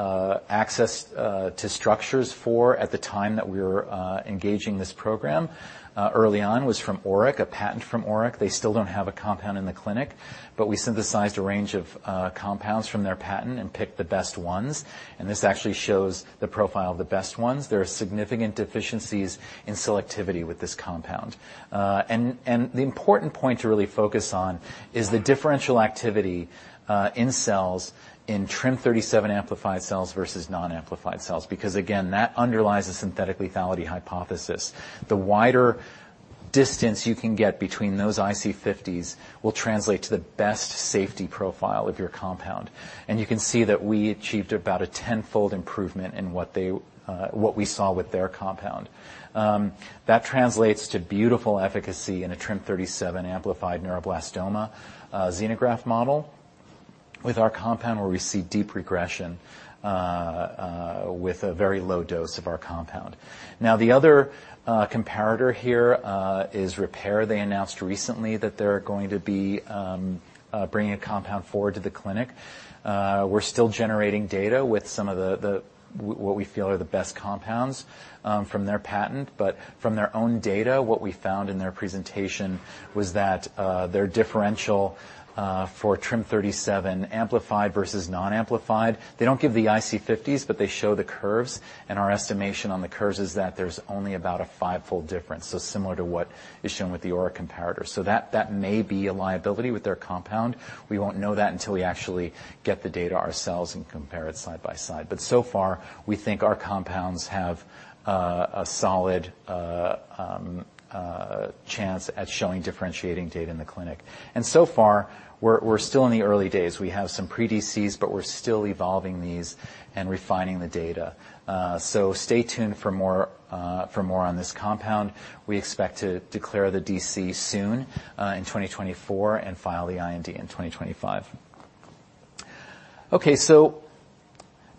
access to structures for at the time that we were engaging this program early on was from ORIC, a patent from ORIC. They still don't have a compound in the clinic, but we synthesized a range of compounds from their patent and picked the best ones, and this actually shows the profile of the best ones. There are significant deficiencies in selectivity with this compound. And the important point to really focus on is the differential activity in cells, in TRIM37 amplified cells versus non-amplified cells, because, again, that underlies the synthetic lethality hypothesis. The wider distance you can get between those IC50s will translate to the best safety profile of your compound, and you can see that we achieved about a tenfold improvement in what they... what we saw with their compound. That translates to beautiful efficacy in a TRIM37 amplified neuroblastoma xenograft model with our compound, where we see deep regression with a very low dose of our compound. Now, the other comparator here is Repare. They announced recently that they're going to be bringing a compound forward to the clinic. We're still generating data with some of what we feel are the best compounds from their patent, but from their own data, what we found in their presentation was that their differential for TRIM37 amplified versus non-amplified, they don't give the IC50s, but they show the curves, and our estimation on the curves is that there's only about a fivefold difference, so similar to what is shown with the ORIC comparator. So that may be a liability with their compound. We won't know that until we actually get the data ourselves and compare it side by side. We think our compounds have a solid chance at showing differentiating data in the clinic. So far, we're still in the early days. We have some pre-DCs, but we're still evolving these and refining the data. Stay tuned for more on this compound. We expect to declare the DC soon in 2024, and file the IND in 2025. Okay,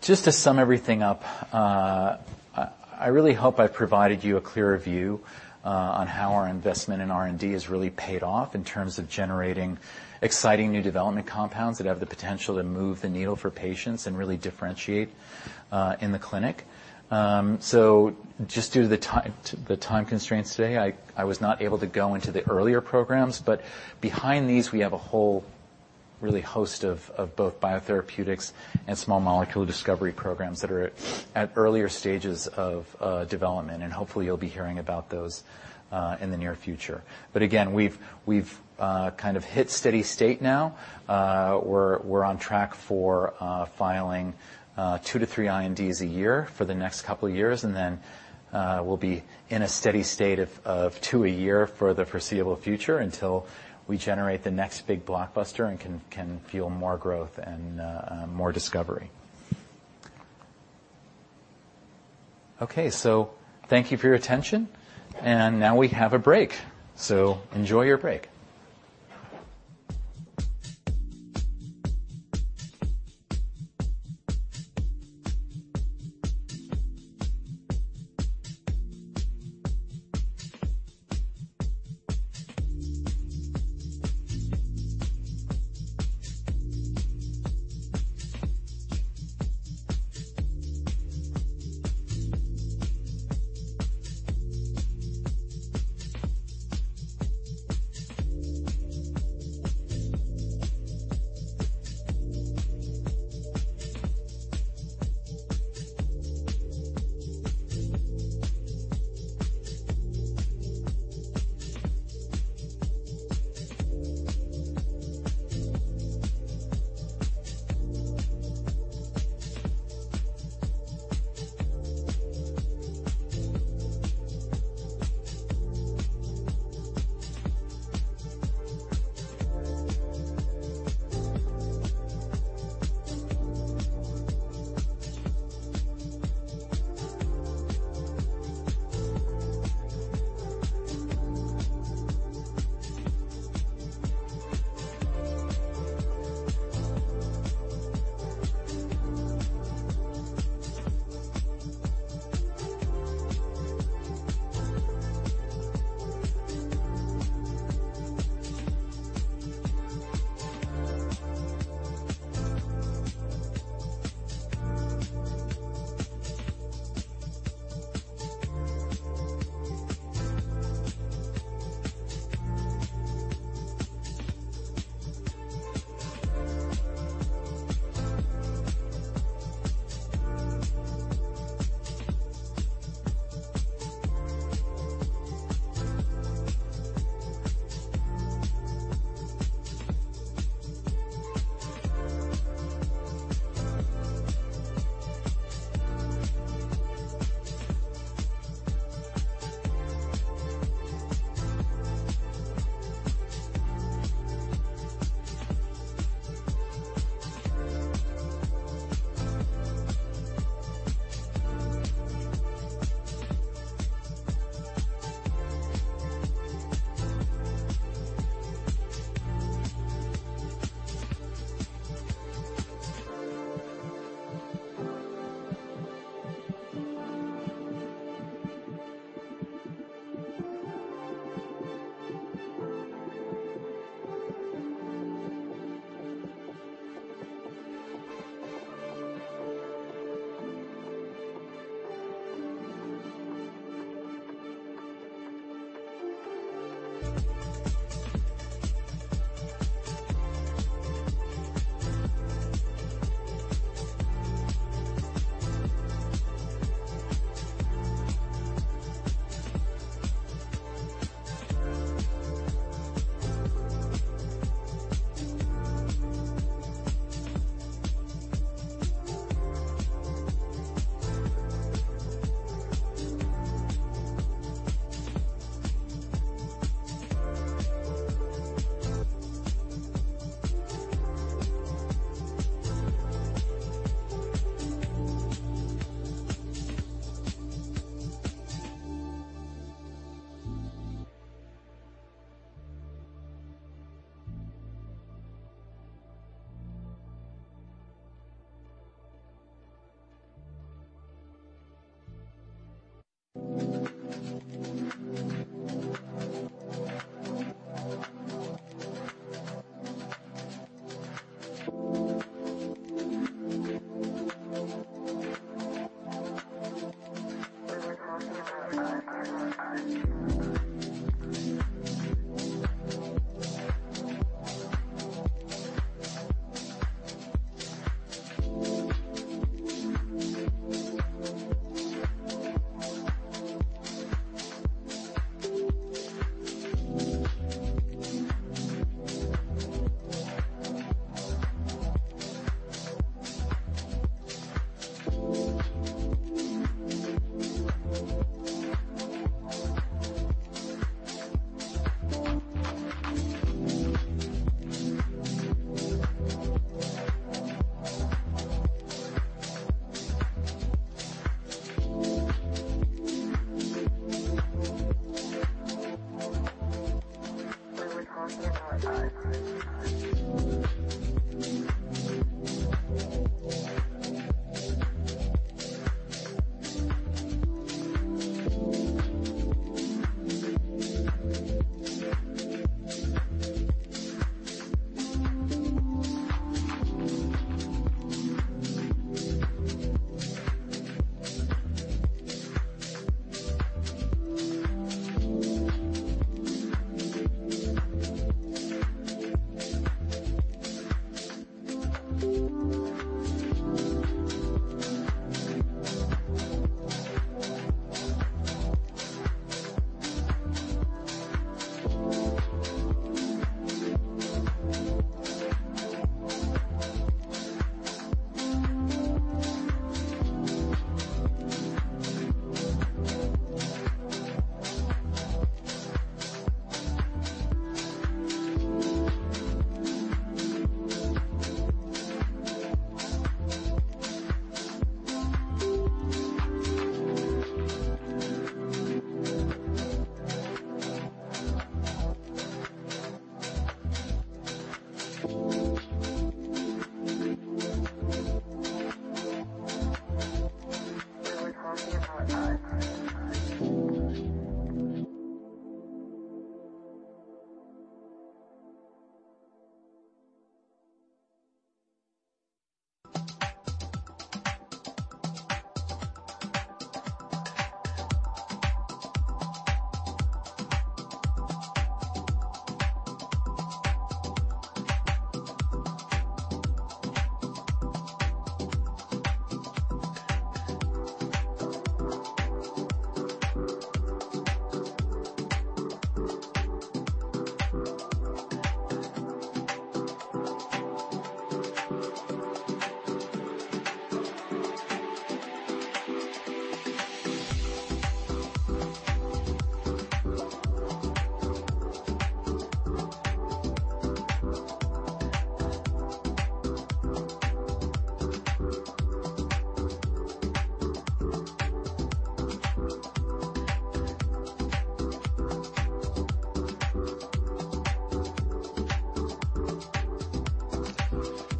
just to sum everything up, I really hope I've provided you a clearer view on how our investment in R&D has really paid off in terms of generating exciting new development compounds that have the potential to move the needle for patients and really differentiate in the clinic. Just due to the time, the time constraints today, I was not able to go into the earlier programs, but behind these, we have a whole really host of both biotherapeutics and small molecule discovery programs that are at earlier stages of development, and hopefully, you'll be hearing about those in the near future. But again, we've kind of hit steady state now. We're on track for filing two to three INDs a year for the next couple of years, and then we'll be in a steady state of two a year for the foreseeable future until we generate the next big blockbuster and can fuel more growth and more discovery. Okay, so thank you for your attention, and now we have a break. So enjoy your break.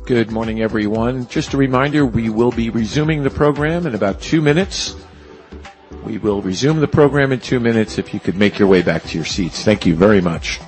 Good morning, everyone. Just a reminder, we will be resuming the program in about two minutes. We will resume the program in two minutes. If you could make your way back to your seats. Thank you very much.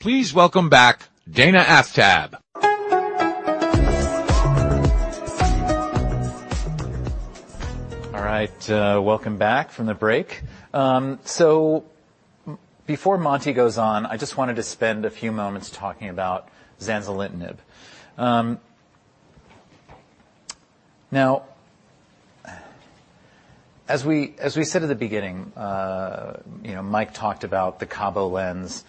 Please welcome back, Dana Aftab! All right, welcome back from the break. So before Monty goes on, I just wanted to spend a few moments talking about zanzalutinib. Now, as we said at the beginning, you know, Mike talked about the cabo lens.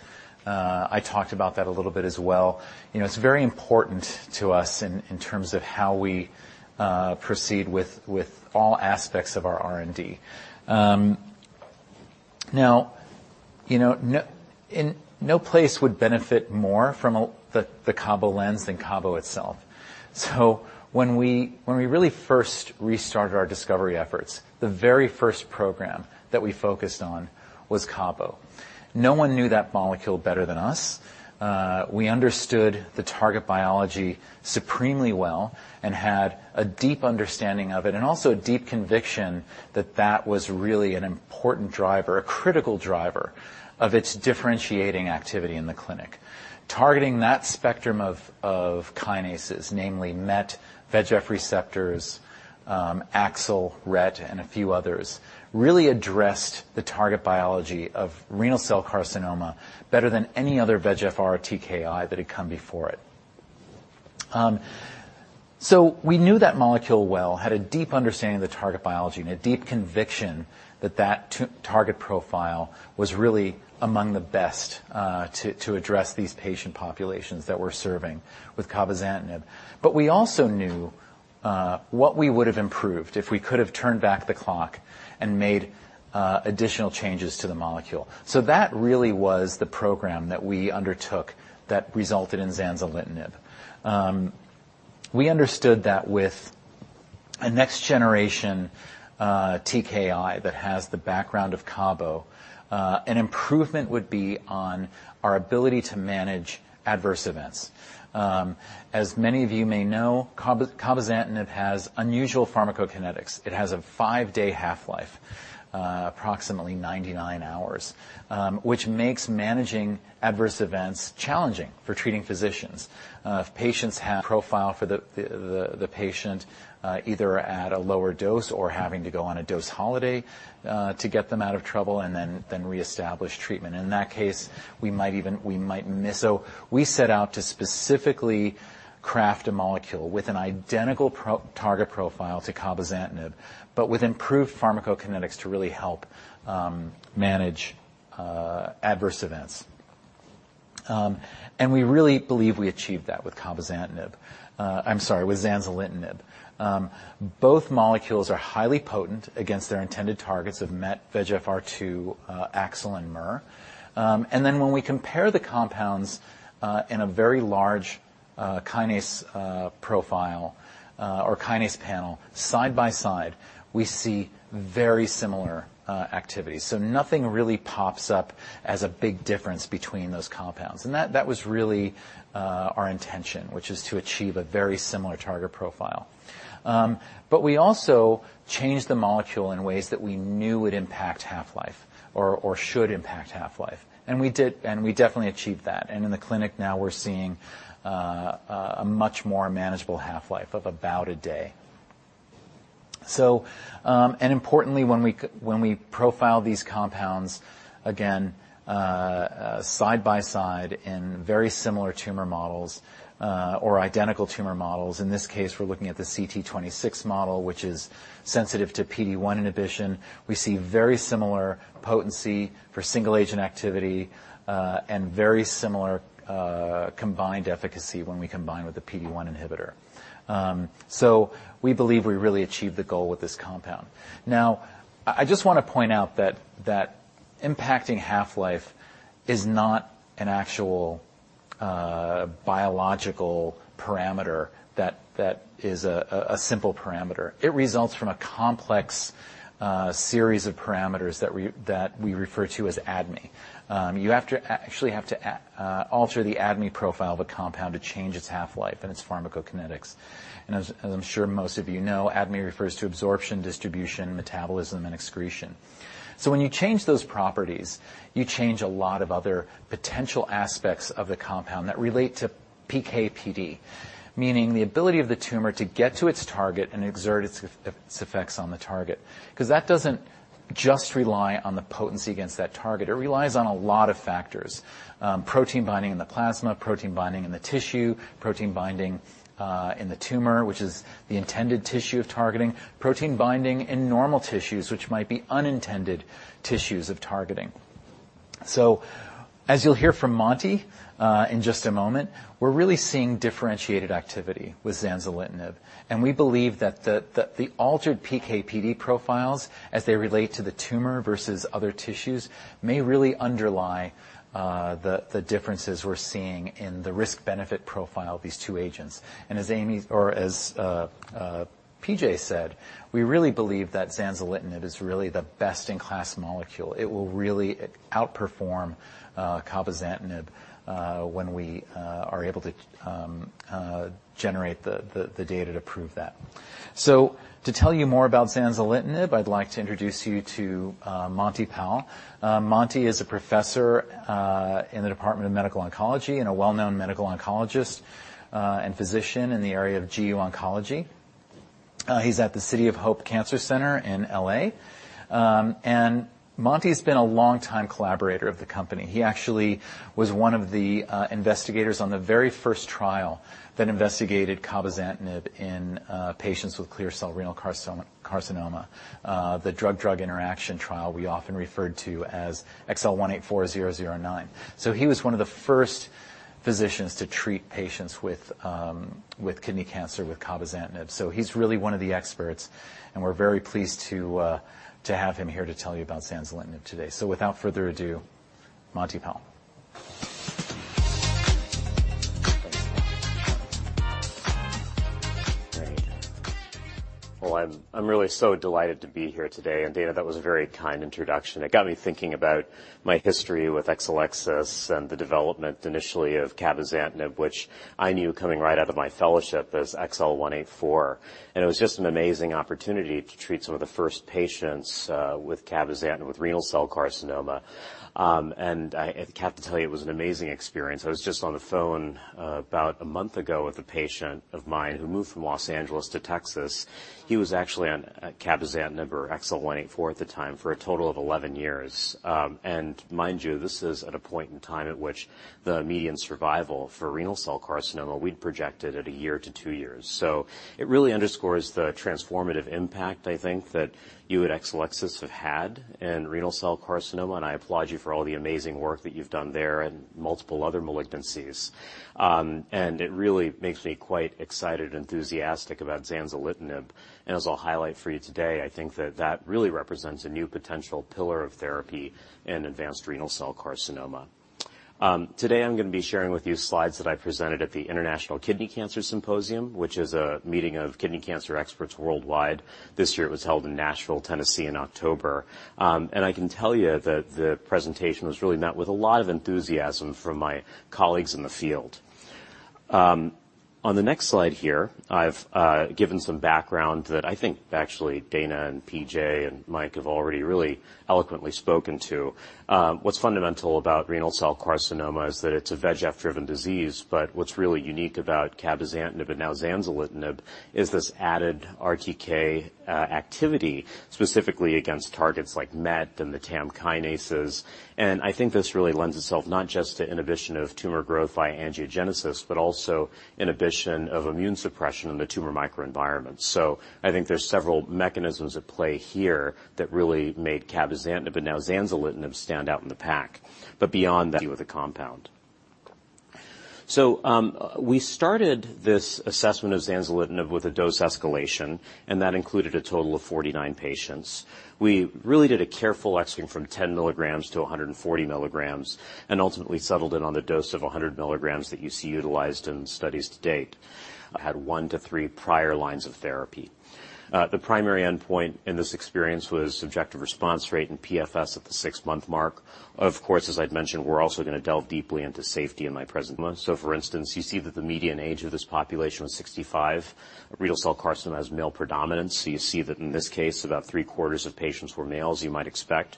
I talked about that a little bit as well. You know, it's very important to us in terms of how we proceed with all aspects of our R&D. Now, you know, no place would benefit more from the cabo lens than cabo itself. So when we really first restarted our discovery efforts, the very first program that we focused on was cabo. No one knew that molecule better than us. We understood the target biology supremely well and had a deep understanding of it, and also a deep conviction that that was really an important driver, a critical driver of its differentiating activity in the clinic. Targeting that spectrum of kinases, namely MET, VEGF receptors, AXL, RET, and a few others, really addressed the target biology of renal cell carcinoma better than any other VEGFR TKI that had come before it. So we knew that molecule well, had a deep understanding of the target biology and a deep conviction that that target profile was really among the best, to address these patient populations that we're serving with cabozantinib. But we also knew what we would have improved if we could have turned back the clock and made additional changes to the molecule. That really was the program that we undertook that resulted in zanzalutinib. We understood that with a next generation TKI that has the background of cabo, an improvement would be on our ability to manage adverse events. As many of you may know, cabozantinib has unusual pharmacokinetics. It has a five-day half-life, approximately 99 hours, which makes managing adverse events challenging for treating physicians. If patients have profile for the patient, either at a lower dose or having to go on a dose holiday, to get them out of trouble and then reestablish treatment. In that case, we might even... We might miss. So we set out to specifically craft a molecule with an identical target profile to cabozantinib, but with improved pharmacokinetics to really help manage adverse events. We really believe we achieved that with cabozantinib. I'm sorry, with zanzalutinib. Both molecules are highly potent against their intended targets of MET, VEGFR2, AXL, and MER. And then when we compare the compounds in a very large kinase profile or kinase panel side by side, we see very similar activities. So nothing really pops up as a big difference between those compounds. And that was really our intention, which is to achieve a very similar target profile. But we also changed the molecule in ways that we knew would impact half-life or should impact half-life, and we did, and we definitely achieved that. And in the clinic now, we're seeing a much more manageable half-life of about a day. Importantly, when we profile these compounds, again, side by side in very similar tumor models, or identical tumor models, in this case, we're looking at the CT26 model, which is sensitive to PD-1 inhibition. We see very similar potency for single-agent activity, and very similar, combined efficacy when we combine with the PD-1 inhibitor. So we believe we really achieved the goal with this compound. Now, I just want to point out that impacting half-life is not an actual biological parameter, that is a simple parameter. It results from a complex series of parameters that we refer to as ADME. You have to actually alter the ADME profile of a compound to change its half-life and its pharmacokinetics. As I'm sure most of you know, ADME refers to absorption, distribution, metabolism, and excretion. So when you change those properties, you change a lot of other potential aspects of the compound that relate to PK/PD, meaning the ability of the tumor to get to its target and exert its effects on the target. 'Cause that doesn't just rely on the potency against that target, it relies on a lot of factors: protein binding in the plasma, protein binding in the tissue, protein binding in the tumor, which is the intended tissue of targeting, protein binding in normal tissues, which might be unintended tissues of targeting. As you'll hear from Monty, in just a moment, we're really seeing differentiated activity with zanzalutinib, and we believe that the altered PK/PD profiles, as they relate to the tumor versus other tissues, may really underlie, the differences we're seeing in the risk-benefit profile of these two agents. And as Amy or P.J. said, we really believe that zanzalutinib is really the best-in-class molecule. It will really outperform, cabozantinib, when we are able to generate the data to prove that. So to tell you more about zanzalutinib, I'd like to introduce you to, Monty Pal. Monty is a professor, in the Department of Medical Oncology and a well-known medical oncologist, and physician in the area of GU oncology.... He's at the City of Hope Cancer Center in L.A. Monty's been a long-time collaborator of the company. He actually was one of the investigators on the very first trial that investigated cabozantinib in patients with clear cell renal carcinoma. The drug-drug interaction trial we often referred to as XL184-009. So he was one of the first physicians to treat patients with kidney cancer with cabozantinib. So he's really one of the experts, and we're very pleased to have him here to tell you about zanzalutinib today. So without further ado, Monty Pal. Great. Well, I'm really so delighted to be here today, and, Dana, that was a very kind introduction. It got me thinking about my history with Exelixis and the development initially of cabozantinib, which I knew coming right out of my fellowship as XL184. And it was just an amazing opportunity to treat some of the first patients with cabozantinib, with renal cell carcinoma. And I have to tell you, it was an amazing experience. I was just on the phone about a month ago with a patient of mine who moved from Los Angeles to Texas. He was actually on cabozantinib or XL184 at the time, for a total of 11 years. And mind you, this is at a point in time at which the median survival for renal cell carcinoma, we'd projected at one year two years. It really underscores the transformative impact, I think, that you at Exelixis have had in renal cell carcinoma, and I applaud you for all the amazing work that you've done there and multiple other malignancies. It really makes me quite excited and enthusiastic about zanzalutinib. As I'll highlight for you today, I think that that really represents a new potential pillar of therapy in advanced renal cell carcinoma. Today I'm going to be sharing with you slides that I presented at the International Kidney Cancer Symposium, which is a meeting of kidney cancer experts worldwide. This year, it was held in Nashville, Tennessee, in October. I can tell you that the presentation was really met with a lot of enthusiasm from my colleagues in the field. On the next slide here, I've given some background that I think actually Dana and P.J. and Mike have already really eloquently spoken to. What's fundamental about renal cell carcinoma is that it's a VEGF-driven disease, but what's really unique about cabozantinib and now zanzalutinib is this added RTK activity, specifically against targets like MET and the TAM kinases. And I think this really lends itself not just to inhibition of tumor growth by angiogenesis, but also inhibition of immune suppression in the tumor microenvironment. So I think there's several mechanisms at play here that really make cabozantinib, and now zanzalutinib, stand out in the pack. But beyond that, PK of the compound. So, we started this assessment of zanzalutinib with a dose escalation, and that included a total of 49 patients. We really did a careful escalation from 10 milligrams to 140 milligrams, and ultimately settled in on the dose of 100 milligrams that you see utilized in studies to date. Had one to three prior lines of therapy. The primary endpoint in this experience was subjective response rate and PFS at the six-month mark. Of course, as I'd mentioned, we're also going to delve deeply into safety in my present month. So, for instance, you see that the median age of this population was 65. Renal cell carcinoma is male predominant, so you see that in this case, about three-quarters of patients were male, as you might expect.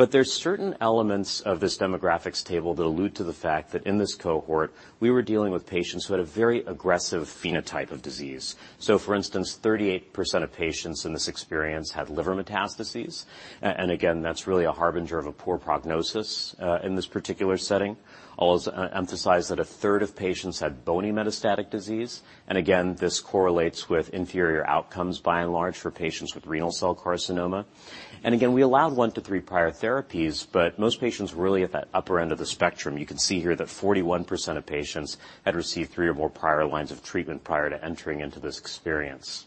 But there's certain elements of this demographics table that allude to the fact that in this cohort, we were dealing with patients who had a very aggressive phenotype of disease. For instance, 38% of patients in this experience had liver metastases. And again, that's really a harbinger of a poor prognosis in this particular setting. I'll also emphasize that a third of patients had bony metastatic disease. And again, this correlates with inferior outcomes, by and large, for patients with renal cell carcinoma. And again, we allowed one to three prior therapies, but most patients were really at that upper end of the spectrum. You can see here that 41% of patients had received 3 or more prior lines of treatment prior to entering into this experience.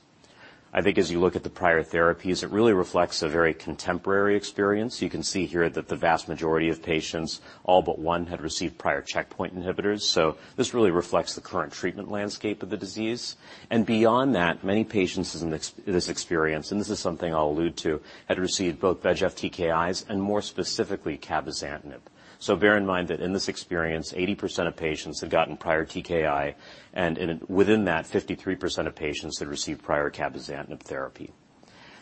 I think as you look at the prior therapies, it really reflects a very contemporary experience. You can see here that the vast majority of patients, all but one, had received prior checkpoint inhibitors. So this really reflects the current treatment landscape of the disease. Beyond that, many patients in this, this experience, and this is something I'll allude to, had received both VEGF TKIs and, more specifically, cabozantinib. Bear in mind that in this experience, 80% of patients had gotten prior TKI, and in, within that, 53% of patients had received prior cabozantinib therapy.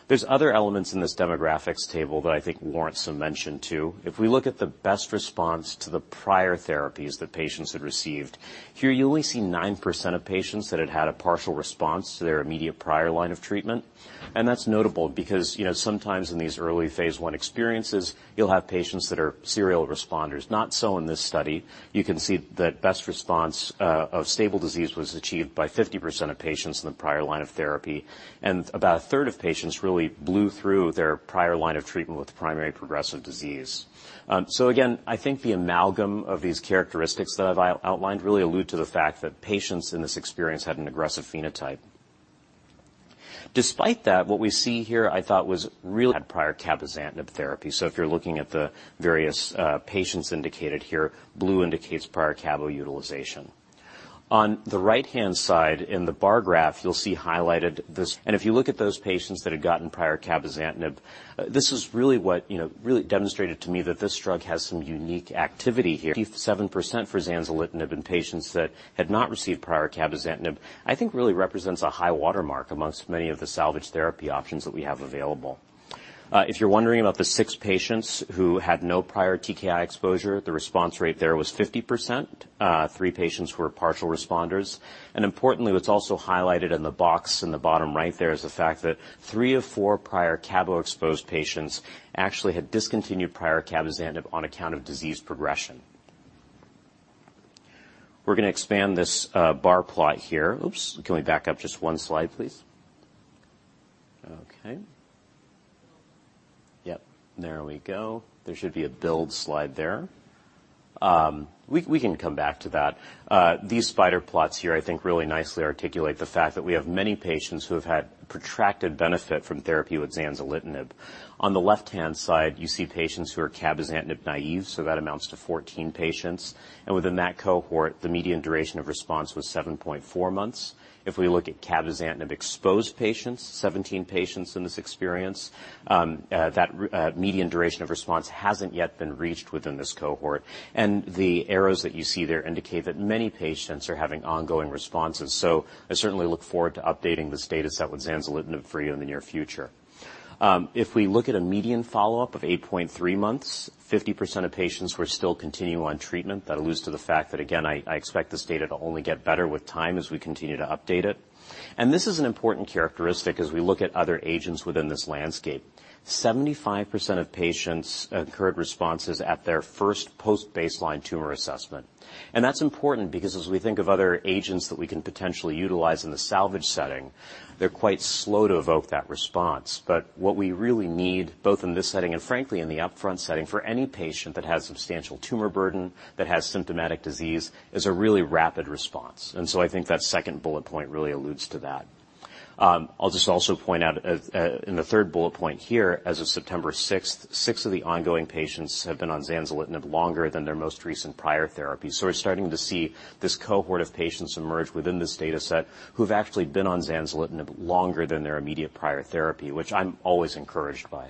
There's other elements in this demographics table that I think warrant some mention, too. If we look at the best response to the prior therapies that patients had received, here you only see 9% of patients that had had a partial response to their immediate prior line of treatment. That's notable because, you know, sometimes in these early phase I experiences, you'll have patients that are serial responders. Not so in this study. You can see that best response of stable disease was achieved by 50% of patients in the prior line of therapy, and about a third of patients really blew through their prior line of treatment with primary progressive disease. So again, I think the amalgam of these characteristics that I've outlined really allude to the fact that patients in this experience had an aggressive phenotype. Despite that, what we see here I thought was really had prior cabozantinib therapy. So if you're looking at the various patients indicated here, blue indicates prior cabo utilization. On the right-hand side in the bar graph, you'll see highlighted this, and if you look at those patients that had gotten prior cabozantinib, this is really what, you know, really demonstrated to me that this drug has some unique activity here. 77% for zanzalutinib in patients that had not received prior cabozantinib, I think really represents a high watermark amongst many of the salvage therapy options that we have available... If you're wondering about the six patients who had no prior TKI exposure, the response rate there was 50%. Three patients were partial responders, and importantly, what's also highlighted in the box in the bottom right there is the fact that three of four prior cabo-exposed patients actually had discontinued prior cabozantinib on account of disease progression. We're gonna expand this, bar plot here. Oops, can we back up just one slide, please? Okay. Yep, there we go. There should be a build slide there. We can come back to that. These spider plots here I think really nicely articulate the fact that we have many patients who have had protracted benefit from therapy with zanzalutinib. On the left-hand side, you see patients who are cabozantinib naive, so that amounts to 14 patients, and within that cohort, the median duration of response was 7.4 months. If we look at cabozantinib-exposed patients, 17 patients in this experience, that median duration of response hasn't yet been reached within this cohort. And the arrows that you see there indicate that many patients are having ongoing responses. So I certainly look forward to updating this data set with zanzalutinib for you in the near future. If we look at a median follow-up of 8.3 months, 50% of patients were still continue on treatment. That alludes to the fact that, again, I, I expect this data to only get better with time as we continue to update it. And this is an important characteristic as we look at other agents within this landscape. 75% of patients occurred responses at their first post-baseline tumor assessment. And that's important because as we think of other agents that we can potentially utilize in the salvage setting, they're quite slow to evoke that response. But what we really need, both in this setting and frankly in the upfront setting, for any patient that has substantial tumor burden, that has symptomatic disease, is a really rapid response. And so I think that second bullet point really alludes to that. I'll just also point out, in the third bullet point here, as of September 6th, six of the ongoing patients have been on zanzalutinib longer than their most recent prior therapy. So we're starting to see this cohort of patients emerge within this data set who've actually been on zanzalutinib longer than their immediate prior therapy, which I'm always encouraged by.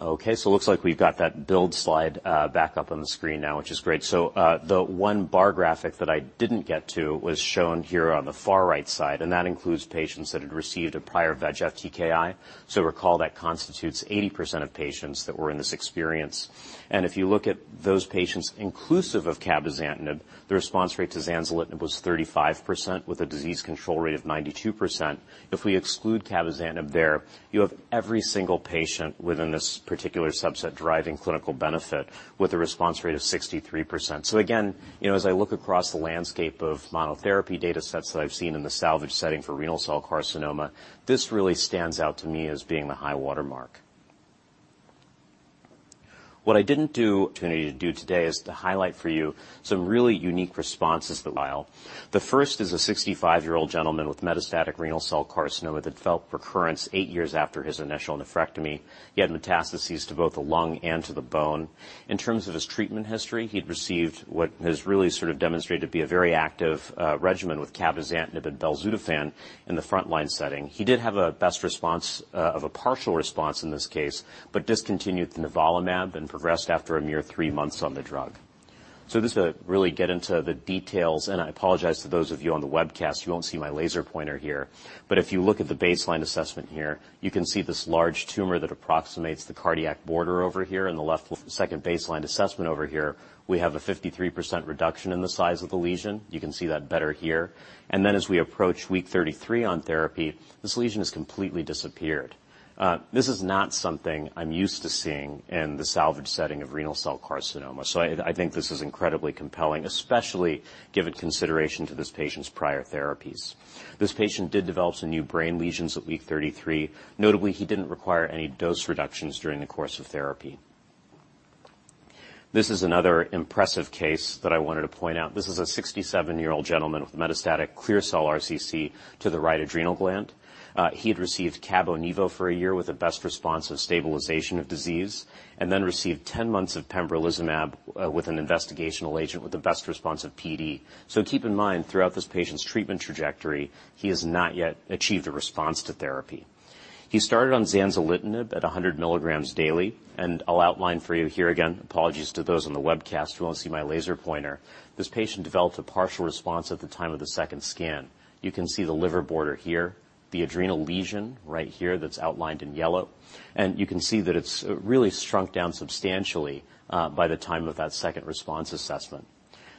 Okay, so looks like we've got that build slide back up on the screen now, which is great. So, the one bar graphic that I didn't get to was shown here on the far right side, and that includes patients that had received a prior VEGF TKI. So recall, that constitutes 80% of patients that were in this experience. If you look at those patients inclusive of cabozantinib, the response rate to zanzalutinib was 35%, with a disease control rate of 92%. If we exclude cabozantinib there, you have every single patient within this particular subset driving clinical benefit with a response rate of 63%. So again, you know, as I look across the landscape of monotherapy data sets that I've seen in the salvage setting for renal cell carcinoma, this really stands out to me as being the high-water mark. What I didn't do today is to highlight for you some really unique responses to the trial. The first is a 65-year-old gentleman with metastatic renal cell carcinoma that developed recurrence eight years after his initial nephrectomy. He had metastases to both the lung and to the bone. In terms of his treatment history, he'd received what has really sort of demonstrated to be a very active regimen with cabozantinib and belzutifan in the frontline setting. He did have a best response of a partial response in this case, but discontinued nivolumab and progressed after a mere three months on the drug. So just to really get into the details, and I apologize to those of you on the webcast, you won't see my laser pointer here. But if you look at the baseline assessment here, you can see this large tumor that approximates the cardiac border over here. In the left-second baseline assessment over here, we have a 53% reduction in the size of the lesion. You can see that better here. And then, as we approach week 33 on therapy, this lesion has completely disappeared. This is not something I'm used to seeing in the salvage setting of renal cell carcinoma. So I think this is incredibly compelling, especially given consideration to this patient's prior therapies. This patient did develop some new brain lesions at week 33. Notably, he didn't require any dose reductions during the course of therapy. This is another impressive case that I wanted to point out. This is a 67-year-old gentleman with metastatic clear cell RCC to the right adrenal gland. He had received cabo/nivo for a year with the best response of stabilization of disease and then received 10 months of pembrolizumab with an investigational agent with the best response of PD. So keep in mind, throughout this patient's treatment trajectory, he has not yet achieved a response to therapy. He started on zanzalutinib at 100 milligrams daily, and I'll outline for you here again, apologies to those on the webcast who won't see my laser pointer. This patient developed a partial response at the time of the second scan. You can see the liver border here, the adrenal lesion right here that's outlined in yellow, and you can see that it's really shrunk down substantially by the time of that second response assessment.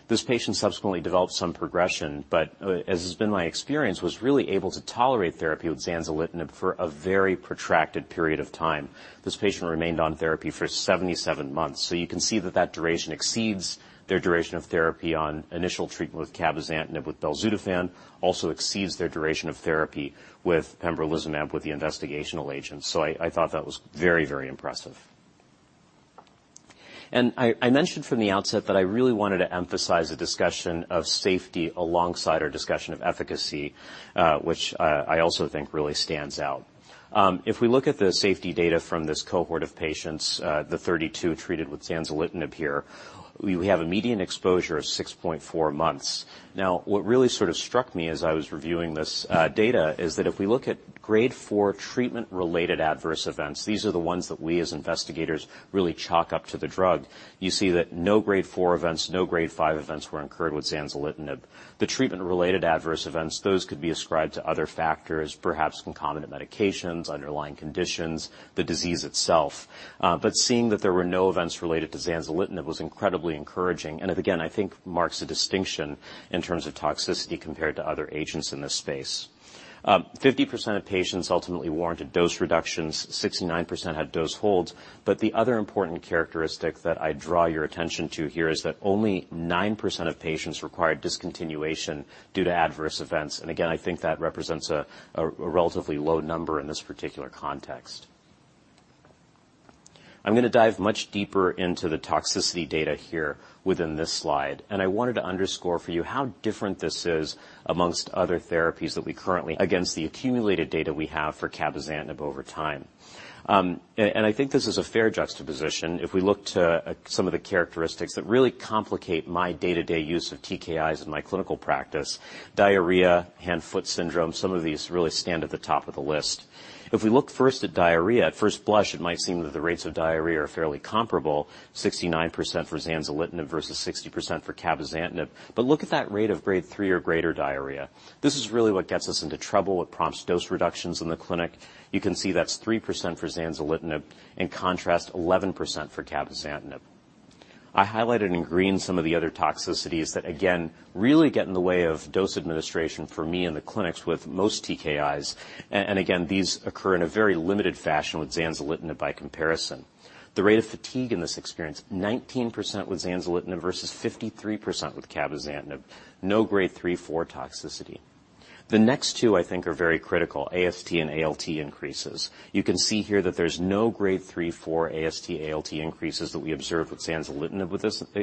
This patient subsequently developed some progression, but as has been my experience, was really able to tolerate therapy with zanzalutinib for a very protracted period of time. This patient remained on therapy for 77 months, so you can see that that duration exceeds their duration of therapy on initial treatment with cabozantinib with belzutifan, also exceeds their duration of therapy with pembrolizumab with the investigational agent. I thought that was very, very impressive. And I mentioned from the outset that I really wanted to emphasize a discussion of safety alongside our discussion of efficacy, which I also think really stands out. If we look at the safety data from this cohort of patients, the 32 treated with zanzalutinib here, we have a median exposure of 6.4 months. Now, what really sort of struck me as I was reviewing this data is that if we look at grade four treatment-related adverse events, these are the ones that we, as investigators, really chalk up to the drug. You see that no grade four events, no grade five events were incurred with zanzalutinib. The treatment-related adverse events, those could be ascribed to other factors, perhaps concomitant medications, underlying conditions, the disease itself. Seeing that there were no events related to zanzalutinib was incredibly encouraging, and it, again, I think marks a distinction in terms of toxicity compared to other agents in this space. 50% of patients ultimately warranted dose reductions, 69% had dose holds, but the other important characteristic that I draw your attention to here is that only 9% of patients required discontinuation due to adverse events. And again, I think that represents a relatively low number in this particular context. I'm gonna dive much deeper into the toxicity data here within this slide, and I wanted to underscore for you how different this is among other therapies that we currently... against the accumulated data we have for cabozantinib over time. And I think this is a fair juxtaposition. If we look to some of the characteristics that really complicate my day-to-day use of TKIs in my clinical practice, diarrhea, hand-foot syndrome, some of these really stand at the top of the list. If we look first at diarrhea, at first blush, it might seem that the rates of diarrhea are fairly comparable, 69% for zanzalutinib versus 60% for cabozantinib. But look at that rate of Grade 3 or greater diarrhea. This is really what gets us into trouble, what prompts dose reductions in the clinic. You can see that's 3% for zanzalutinib, in contrast, 11% for cabozantinib. I highlighted in green some of the other toxicities that, again, really get in the way of dose administration for me in the clinics with most TKIs. And again, these occur in a very limited fashion with zanzalutinib by comparison. The rate of fatigue in this experience, 19% with zanzalutinib versus 53% with cabozantinib. No Grade 3/4 toxicity. The next two I think are very critical, AST and ALT increases. You can see here that there's no Grade 3/4 AST/ALT increases that we observe with zanzalutinib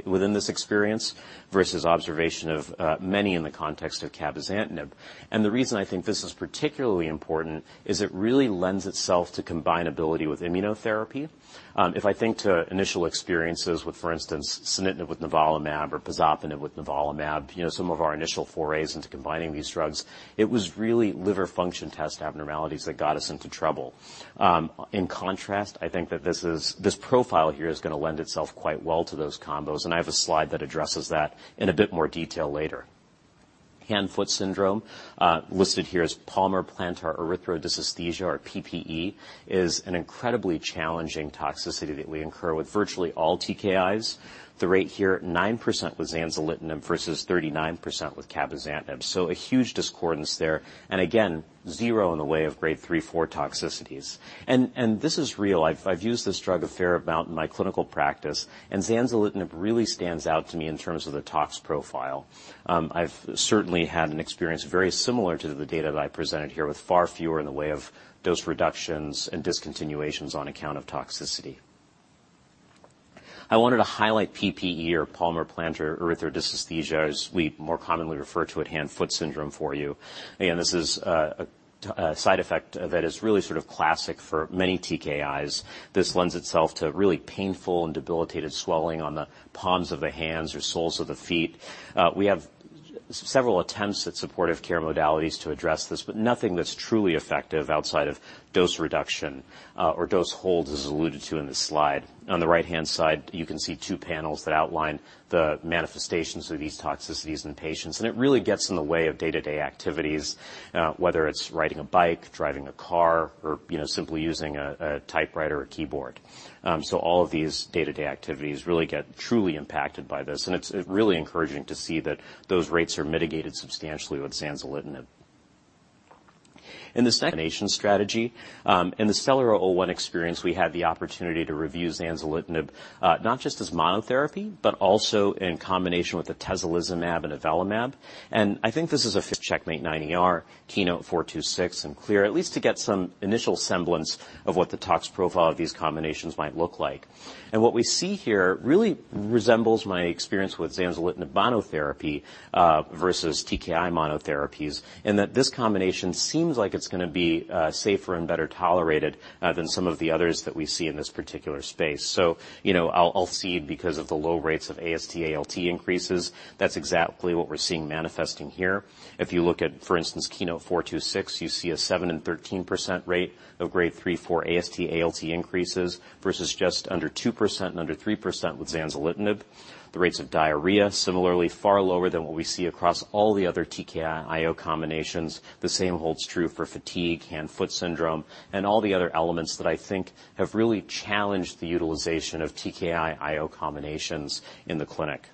within this experience, versus observation of many in the context of cabozantinib. And the reason I think this is particularly important is it really lends itself to combinability with immunotherapy. If I think to initial experiences with, for instance, sunitinib with nivolumab or pazopanib with nivolumab, you know, some of our initial forays into combining these drugs, it was really liver function test abnormalities that got us into trouble. In contrast, I think that this profile here is gonna lend itself quite well to those combos, and I have a slide that addresses that in a bit more detail later. Hand-foot syndrome, listed here as palmar-plantar erythrodysesthesia, or PPE, is an incredibly challenging toxicity that we incur with virtually all TKIs. The rate here, 9% with zanzalutinib versus 39% with cabozantinib. So a huge discordance there, and again, zero in the way of Grade 3/4 toxicities. And this is real. I've used this drug a fair amount in my clinical practice, and zanzalutinib really stands out to me in terms of the tox profile. I've certainly had an experience very similar to the data that I presented here, with far fewer in the way of dose reductions and discontinuations on account of toxicity. I wanted to highlight PPE or palmar-plantar erythrodysesthesia, as we more commonly refer to it, hand-foot syndrome, for you. Again, this is a side effect that is really sort of classic for many TKIs. This lends itself to really painful and debilitated swelling on the palms of the hands or soles of the feet. We have several attempts at supportive care modalities to address this, but nothing that's truly effective outside of dose reduction or dose holds, as alluded to in this slide. On the right-hand side, you can see two panels that outline the manifestations of these toxicities in patients, and it really gets in the way of day-to-day activities, whether it's riding a bike, driving a car, or, you know, simply using a typewriter or keyboard. All of these day-to-day activities really get truly impacted by this, and it's really encouraging to see that those rates are mitigated substantially with zanzalutinib. In this combination strategy, in the STELLAR-001 experience, we had the opportunity to review zanzalutinib, not just as monotherapy, but also in combination with atezolizumab and avelumab. And I think this is a CheckMate-9ER, KEYNOTE-426, and CLEAR, at least to get some initial semblance of what the tox profile of these combinations might look like. And what we see here really resembles my experience with zanzalutinib monotherapy, versus TKI monotherapies, in that this combination seems like it's gonna be safer and better tolerated than some of the others that we see in this particular space. So, you know, I'll say because of the low rates of AST/ALT increases, that's exactly what we're seeing manifesting here. If you look at, for instance, KEYNOTE-426, you see a 7% and 13% rate of Grade 3/4 AST/ALT increases versus just under 2% and under 3% with zanzalutinib. The rates of diarrhea similarly far lower than what we see across all the other TKI/IO combinations. The same holds true for fatigue, hand-foot syndrome, and all the other elements that I think have really challenged the utilization of TKI/IO combinations in the clinic.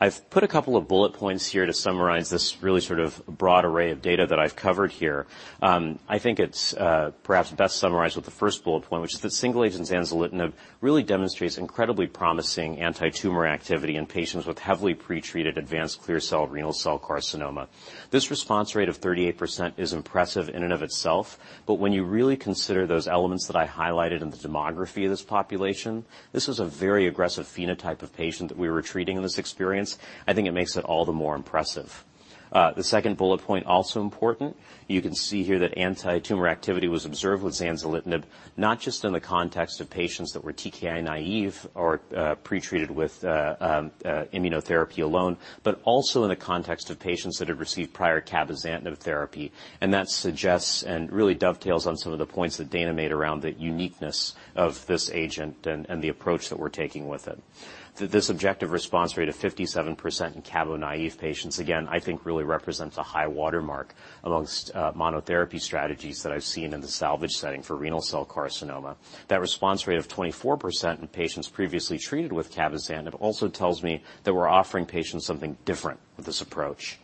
I've put a couple of bullet points here to summarize this really sort of broad array of data that I've covered here. I think it's perhaps best summarized with the first bullet point, which is that single-agent zanzalutinib really demonstrates incredibly promising anti-tumor activity in patients with heavily pretreated advanced clear cell renal cell carcinoma. This response rate of 38% is impressive in and of itself, but when you really consider those elements that I highlighted in the demography of this population, this is a very aggressive phenotype of patient that we were treating in this experience. I think it makes it all the more impressive.... The second bullet point, also important. You can see here that anti-tumor activity was observed with zanzalutinib, not just in the context of patients that were TKI naive or, pretreated with, immunotherapy alone, but also in the context of patients that had received prior cabozantinib therapy. And that suggests and really dovetails on some of the points that Dana made around the uniqueness of this agent and, and the approach that we're taking with it. This objective response rate of 57% in cabo-naive patients, again, I think, really represents a high watermark amongst monotherapy strategies that I've seen in the salvage setting for renal cell carcinoma. That response rate of 24% in patients previously treated with cabozantinib also tells me that we're offering patients something different with this approach.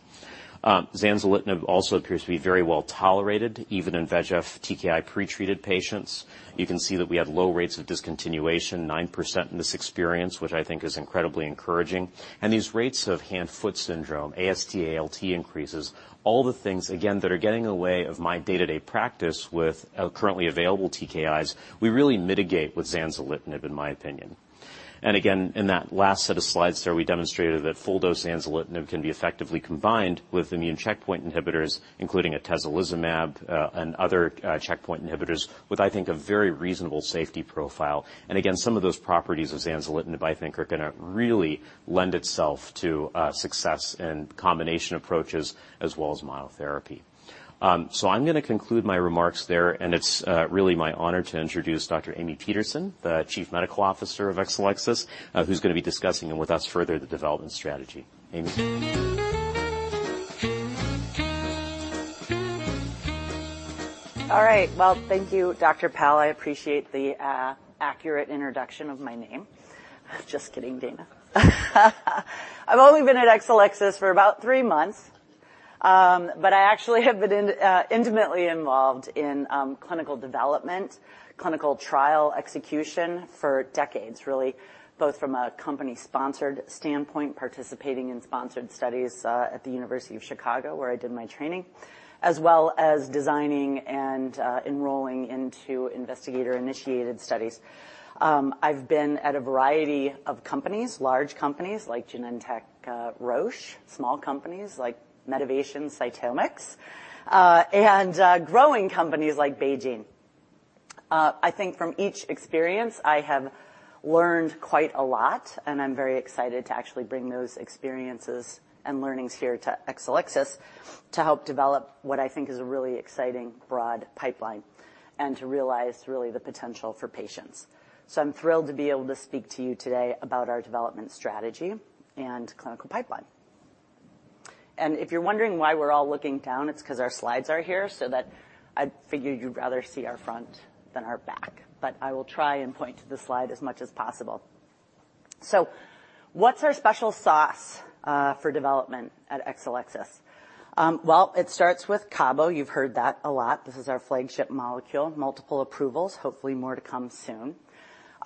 zanzalutinib also appears to be very well tolerated, even in VEGF TKI-pretreated patients. You can see that we have low rates of discontinuation, 9% in this experience, which I think is incredibly encouraging. And these rates of hand-foot syndrome, AST/ALT increases, all the things, again, that are getting in the way of my day-to-day practice with currently available TKIs, we really mitigate with zanzalutinib, in my opinion. Again, in that last set of slides there, we demonstrated that full dose zanzalutinib can be effectively combined with immune checkpoint inhibitors, including atezolizumab and other checkpoint inhibitors, with, I think, a very reasonable safety profile. Again, some of those properties of zanzalutinib, I think, are gonna really lend itself to success in combination approaches as well as monotherapy. So I'm gonna conclude my remarks there, and it's really my honor to introduce Dr. Amy Peterson, the Chief Medical Officer of Exelixis, who's gonna be discussing with us further the development strategy. Amy? All right, well, thank you, Dr. Pal. I appreciate the accurate introduction of my name. Just kidding, Dana. I've only been at Exelixis for about three months, but I actually have been intimately involved in clinical development, clinical trial execution for decades, really, both from a company-sponsored standpoint, participating in sponsored studies at the University of Chicago, where I did my training, as well as designing and enrolling into investigator-initiated studies. I've been at a variety of companies, large companies like Genentech, Roche, small companies like Medivation, CytomX, and growing companies like BeiGene. I think from each experience I have learned quite a lot, and I'm very excited to actually bring those experiences and learnings here to Exelixis to help develop what I think is a really exciting, broad pipeline and to realize really the potential for patients. I'm thrilled to be able to speak to you today about our development strategy and clinical pipeline. If you're wondering why we're all looking down, it's 'cause our slides are here, so that I figured you'd rather see our front than our back. But I will try and point to the slide as much as possible. So what's our special sauce for development at Exelixis? Well, it starts with cabo. You've heard that a lot. This is our flagship molecule, multiple approvals, hopefully more to come soon.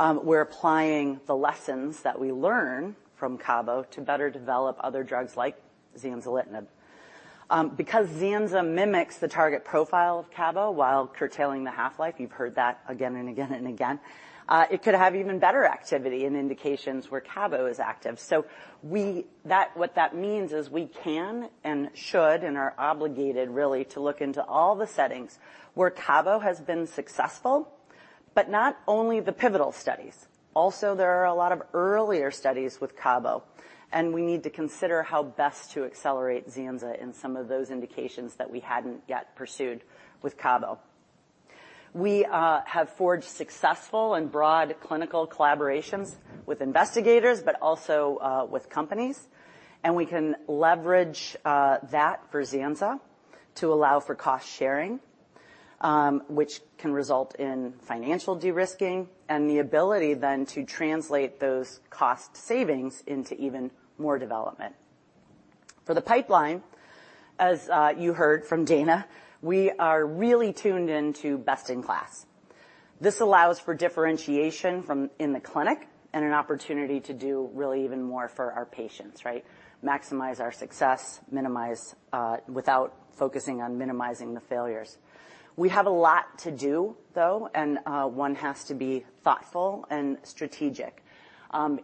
We're applying the lessons that we learn from cabo to better develop other drugs like zanzalutinib. Because zanza mimics the target profile of cabo while curtailing the half-life, you've heard that again and again and again, it could have even better activity in indications where cabo is active. What that means is we can and should and are obligated really to look into all the settings where cabo has been successful, but not only the pivotal studies. Also, there are a lot of earlier studies with cabo, and we need to consider how best to accelerate zanza in some of those indications that we hadn't yet pursued with cabo. We have forged successful and broad clinical collaborations with investigators, but also with companies, and we can leverage that for zanza to allow for cost sharing, which can result in financial de-risking and the ability then to translate those cost savings into even more development. For the pipeline, as you heard from Dana, we are really tuned into best-in-class. This allows for differentiation from in the clinic and an opportunity to do really even more for our patients, right? Maximize our success, minimize without focusing on minimizing the failures. We have a lot to do, though, and one has to be thoughtful and strategic.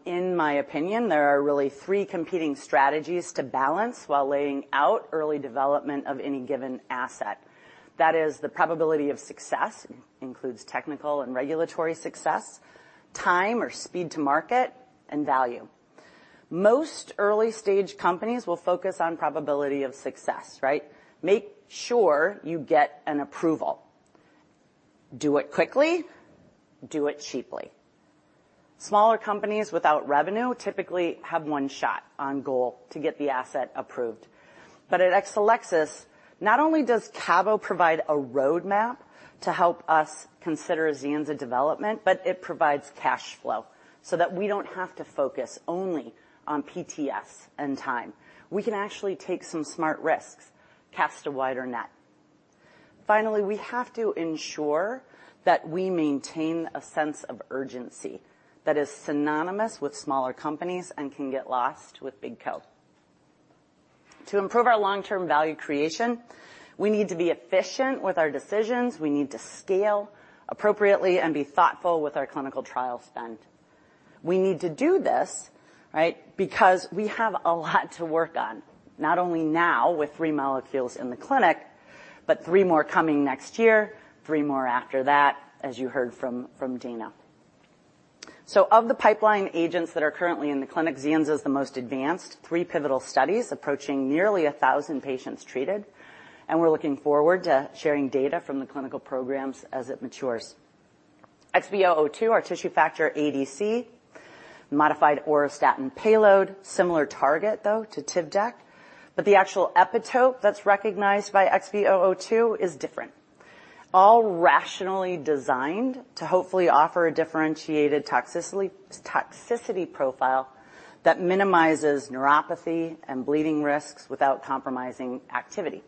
In my opinion, there are really three competing strategies to balance while laying out early development of any given asset. That is the probability of success, includes technical and regulatory success, time or speed to market, and value. Most early-stage companies will focus on probability of success, right? Make sure you get an approval, do it quickly, do it cheaply. Smaller companies without revenue typically have one shot on goal to get the asset approved. But at Exelixis, not only does cabo provide a roadmap to help us consider zanza development, but it provides cash flow so that we don't have to focus only on PTS and time. We can actually take some smart risks, cast a wider net. Finally, we have to ensure that we maintain a sense of urgency that is synonymous with smaller companies and can get lost with big co. To improve our long-term value creation, we need to be efficient with our decisions. We need to scale appropriately and be thoughtful with our clinical trial spend... We need to do this, right? Because we have a lot to work on, not only now with three molecules in the clinic, but three more coming next year, three more after that, as you heard from, from Dana. So of the pipeline agents that are currently in the clinic, zanza is the most advanced. Three pivotal studies approaching nearly 1,000 patients treated, and we're looking forward to sharing data from the clinical programs as it matures. XB002, our tissue factor ADC, modified auristatin payload, similar target, though, to Tivdak, but the actual epitope that's recognized by XB002 is different. All rationally designed to hopefully offer a differentiated toxicity, toxicity profile that minimizes neuropathy and bleeding risks without compromising activity.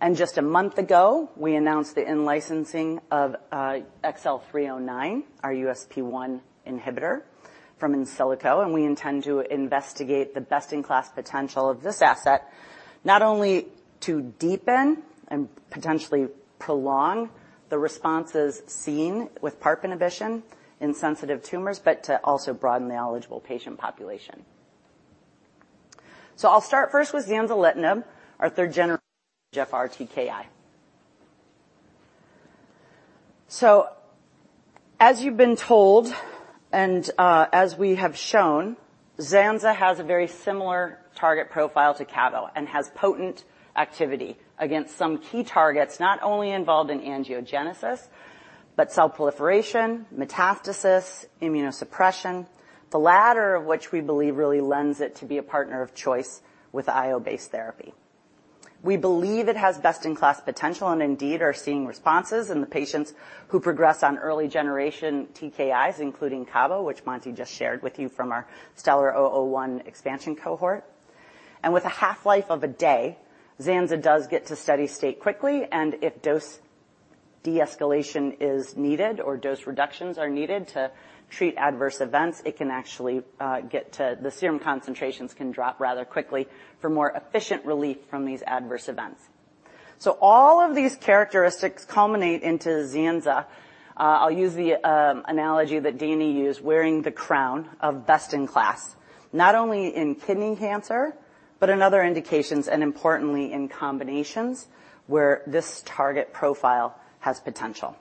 And just a month ago, we announced the in-licensing of XL309, our USP1 inhibitor from Insilico, and we intend to investigate the best-in-class potential of this asset, not only to deepen and potentially prolong the responses seen with PARP inhibition in sensitive tumors, but to also broaden the eligible patient population. So I'll start first with zanzalutinib, our 3rd-gen... VEGF TKI. As you've been told, and as we have shown, zanza has a very similar target profile to cabo and has potent activity against some key targets, not only involved in angiogenesis, but cell proliferation, metastasis, immunosuppression, the latter of which we believe really lends it to be a partner of choice with IO-based therapy. We believe it has best-in-class potential and indeed are seeing responses in the patients who progress on early-generation TKIs, including cabo, which Monty just shared with you from our STELLAR-001 expansion cohort. And with a half-life of a day, zanza does get to steady state quickly, and if dose de-escalation is needed or dose reductions are needed to treat adverse events, it can actually get to the serum concentrations can drop rather quickly for more efficient relief from these adverse events. So all of these characteristics culminate into zanza. I'll use the analogy that Dana used, wearing the crown of best in class, not only in kidney cancer, but in other indications and importantly, in combinations where this target profile has potential.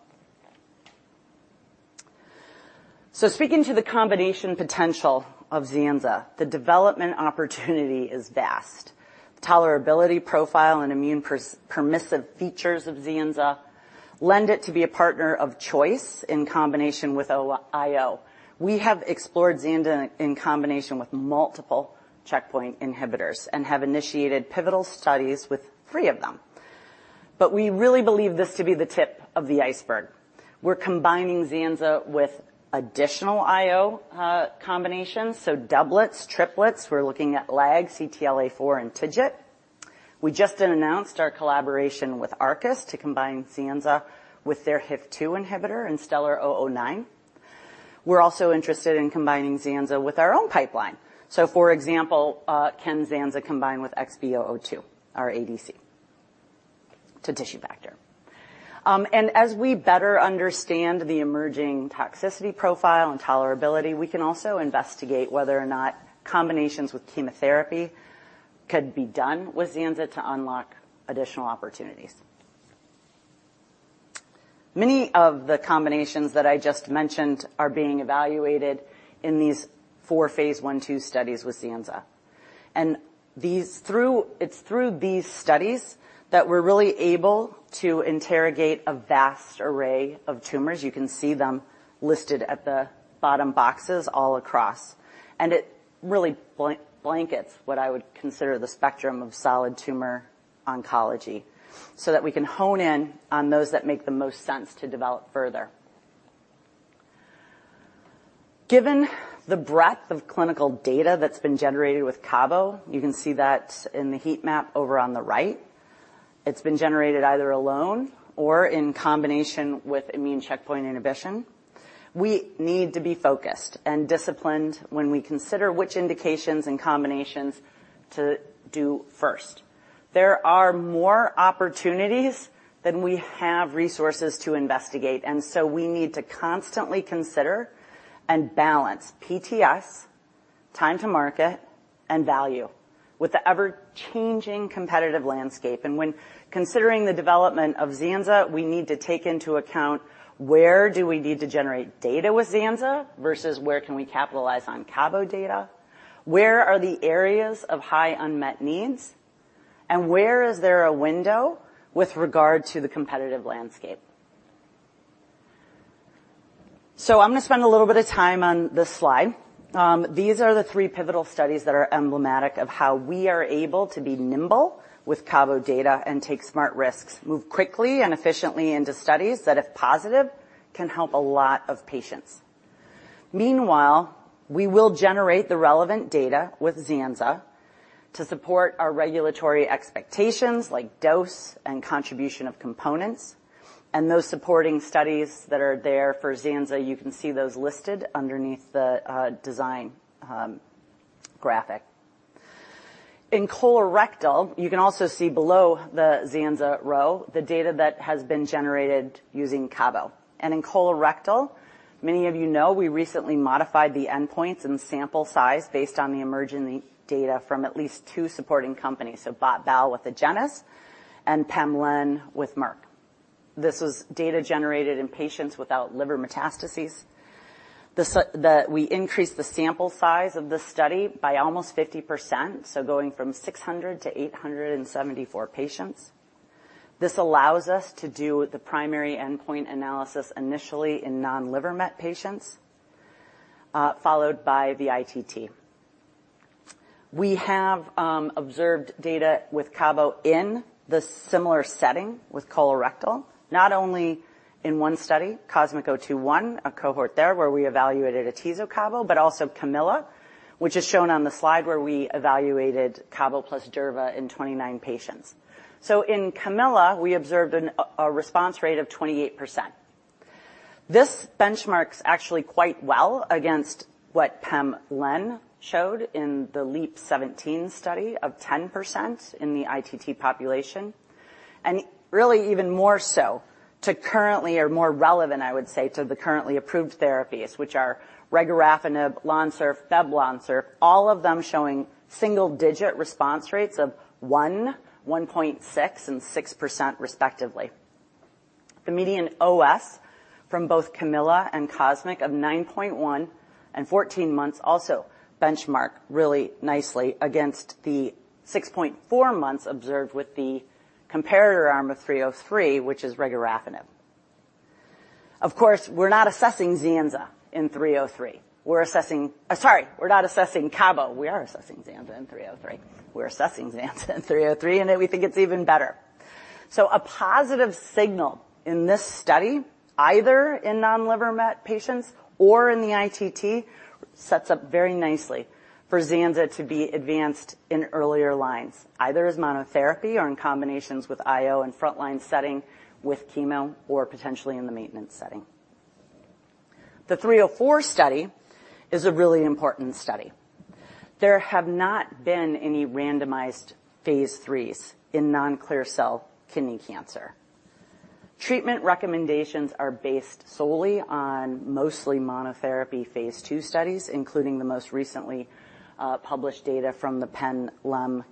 So speaking to the combination potential of zanza, the development opportunity is vast. Tolerability profile and immune permissive features of zanza lend it to be a partner of choice in combination with IO. We have explored zanza in combination with multiple checkpoint inhibitors and have initiated pivotal studies with three of them. But we really believe this to be the tip of the iceberg. We're combining zanza with additional IO combinations, so doublets, triplets. We're looking at LAG-3, CTLA-4, and TIGIT. We just announced our collaboration with Arcus to combine zanza with their HIF-2 inhibitor in STELLAR-009. We're also interested in combining zanza with our own pipeline. For example, can zanza combine with XB002, our ADC to tissue factor? And as we better understand the emerging toxicity profile and tolerability, we can also investigate whether or not combinations with chemotherapy could be done with zanza to unlock additional opportunities. Many of the combinations that I just mentioned are being evaluated in these four phase I,II studies with zanza. And it's through these studies that we're really able to interrogate a vast array of tumors. You can see them listed at the bottom boxes all across, and it really blankets what I would consider the spectrum of solid tumor oncology so that we can hone in on those that make the most sense to develop further. Given the breadth of clinical data that's been generated with cabo, you can see that in the heat map over on the right. It's been generated either alone or in combination with immune checkpoint inhibition. We need to be focused and disciplined when we consider which indications and combinations to do first. There are more opportunities than we have resources to investigate, and so we need to constantly consider and balance PFS, time to market, and value with the ever-changing competitive landscape. When considering the development of zanza, we need to take into account where do we need to generate data with zanza versus where can we capitalize on cabo data? Where are the areas of high unmet needs? Where is there a window with regard to the competitive landscape? So I'm going to spend a little bit of time on this slide. These are the three pivotal studies that are emblematic of how we are able to be nimble with cabo data and take smart risks, move quickly and efficiently into studies that, if positive, can help a lot of patients. Meanwhile, we will generate the relevant data with zanza to support our regulatory expectations, like dose and contribution of components. And those supporting studies that are there for zanza, you can see those listed underneath the design graphic. In colorectal, you can also see below the zanza row, the data that has been generated using cabo. And in colorectal, many of you know, we recently modified the endpoints and sample size based on the emerging data from at least two supporting companies. So Bot/Bal with Agenus and PEM LEN with Merck. This was data generated in patients without liver metastases. We increased the sample size of this study by almost 50%, so going from 600 to 874 patients. This allows us to do the primary endpoint analysis initially in non-liver met patients, followed by the ITT. We have observed data with cabo in the similar setting with colorectal, not only in one study, COSMIC-021, a cohort there where we evaluated atezo-cabo, but also CAMILLA, which is shown on the slide, where we evaluated cabo plus durva in 29 patients. So in CAMILLA, we observed a response rate of 28%. This benchmarks actually quite well against what PEMLEN showed in the LEAP-17 study of 10% in the ITT population. Really even more so to currently or more relevant, I would say, to the currently approved therapies, which are regorafenib, Lonsurf, fruquintinib, all of them showing single-digit response rates of 1%, 1.6%, and 6%, respectively. The median OS from both CAMILLA and COSMIC of 9.1 and 14 months also benchmark really nicely against the 6.4 months observed with the comparator arm of 303, which is regorafenib. Of course, we're not assessing zanza in 303. We're assessing. Sorry, we're not assessing cabo. We are assessing zanza in 303. We're assessing zanza in 303, and we think it's even better. A positive signal in this study, either in non-liver met patients or in the ITT, sets up very nicely for zanzalutinib to be advanced in earlier lines, either as monotherapy or in combinations with IO in frontline setting, with chemo or potentially in the maintenance setting. The 304 study is a really important study. There have not been any randomized phase III in non-clear cell kidney cancer. Treatment recommendations are based solely on mostly monotherapy phase II studies, including the most recently published data from the pembrolizumab/lenvatinib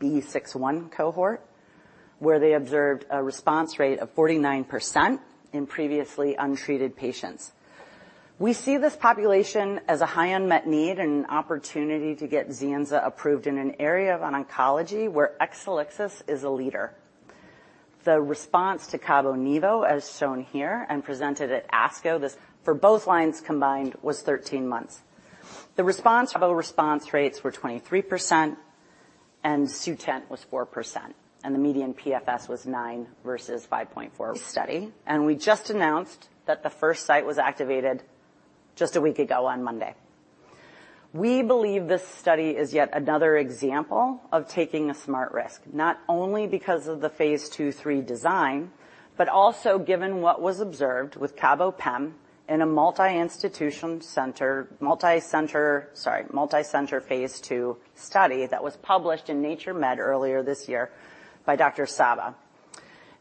KEYNOTE-B61 cohort, where they observed a response rate of 49% in previously untreated patients. We see this population as a high unmet need and an opportunity to get zanzalutinib approved in an area of oncology where Exelixis is a leader. The response to cabo-nivo, as shown here and presented at ASCO, this for both lines combined, was 13 months. The response, cabo response rates were 23% and Sutent was 4%, and the median PFS was 9 versus 5.4 study. And we just announced that the first site was activated just a week ago on Monday. We believe this study is yet another example of taking a smart risk, not only because of the phase II, III design, but also given what was observed with cabo-pem in a multi-institution center, multi-center, sorry, multi-center phase II study that was published in Nature Med earlier this year by Dr. Saba.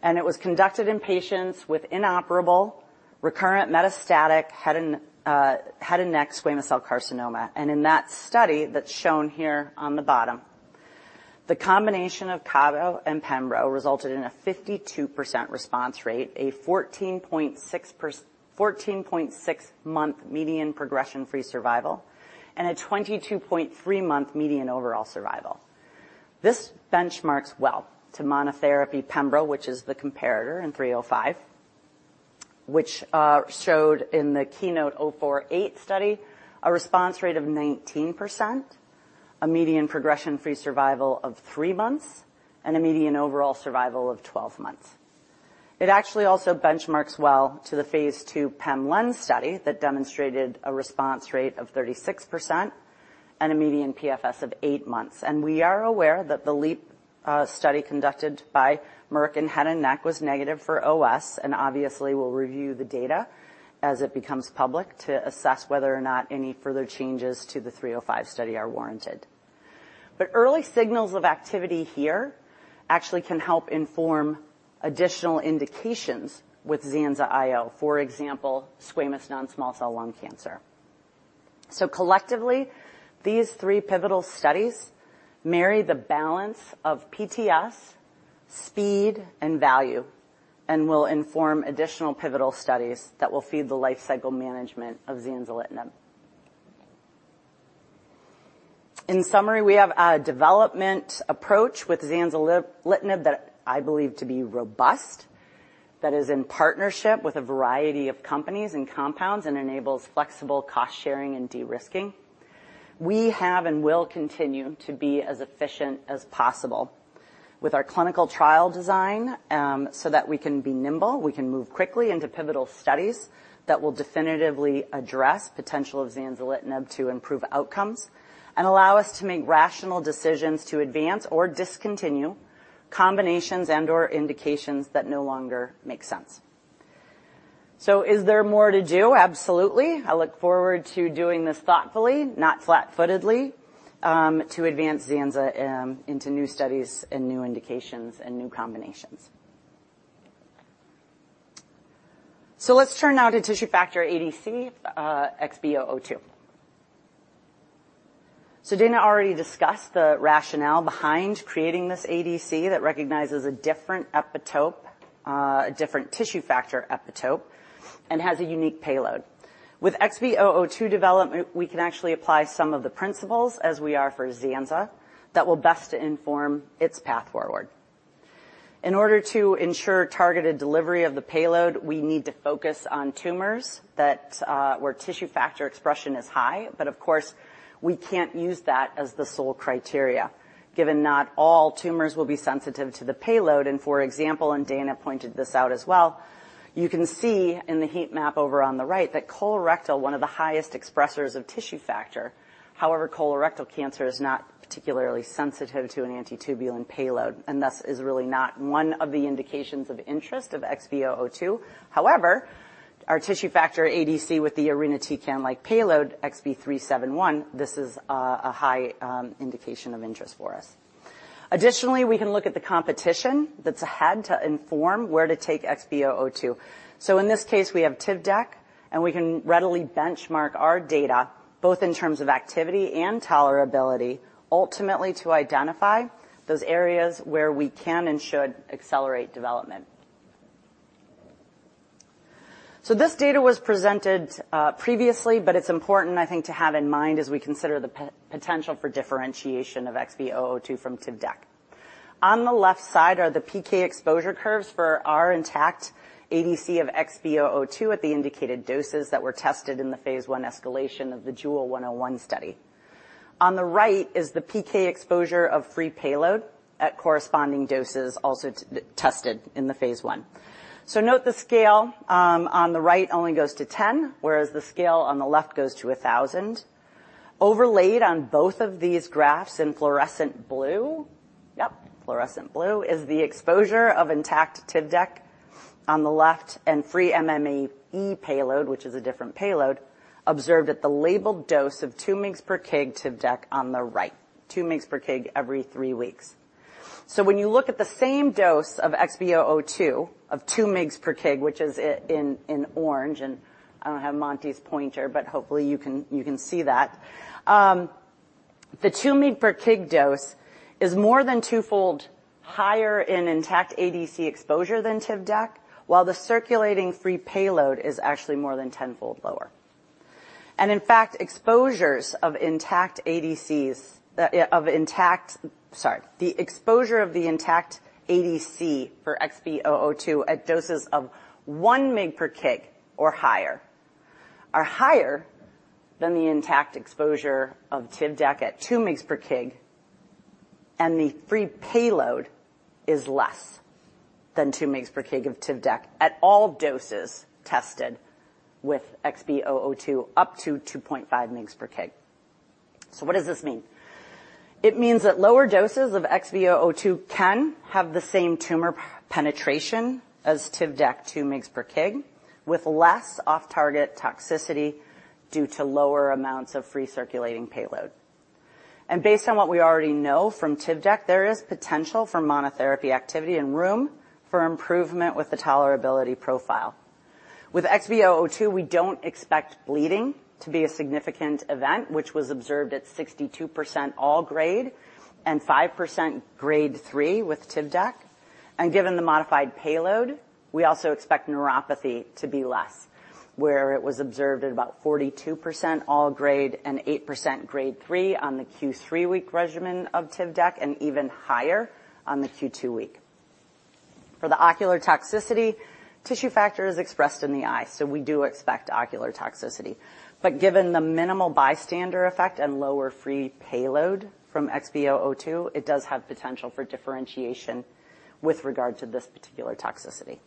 And it was conducted in patients with inoperable, recurrent metastatic, head and, head and neck squamous cell carcinoma. In that study, that's shown here on the bottom, the combination of cabo and pembro resulted in a 52% response rate, a 14.6-month median progression-free survival, and a 22.3-month median overall survival. This benchmarks well to monotherapy pembro, which is the comparator in 305, which showed in the KEYNOTE-048 study, a response rate of 19%, a median progression-free survival of three months, and a median overall survival of 12 months. It actually also benchmarks well to the phase II PEM LEN study that demonstrated a response rate of 36% and a median PFS of eight months. We are aware that the LEAP study conducted by Merck in head and neck was negative for OS, and obviously, we'll review the data as it becomes public to assess whether or not any further changes to the 305 study are warranted. But early signals of activity here actually can help inform additional indications with zanzalutinib IO, for example, squamous non-small cell lung cancer. So collectively, these three pivotal studies marry the balance of PFS, speed, and value and will inform additional pivotal studies that will feed the lifecycle management of zanzalutinib. In summary, we have a development approach with zanzalutinib that I believe to be robust, that is in partnership with a variety of companies and compounds and enables flexible cost-sharing and de-risking. We have and will continue to be as efficient as possible with our clinical trial design, so that we can be nimble, we can move quickly into pivotal studies that will definitively address potential of zanzalutinib to improve outcomes and allow us to make rational decisions to advance or discontinue combinations and, or indications that no longer make sense.... So is there more to do? Absolutely. I look forward to doing this thoughtfully, not flat-footedly, to advance zanza into new studies and new indications and new combinations. So let's turn now to tissue factor ADC, XB002. So Dana already discussed the rationale behind creating this ADC that recognizes a different epitope, a different tissue factor epitope, and has a unique payload. With XB002 development, we can actually apply some of the principles as we are for zanza, that will best inform its path forward. In order to ensure targeted delivery of the payload, we need to focus on tumors that, where tissue factor expression is high, but of course, we can't use that as the sole criteria, given not all tumors will be sensitive to the payload. And, for example, and Dana pointed this out as well, you can see in the heat map over on the right that colorectal, one of the highest expressers of tissue factor. However, colorectal cancer is not particularly sensitive to an antitubulin payload, and thus is really not one of the indications of interest of XB002. However, our tissue factor ADC with the auristatin-like payload, XB371, this is a high indication of interest for us. Additionally, we can look at the competition that's ahead to inform where to take XB002. In this case, we have Tivdak, and we can readily benchmark our data, both in terms of activity and tolerability, ultimately to identify those areas where we can and should accelerate development. So this data was presented previously, but it's important, I think, to have in mind as we consider the potential for differentiation of XB002 from Tivdak. On the left side are the PK exposure curves for our intact ADC of XB002 at the indicated doses that were tested in the phase I escalation of the JEWEL-101 study. On the right is the PK exposure of free payload at corresponding doses also tested in the phase. So note the scale on the right only goes to 10, whereas the scale on the left goes to 1,000. Overlaid on both of these graphs in fluorescent blue, yep, fluorescent blue, is the exposure of intact Tivdak on the left and free MMAE payload, which is a different payload, observed at the labeled dose of 2 mg/kg Tivdak on the right, 2 mg/kg every three weeks. So when you look at the same dose of XB002, of 2 mg/kg, which is in orange, and I don't have Monty's pointer, but hopefully you can see that. The 2 mg/kg dose is more than twofold higher in intact ADC exposure than Tivdak, while the circulating free payload is actually more than 10-fold lower. And in fact, exposures of intact ADCs... Sorry. The exposure of the intact ADC for XB002 at doses of 1 mg per kg or higher are higher than the intact exposure of Tivdak at 2 mgs per kg, and the free payload is less than 2 mgs per kg of Tivdak at all doses tested with XB002 up to 2.5 mgs per kg. So what does this mean? It means that lower doses of XB002 can have the same tumor penetration as Tivdak 2 mgs per kg, with less off-target toxicity due to lower amounts of free circulating payload. And based on what we already know from Tivdak, there is potential for monotherapy activity and room for improvement with the tolerability profile. With XB002, we don't expect bleeding to be a significant event, which was observed at 62% all grade and 5% grade three with Tivdak. Given the modified payload, we also expect neuropathy to be less, where it was observed at about 42% all grade and 8% grade three on the Q3 week regimen of Tivdak, and even higher on the Q2 week. For the ocular toxicity, tissue factor is expressed in the eye, so we do expect ocular toxicity. But given the minimal bystander effect and lower free payload from XB002, it does have potential for differentiation with regard to this particular toxicity.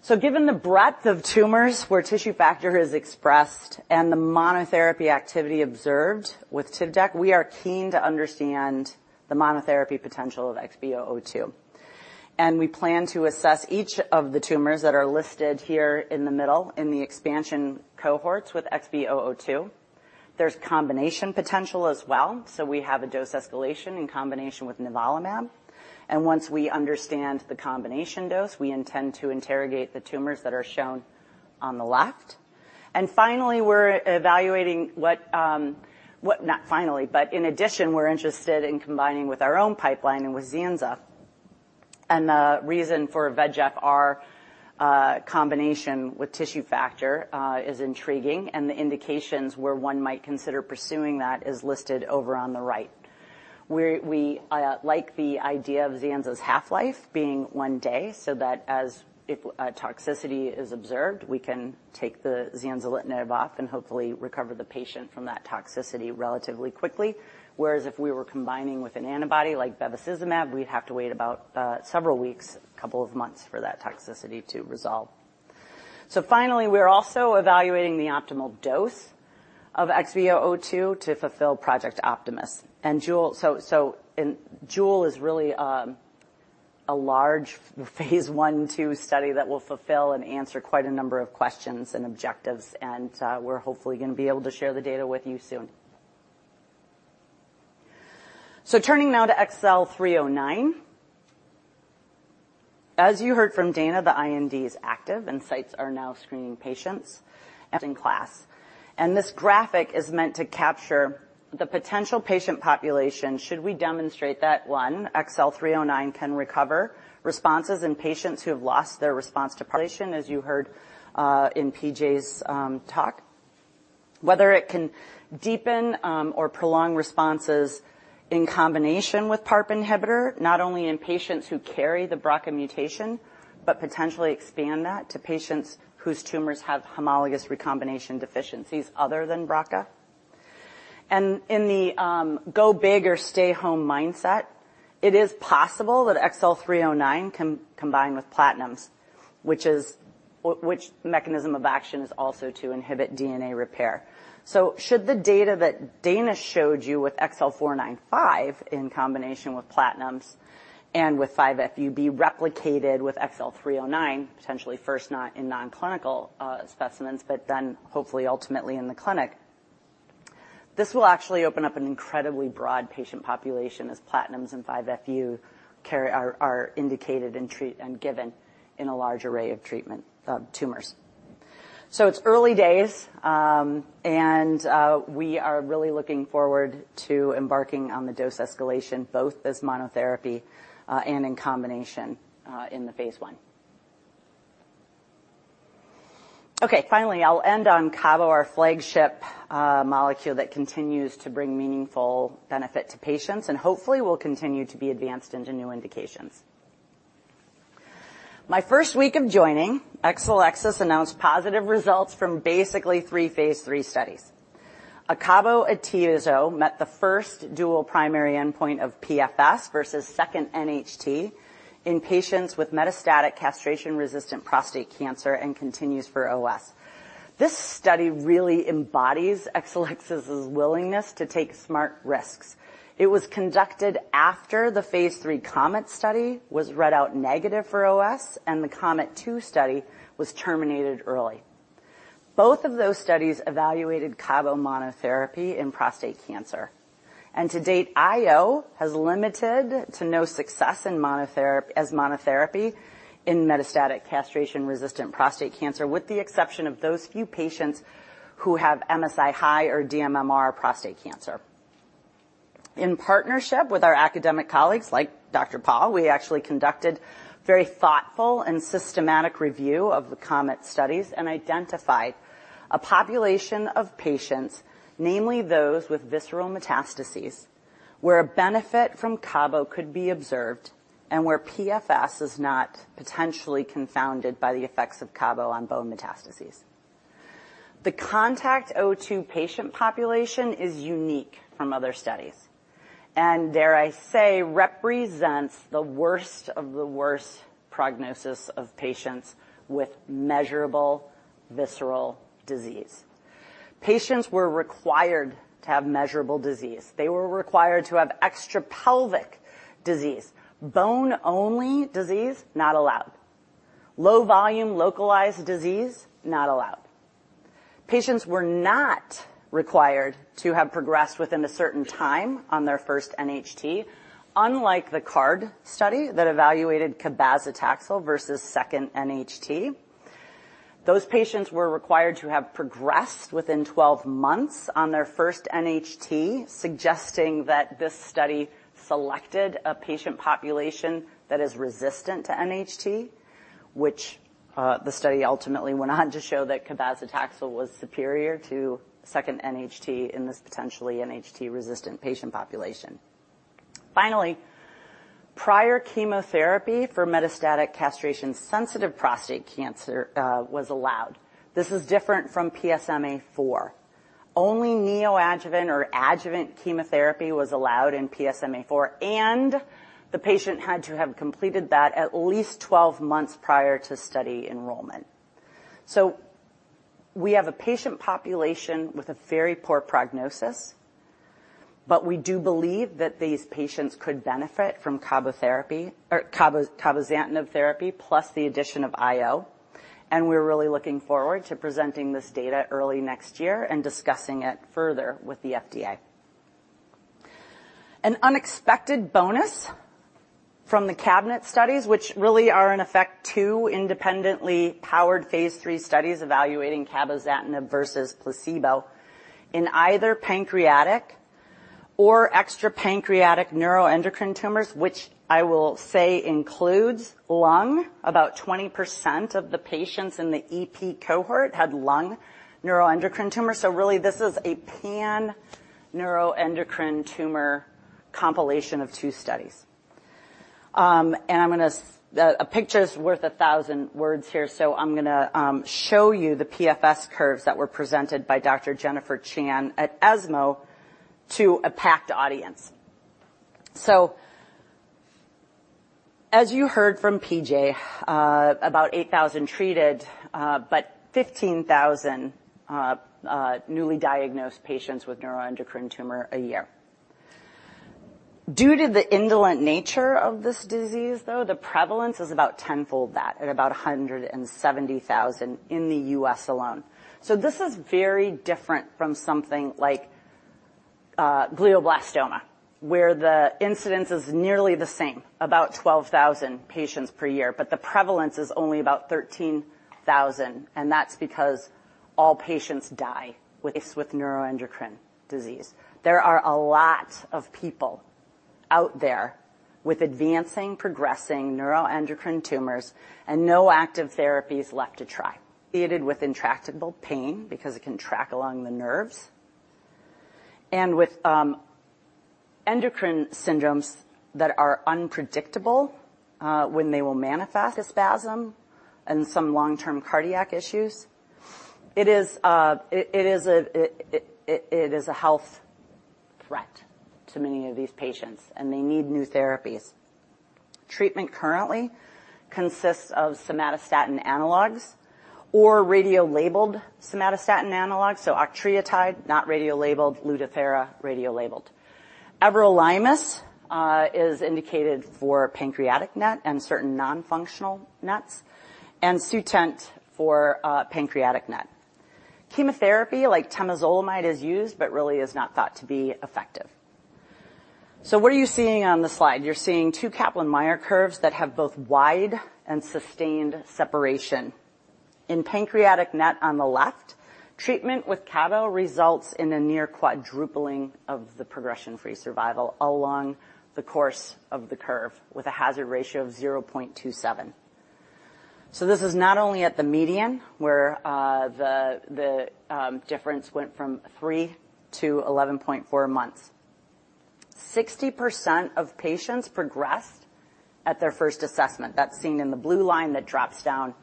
So given the breadth of tumors where tissue factor is expressed and the monotherapy activity observed with Tivdak, we are keen to understand the monotherapy potential of XB002, and we plan to assess each of the tumors that are listed here in the middle in the expansion cohorts with XB002. There's combination potential as well, so we have a dose escalation in combination with nivolumab. Once we understand the combination dose, we intend to interrogate the tumors that are shown on the left. And finally, we're evaluating what... Not finally, but in addition, we're interested in combining with our own pipeline and with zanzalutinib. And the reason for VEGFR combination with tissue factor is intriguing, and the indications where one might consider pursuing that is listed over on the right. We like the idea of zanzalutinib's half-life being one day, so that if toxicity is observed, we can take the zanzalutinib off and hopefully recover the patient from that toxicity relatively quickly. Whereas if we were combining with an antibody like bevacizumab, we'd have to wait about several weeks, couple of months for that toxicity to resolve... So finally, we're also evaluating the optimal dose of XB002 to fulfill Project Optimus and JEWEL. JEWEL is really a large phase I, II study that will fulfill and answer quite a number of questions and objectives, and we're hopefully going to be able to share the data with you soon. So turning now to XL309. As you heard from Dana, the IND is active and sites are now screening patients in the clinic. This graphic is meant to capture the potential patient population should we demonstrate that, one, XL309 can recover responses in patients who have lost their response to PARP, as you heard in P.J.'s talk. Whether it can deepen or prolong responses in combination with PARP inhibitor, not only in patients who carry the BRCA mutation, but potentially expand that to patients whose tumors have homologous recombination deficiencies other than BRCA. In the go big or stay home mindset, it is possible that XL309 can combine with platinums, which mechanism of action is also to inhibit DNA Repare. So should the data that Dana showed you with XL495 in combination with platinums and with 5-FU be replicated with XL309, potentially first, not in nonclinical specimens, but then hopefully ultimately in the clinic. This will actually open up an incredibly broad patient population as platinums and 5-FU are indicated and given in a large array of treatment tumors. So it's early days, and we are really looking forward to embarking on the dose escalation, both as monotherapy and in combination, in the phase I. Okay, finally, I'll end on cabo, our flagship molecule, that continues to bring meaningful benefit to patients and hopefully will continue to be advanced into new indications. My first week of joining, Exelixis announced positive results from basically three phase III studies. Cabo-atezo met the first dual primary endpoint of PFS versus second NHT in patients with metastatic castration-resistant prostate cancer and continues for OS. This study really embodies Exelixis' willingness to take smart risks. It was conducted after the phase III COMET study was read out negative for OS, and the COMET-2 study was terminated early. Both of those studies evaluated cabo monotherapy in prostate cancer, and to date, IO has limited to no success as monotherapy in metastatic castration-resistant prostate cancer, with the exception of those few patients who have MSI-high or dMMR prostate cancer. In partnership with our academic colleagues, like Dr. Pal, we actually conducted very thoughtful and systematic review of the COMET studies and identified a population of patients, namely those with visceral metastases, where a benefit from cabo could be observed and where PFS is not potentially confounded by the effects of cabo on bone metastases. The CONTACT-02 patient population is unique from other studies, and dare I say, represents the worst of the worst prognosis of patients with measurable visceral disease. Patients were required to have measurable disease. They were required to have extrapelvic disease, bone-only disease, not allowed. Low volume, localized disease, not allowed. Patients were not required to have progressed within a certain time on their first NHT, unlike the CARD study that evaluated cabazitaxel versus second NHT. Those patients were required to have progressed within 12 months on their first NHT, suggesting that this study selected a patient population that is resistant to NHT, which the study ultimately went on to show that cabazitaxel was superior to second NHT in this potentially NHT-resistant patient population. Finally, prior chemotherapy for metastatic castration-sensitive prostate cancer was allowed. This was different from PSMAfore. Only neoadjuvant or adjuvant chemotherapy was allowed in PSMAfore, and the patient had to have completed that at least 12 months prior to study enrollment. So we have a patient population with a very poor prognosis, but we do believe that these patients could benefit from cabo therapy or cabozantinib therapy, plus the addition of IO, and we're really looking forward to presenting this data early next year and discussing it further with the FDA. An unexpected bonus from the CABINET studies, which really are, in effect, two independently powered phase III studies evaluating cabozantinib versus placebo in either pancreatic or extrapancreatic neuroendocrine tumors, which I will say includes lung. About 20% of the patients in the EP cohort had lung neuroendocrine tumors. So really, this is a pan-neuroendocrine tumor compilation of two studies. A picture is worth a thousand words here, so I'm gonna show you the PFS curves that were presented by Dr. Jennifer Chan at ESMO to a packed audience. As you heard from P.J., about 8,000 treated newly diagnosed patients with neuroendocrine tumor a year. Due to the indolent nature of this disease, though, the prevalence is about tenfold that, at about 170,000 in the U.S. alone. This is very different from something like glioblastoma, where the incidence is nearly the same, about 12,000 patients per year, but the prevalence is only about 13,000, and that's because all patients die with neuroendocrine disease. There are a lot of people out there with advancing, progressing neuroendocrine tumors and no active therapies left to try. Treated with intractable pain, because it can track along the nerves and with endocrine syndromes that are unpredictable when they will manifest as spasm and some long-term cardiac issues. It is a health threat to many of these patients, and they need new therapies. Treatment currently consists of somatostatin analogs or radiolabeled somatostatin analogs, so octreotide, not radiolabeled, Lutathera, radiolabeled. Everolimus is indicated for pancreatic NET and certain non-functional NETs, and Sutent for pancreatic NET. Chemotherapy, like temozolomide, is used, but really is not thought to be effective. So what are you seeing on the slide? You're seeing two Kaplan-Meier curves that have both wide and sustained separation. In pancreatic NET on the left, treatment with cabo results in a near quadrupling of the progression-free survival along the course of the curve, with a hazard ratio of 0.27. So this is not only at the median, where the difference went from three to 11.4 months. 60% of patients progressed at their first assessment. That's seen in the blue line that drops down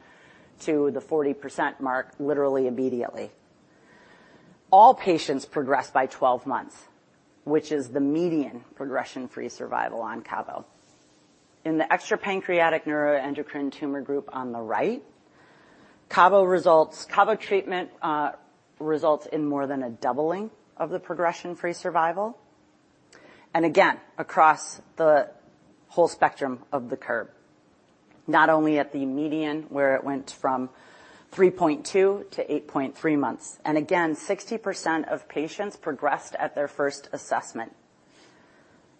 to the 40% mark, literally immediately. All patients progress by 12 months, which is the median progression-free survival on cabo. In the extrapancreatic neuroendocrine tumor group on the right, cabo treatment results in more than a doubling of the progression-free survival, and again, across the whole spectrum of the curve, not only at the median, where it went from 3.2 to 8.3 months. Again, 60% of patients progressed at their first assessment,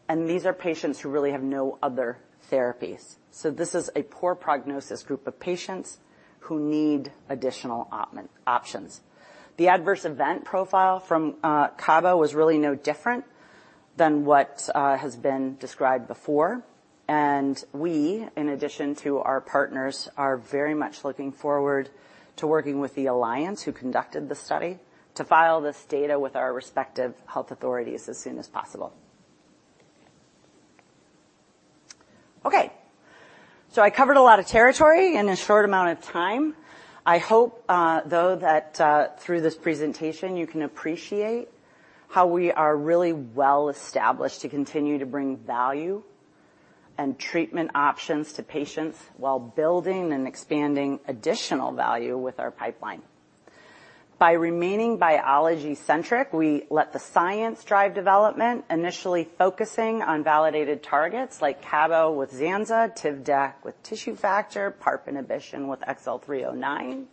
and these are patients who really have no other therapies. So this is a poor prognosis group of patients who need additional options. The adverse event profile from cabo was really no different than what has been described before. And we, in addition to our partners, are very much looking forward to working with the alliance who conducted this study to file this data with our respective health authorities as soon as possible. Okay, so I covered a lot of territory in a short amount of time. I hope, though, that through this presentation, you can appreciate how we are really well established to continue to bring value and treatment options to patients while building and expanding additional value with our pipeline. By remaining biology-centric, we let the science drive development, initially focusing on validated targets like cabo with zanza, Tivdak with tissue factor, PARP inhibition with XL-309.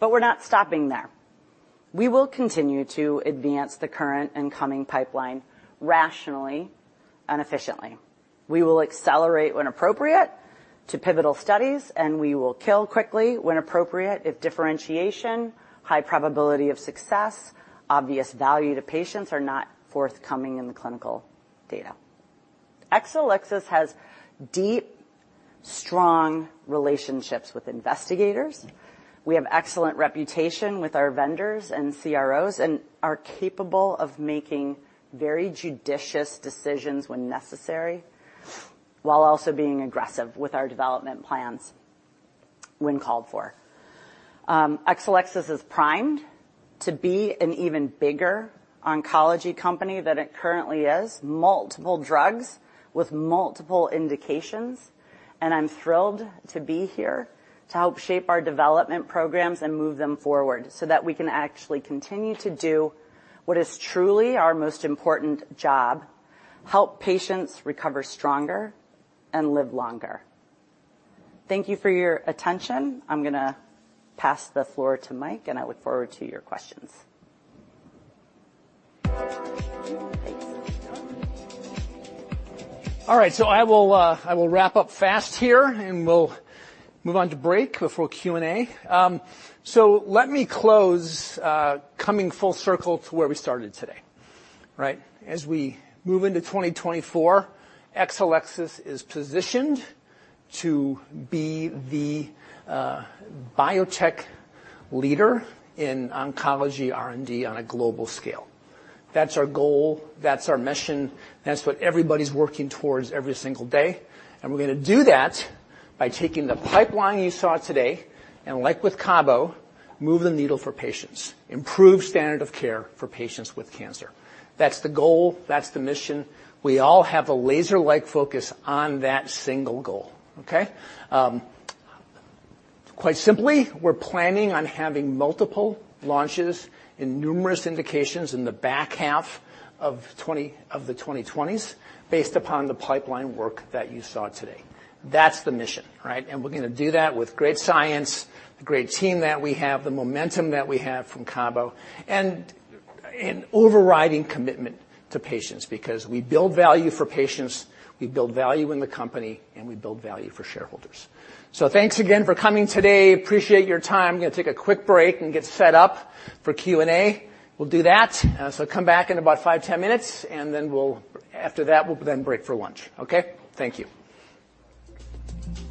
But we're not stopping there. We will continue to advance the current and coming pipeline rationally and efficiently. We will accelerate when appropriate to pivotal studies, and we will kill quickly when appropriate, if differentiation, high probability of success, obvious value to patients are not forthcoming in the clinical data. Exelixis has deep, strong relationships with investigators. We have excellent reputation with our vendors and CROs and are capable of making very judicious decisions when necessary, while also being aggressive with our development plans when called for. Exelixis is primed to be an even bigger oncology company than it currently is, multiple drugs with multiple indications, and I'm thrilled to be here to help shape our development programs and move them forward so that we can actually continue to do what is truly our most important job: help patients recover stronger and live longer. Thank you for your attention. I'm gonna pass the floor to Mike, and I look forward to your questions. All right, so I will, I will wrap up fast here, and we'll move on to break before Q&A. So let me close, coming full circle to where we started today, right? As we move into 2024, Exelixis is positioned to be the, biotech leader in oncology R&D on a global scale. That's our goal, that's our mission, that's what everybody's working towards every single day, and we're gonna do that by taking the pipeline you saw today, and like with cabo, move the needle for patients, improve standard of care for patients with cancer. That's the goal, that's the mission. We all have a laser-like focus on that single goal, okay? Quite simply, we're planning on having multiple launches in numerous indications in the back half of the 2020s, based upon the pipeline work that you saw today. That's the mission, right? And we're gonna do that with great science, the great team that we have, the momentum that we have from cabo, and an overriding commitment to patients, because we build value for patients, we build value in the company, and we build value for shareholders. So thanks again for coming today. Appreciate your time. We're gonna take a quick break and get set up for Q&A. We'll do that. So come back in about five to 10 minutes, and then we'll... After that, we'll then break for lunch, okay? Thank you.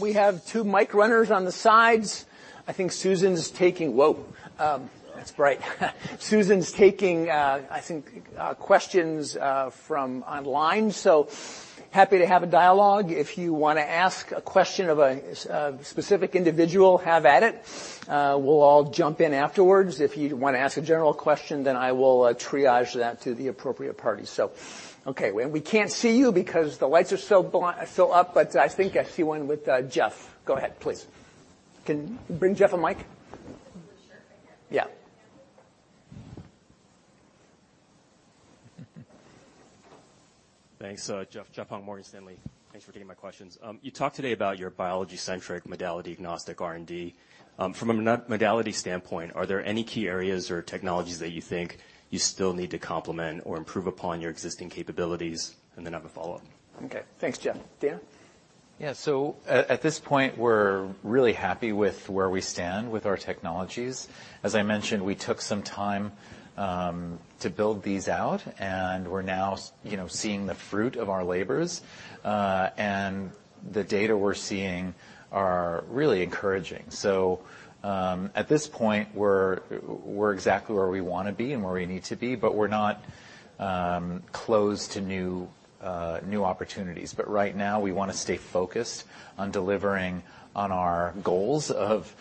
We have two mic runners on the sides. I think Susan's taking questions from online, so happy to have a dialogue. If you want to ask a question of a specific individual, have at it. We'll all jump in afterwards. If you want to ask a general question, then I will triage that to the appropriate party. So okay, and we can't see you because the lights are so up, but I think I see one with Jeff. Go ahead, please. Can you bring Jeff a mic? Yeah. Thanks. Jeff, Jeff Hung, Morgan Stanley. Thanks for taking my questions. You talked today about your biology-centric, modality-agnostic R&D. From a modality standpoint, are there any key areas or technologies that you think you still need to complement or improve upon your existing capabilities? And then I have a follow-up. Okay. Thanks, Jeff. Dana? Yeah, so at this point, we're really happy with where we stand with our technologies. As I mentioned, we took some time to build these out, and we're now seeing, you know, the fruit of our labors. And the data we're seeing are really encouraging. So at this point, we're exactly where we want to be and where we need to be, but we're not closed to new new opportunities. But right now, we wanna stay focused on delivering on our goals of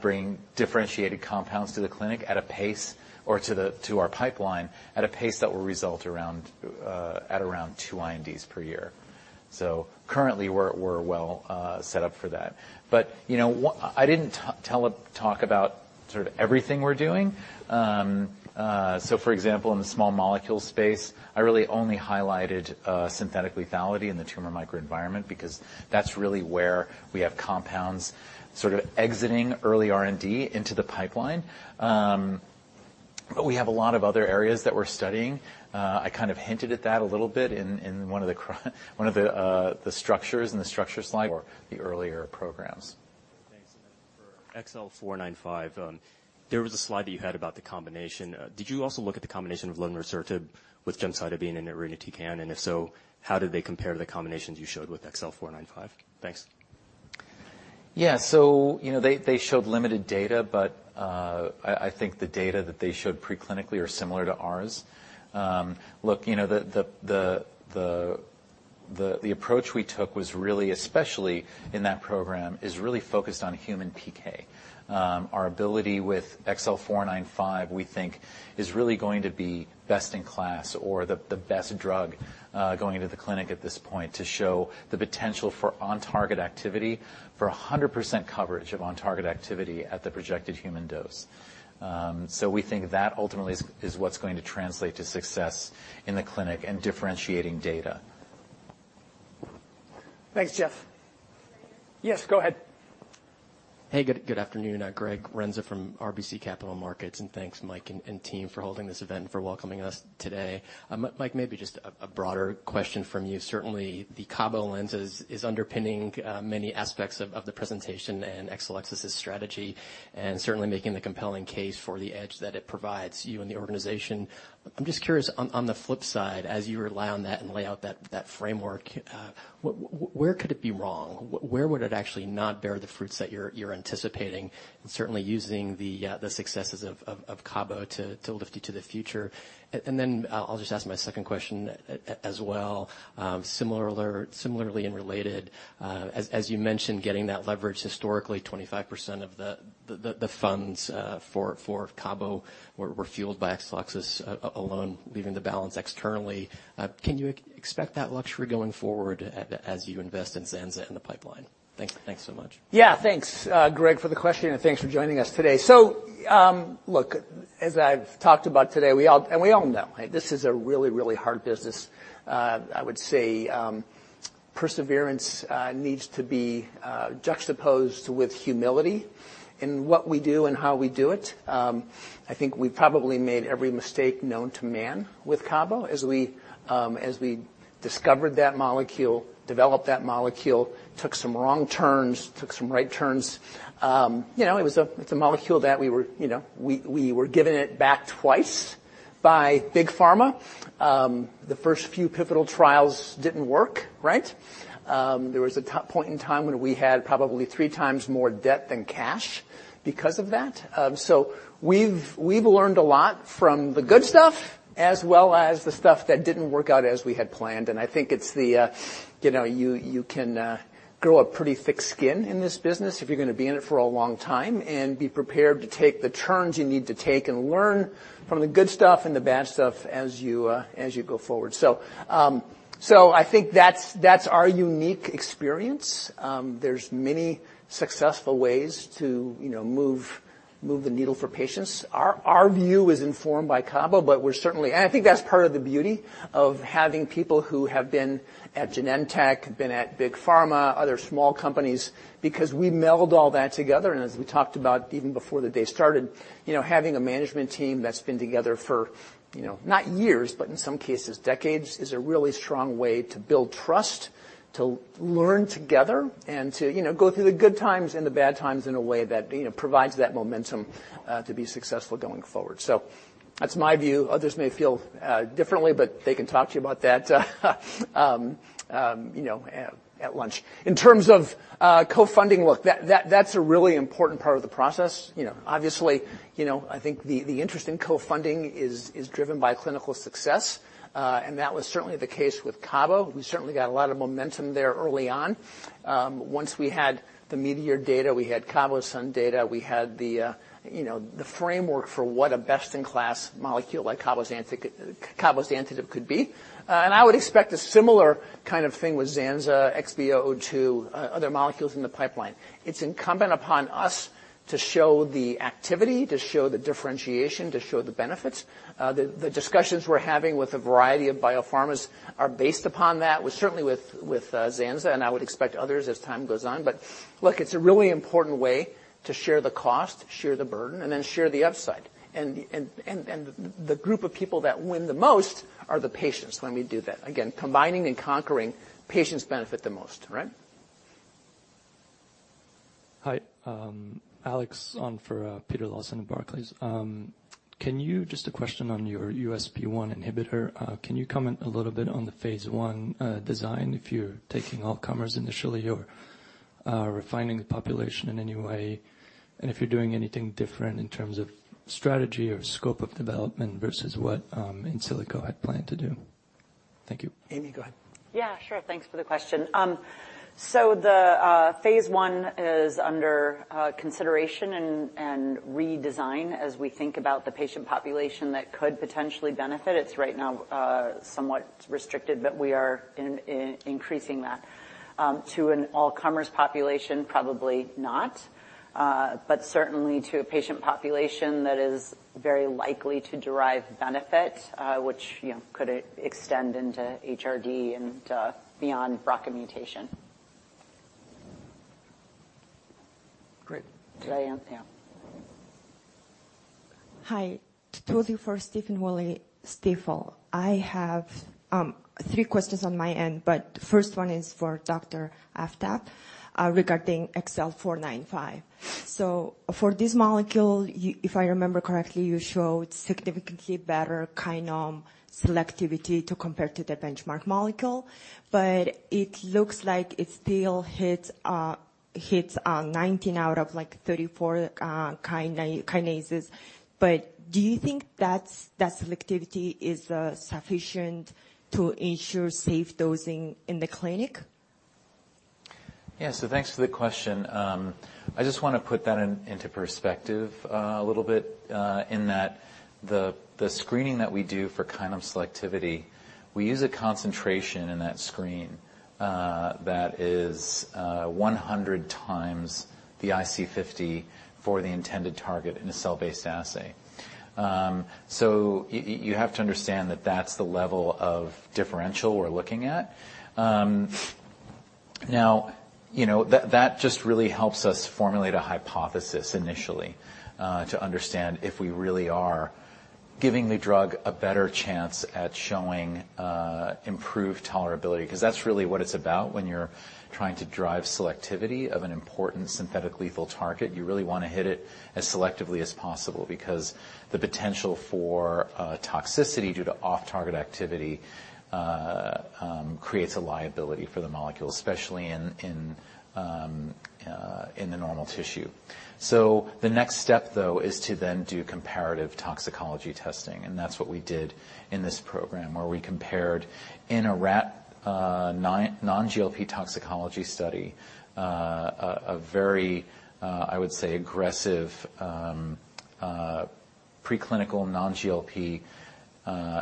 bringing differentiated compounds to the clinic at a pace or to our pipeline, at a pace that will result around at around two INDs per year. So currently, we're well set up for that. But you know, I didn't talk about sort of everything we're doing. For example, in the small molecule space, I really only highlighted synthetic lethality in the tumor microenvironment, because that's really where we have compounds sort of exiting early R&D into the pipeline. But we have a lot of other areas that we're studying. I kind of hinted at that a little bit in one of the structures in the structure slide or the earlier programs. Thanks. For XL495, there was a slide that you had about the combination. Did you also look at the combination of lunresertib with gemcitabine and irinotecan? And if so, how did they compare to the combinations you showed with XL495? Thanks. Yeah. So you know, they showed limited data, but I think the data that they showed preclinically are similar to ours. Look, you know, the approach we took was really, especially in that program, is really focused on human PK. Our ability with XL495, we think, is really going to be best in class or the best drug going into the clinic at this point to show the potential for on-target activity, for 100% coverage of on-target activity at the projected human dose. So we think that ultimately is what's going to translate to success in the clinic and differentiating data. Thanks, Jeff. Yes, go ahead. Hey, good afternoon. Greg Renza from RBC Capital Markets, and thanks, Mike and team, for holding this event and for welcoming us today. Mike, maybe just a broader question from you. Certainly, the cabo lens is underpinning many aspects of the presentation and Exelixis' strategy, and certainly making the compelling case for the edge that it provides you and the organization. I'm just curious, on the flip side, as you rely on that and lay out that framework, where could it be wrong? Where would it actually not bear the fruits that you're anticipating, and certainly using the successes of cabo to lift you to the future? And then I'll just ask my second question as well. Similarly and related, as you mentioned, getting that leverage historically, 25% of the funds for cabo were fueled by Exelixis alone, leaving the balance externally. Can you expect that luxury going forward as you invest in zanza and the pipeline? Thanks so much. Yeah, thanks, Greg, for the question, and thanks for joining us today. So, look, as I've talked about today, we all know, right? This is a really, really hard business. I would say perseverance needs to be juxtaposed with humility in what we do and how we do it. I think we probably made every mistake known to man with cabo as we discovered that molecule, developed that molecule, took some wrong turns, took some right turns. You know, it's a molecule that we were, you know, we were given it back twice by Big Pharma. The first few pivotal trials didn't work, right? There was a point in time when we had probably three times more debt than cash because of that. We've learned a lot from the good stuff as well as the stuff that didn't work out as we had planned, and I think it's, you know, you can grow a pretty thick skin in this business if you're gonna be in it for a long time and be prepared to take the turns you need to take and learn from the good stuff and the bad stuff as you go forward. So I think that's our unique experience. There's many successful ways to, you know, move the needle for patients. Our view is informed by cabo, but we're certainly. And I think that's part of the beauty of having people who have been at Genentech, been at Big Pharma, other small companies, because we meld all that together. As we talked about even before the day started, you know, having a management team that's been together for, you know, not years, but in some cases, decades, is a really strong way to build trust, to learn together, and to, you know, go through the good times and the bad times in a way that, you know, provides that momentum to be successful going forward. So that's my view. Others may feel differently, but they can talk to you about that, you know, at lunch. In terms of co-funding, look, that that's a really important part of the process. You know, obviously, you know, I think the interest in co-funding is driven by clinical success, and that was certainly the case with cabo. We certainly got a lot of momentum there early on. Once we had the METEOR data, we had CABOSUN data, we had the, you know, the framework for what a best-in-class molecule like cabozantinib could be. And I would expect a similar kind of thing with zanzalutinib, XB002, other molecules in the pipeline. It's incumbent upon us to show the activity, to show the differentiation, to show the benefits. The discussions we're having with a variety of biopharmas are based upon that, with certainly with zanza, and I would expect others as time goes on. But look, it's a really important way to share the cost, share the burden, and then share the upside. And the group of people that win the most are the patients when we do that. Again, combining and conquering, patients benefit the most, right? Hi, Alex Onn for, Peter Lawson at Barclays. Just a question on your USP1 inhibitor. Can you comment a little bit on the phase I design, if you're taking all comers initially or refining the population in any way? And if you're doing anything different in terms of strategy or scope of development versus what Insilico had planned to do? Thank you. Amy, go ahead. Yeah, sure. Thanks for the question. So the phase I is under consideration and redesign as we think about the patient population that could potentially benefit. It's right now somewhat restricted, but we are increasing that. To an all-comers population, probably not, but certainly to a patient population that is very likely to derive benefit, which, you know, could extend into HRD and beyond BRCA mutation. Great. [inaudible] Yeah. Hi. [Tozzi] for Stephen Willey, Stifel. I have three questions on my end, but first one is for Dr. Aftab, regarding XL495. So for this molecule, if I remember correctly, you showed significantly better kinome selectivity to compare to the benchmark molecule, but it looks like it still hits 19 out of, like, 34 kinases. But do you think that's, that selectivity is sufficient to ensure safe dosing in the clinic? Yeah, so thanks for the question. I just wanna put that in, into perspective, a little bit, in that the screening that we do for kinome selectivity, we use a concentration in that screen, that is, 100x the IC50 for the intended target in a cell-based assay. So you have to understand that that's the level of differential we're looking at. Now, you know, that just really helps us formulate a hypothesis initially, to understand if we really are giving the drug a better chance at showing improved tolerability. Because that's really what it's about when you're trying to drive selectivity of an important synthetic lethal target. You really want to hit it as selectively as possible, because the potential for toxicity due to off-target activity creates a liability for the molecule, especially in the normal tissue. So the next step, though, is to then do comparative toxicology testing, and that's what we did in this program, where we compared in a rat non-GLP toxicology study a very, I would say, aggressive preclinical non-GLP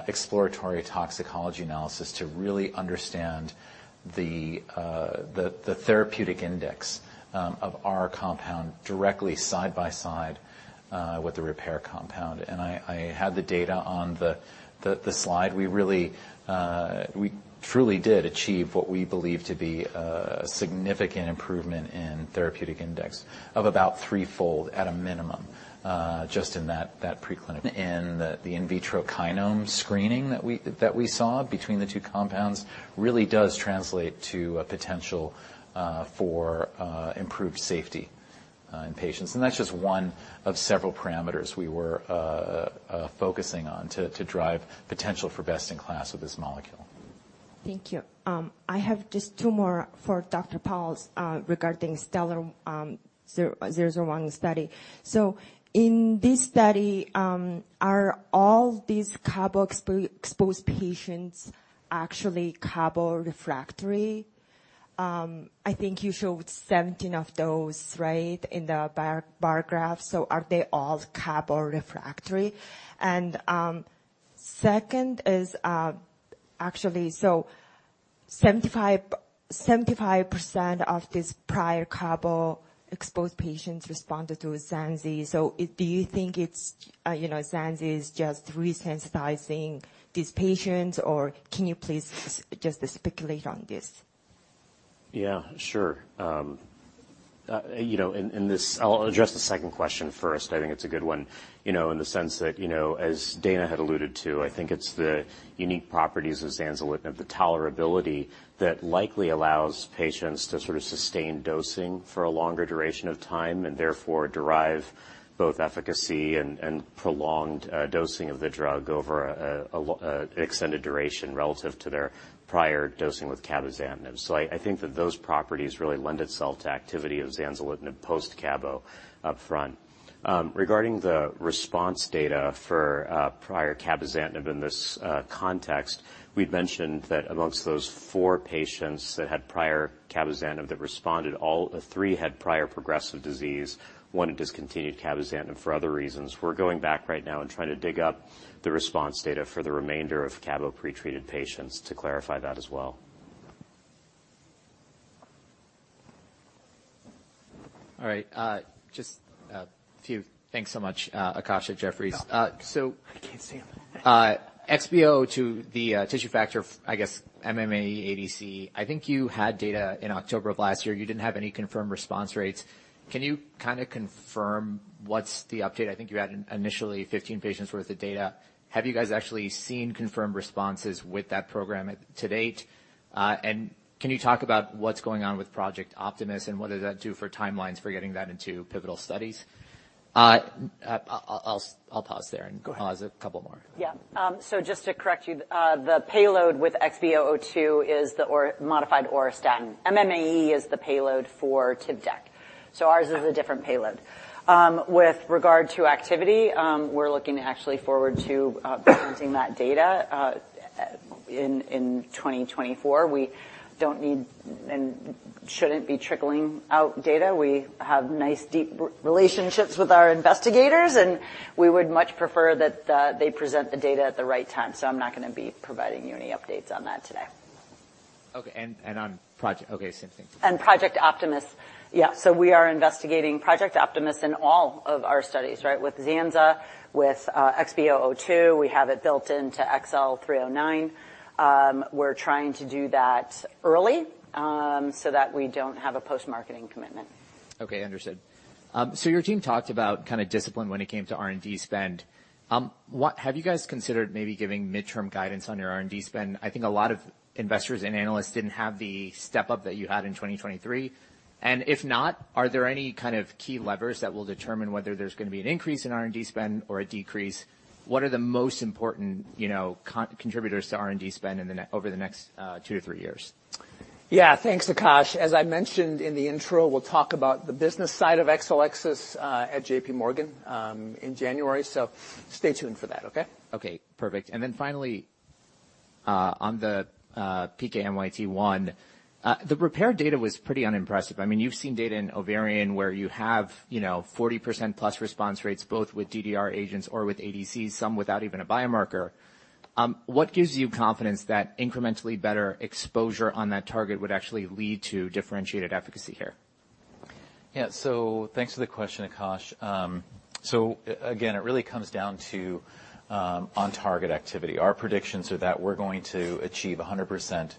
exploratory toxicology analysis to really understand the therapeutic index of our compound directly side by side with the Repare compound. And I had the data on the slide. We really... We truly did achieve what we believe to be a significant improvement in therapeutic index of about threefold at a minimum, just in that preclinical. The in vitro kinome screening that we saw between the two compounds really does translate to a potential for improved safety in patients. That's just one of several parameters we were focusing on to drive potential for best-in-class with this molecule. Thank you. I have just two more for Dr. Pal, regarding STELLAR-001 study. So in this study, are all these cabo-exposed patients actually cabo refractory? I think you showed 17 of those, right, in the bar graph. So are they all cabo refractory? And, second is, actually, so 75% of these prior cabo-exposed patients responded to zanza. So do you think it's, you know, zanza is just resensitizing these patients, or can you please just speculate on this? Yeah, sure. You know, in this—I'll address the second question first. I think it's a good one. You know, in the sense that, you know, as Dana had alluded to, I think it's the unique properties of zanzalutinib, the tolerability, that likely allows patients to sort of sustain dosing for a longer duration of time, and therefore derive both efficacy and prolonged dosing of the drug over an extended duration relative to their prior dosing with cabozantinib. So I think that those properties really lend itself to activity of zanzalutinib post-cabo up front. Regarding the response data for prior cabozantinib in this context, we've mentioned that amongst those four patients that had prior cabozantinib that responded, all three had prior progressive disease. One had discontinued cabozantinib for other reasons. We're going back right now and trying to dig up the response data for the remainder of cabo-pretreated patients to clarify that as well. All right, just a few... Thanks so much, Akash at Jefferies. So I can't see. XB002 to the tissue factor, I guess, MMAE ADC, I think you had data in October of last year. You didn't have any confirmed response rates. Can you kind of confirm what's the update? I think you had initially 15 patients worth of data. Have you guys actually seen confirmed responses with that program to date? And can you talk about what's going on with Project Optimus, and what does that do for timelines for getting that into pivotal studies? I'll pause there. Go ahead. Pause a couple more. Yeah. So just to correct you, the payload with XB002 is the modified auristatin. MMAE is the payload for Tivdak. So ours is a different payload. With regard to activity, we're looking actually forward to presenting that data in 2024. We don't need and shouldn't be trickling out data. We have nice, deep relationships with our investigators, and we would much prefer that they present the data at the right time. So I'm not going to be providing you any updates on that today. Okay, and on project... Okay, same thing. Project Optimus. Yeah, so we are investigating Project Optimus in all of our studies, right? With zanza, with XB002. We have it built into XL309. We're trying to do that early, so that we don't have a post-marketing commitment. Okay, understood. So your team talked about kind of discipline when it came to R&D spend. What have you guys considered maybe giving midterm guidance on your R&D spend? I think a lot of investors and analysts didn't have the step-up that you had in 2023. And if not, are there any kind of key levers that will determine whether there's going to be an increase in R&D spend or a decrease? What are the most important, you know, contributors to R&D spend over the next two to three years? Yeah. Thanks, Akash. As I mentioned in the intro, we'll talk about the business side of Exelixis at JPMorgan in January, so stay tuned for that, okay? Okay, perfect. Then finally, on the PKMYT1 one, the Repare data was pretty unimpressive. I mean, you've seen data in ovarian where you have, you know, 40%+ response rates, both with DDR agents or with ADCs, some without even a biomarker. What gives you confidence that incrementally better exposure on that target would actually lead to differentiated efficacy here? Yeah, so thanks for the question, Akash. So again, it really comes down to on-target activity. Our predictions are that we're going to achieve 100% target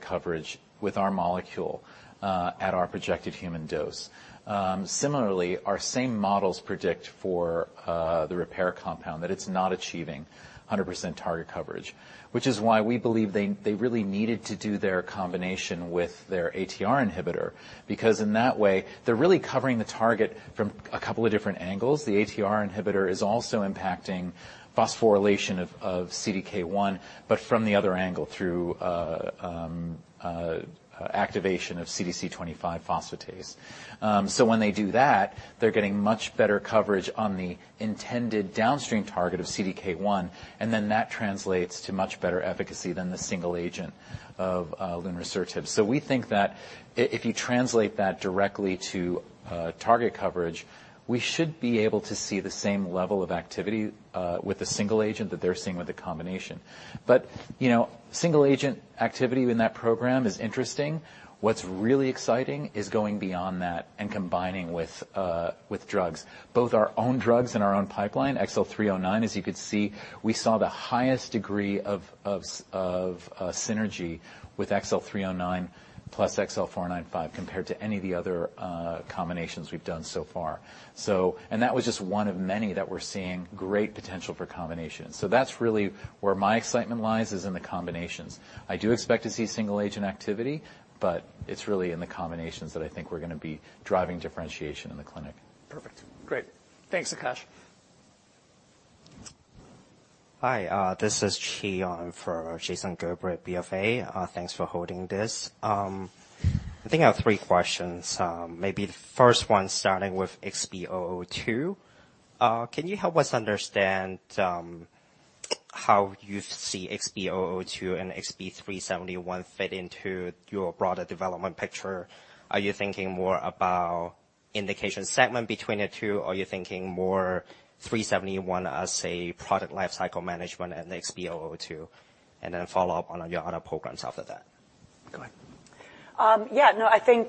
coverage with our molecule at our projected human dose. Similarly, our same models predict for the Repare compound that it's not achieving 100% target coverage, which is why we believe they really needed to do their combination with their ATR inhibitor. Because in that way, they're really covering the target from a couple of different angles. The ATR inhibitor is also impacting phosphorylation of CDK1, but from the other angle, through activation of CDC25 phosphatase. When they do that, they're getting much better coverage on the intended downstream target of CDK1, and then that translates to much better efficacy than the single agent of lunresertib. So we think that if you translate that directly to target coverage, we should be able to see the same level of activity with the single agent that they're seeing with the combination. But, you know, single agent activity in that program is interesting. What's really exciting is going beyond that and combining with drugs, both our own drugs and our own pipeline. XL309, as you could see, we saw the highest degree of synergy with XL309 plus XL495, compared to any of the other combinations we've done so far. So... That was just one of many that we're seeing great potential for combination. That's really where my excitement lies, is in the combinations. I do expect to see single agent activity, but it's really in the combinations that I think we're gonna be driving differentiation in the clinic. Perfect. Great. Thanks, Akash. Hi, this is Chee Yong for Jason Gerbery, BFA. Thanks for holding this. I think I have three questions. Maybe the first one, starting with XB002. Can you help us understand, how you see XB002 and XB-371 fit into your broader development picture? Are you thinking more about indication segment between the two, or are you thinking more 371 as a product life cycle management and XB002? And then follow up on your other programs after that. Go ahead. Yeah, no, I think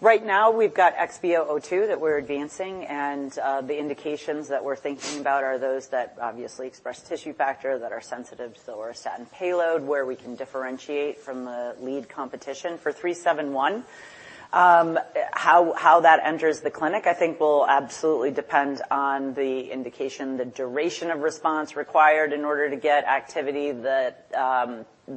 right now we've got XB002 that we're advancing, and the indications that we're thinking about are those that obviously express tissue factor, that are sensitive to our auristatin payload, where we can differentiate from the lead competition. For 371, how that enters the clinic, I think will absolutely depend on the indication, the duration of response required in order to get activity, the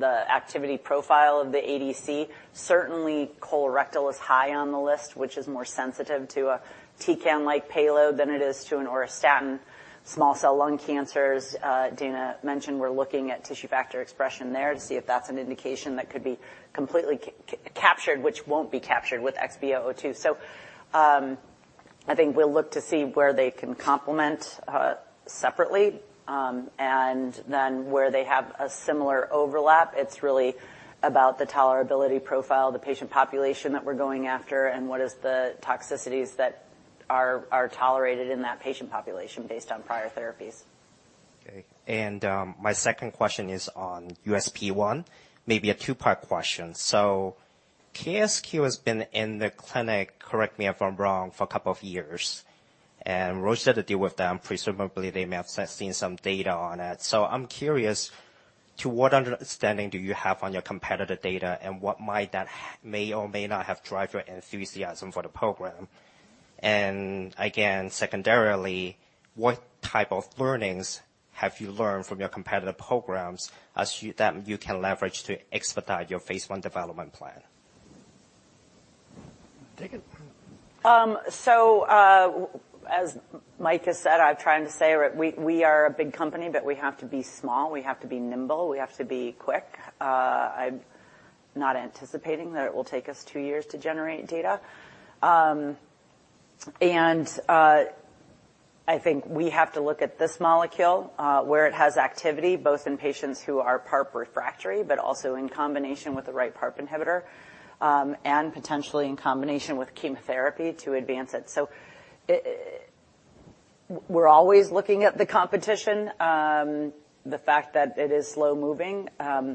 activity profile of the ADC. Certainly, colorectal is high on the list, which is more sensitive to a TKI-like payload than it is to an auristatin. Small cell lung cancers, Dana mentioned we're looking at tissue factor expression there to see if that's an indication that could be completely captured, which won't be captured with XB002. I think we'll look to see where they can complement separately, and then where they have a similar overlap, it's really about the tolerability profile, the patient population that we're going after, and what is the toxicities that are tolerated in that patient population based on prior therapies. Okay, and my second question is on USP1, maybe a two-part question. So KSQ has been in the clinic, correct me if I'm wrong, for a couple of years, and Roche had a deal with them. Presumably, they may have seen some data on it. So I'm curious, to what understanding do you have on your competitive data, and what might that may or may not have drive your enthusiasm for the program? And again, secondarily, what type of learnings have you learned from your competitive programs that you can leverage to expedite your phase I development plan? Take it. As Mike has said, I'm trying to say, we are a big company, but we have to be small, we have to be nimble, we have to be quick. I'm not anticipating that it will take us two years to generate data. I think we have to look at this molecule, where it has activity, both in patients who are PARP refractory, but also in combination with the right PARP inhibitor, and potentially in combination with chemotherapy to advance it. So we're always looking at the competition. The fact that it is slow-moving, I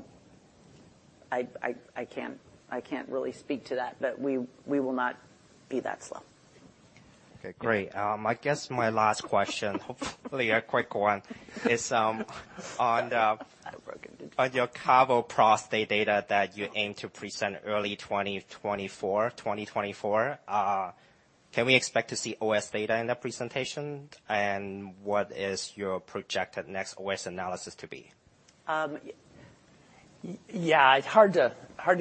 can't really speak to that, but we will not be that slow. Okay, great. I guess my last question, hopefully a quick one, is on the- I broke it. On your cabo prostate data that you aim to present early 2024, 2024. Can we expect to see OS data in that presentation? And what is your projected next OS analysis to be? Yeah, it's hard to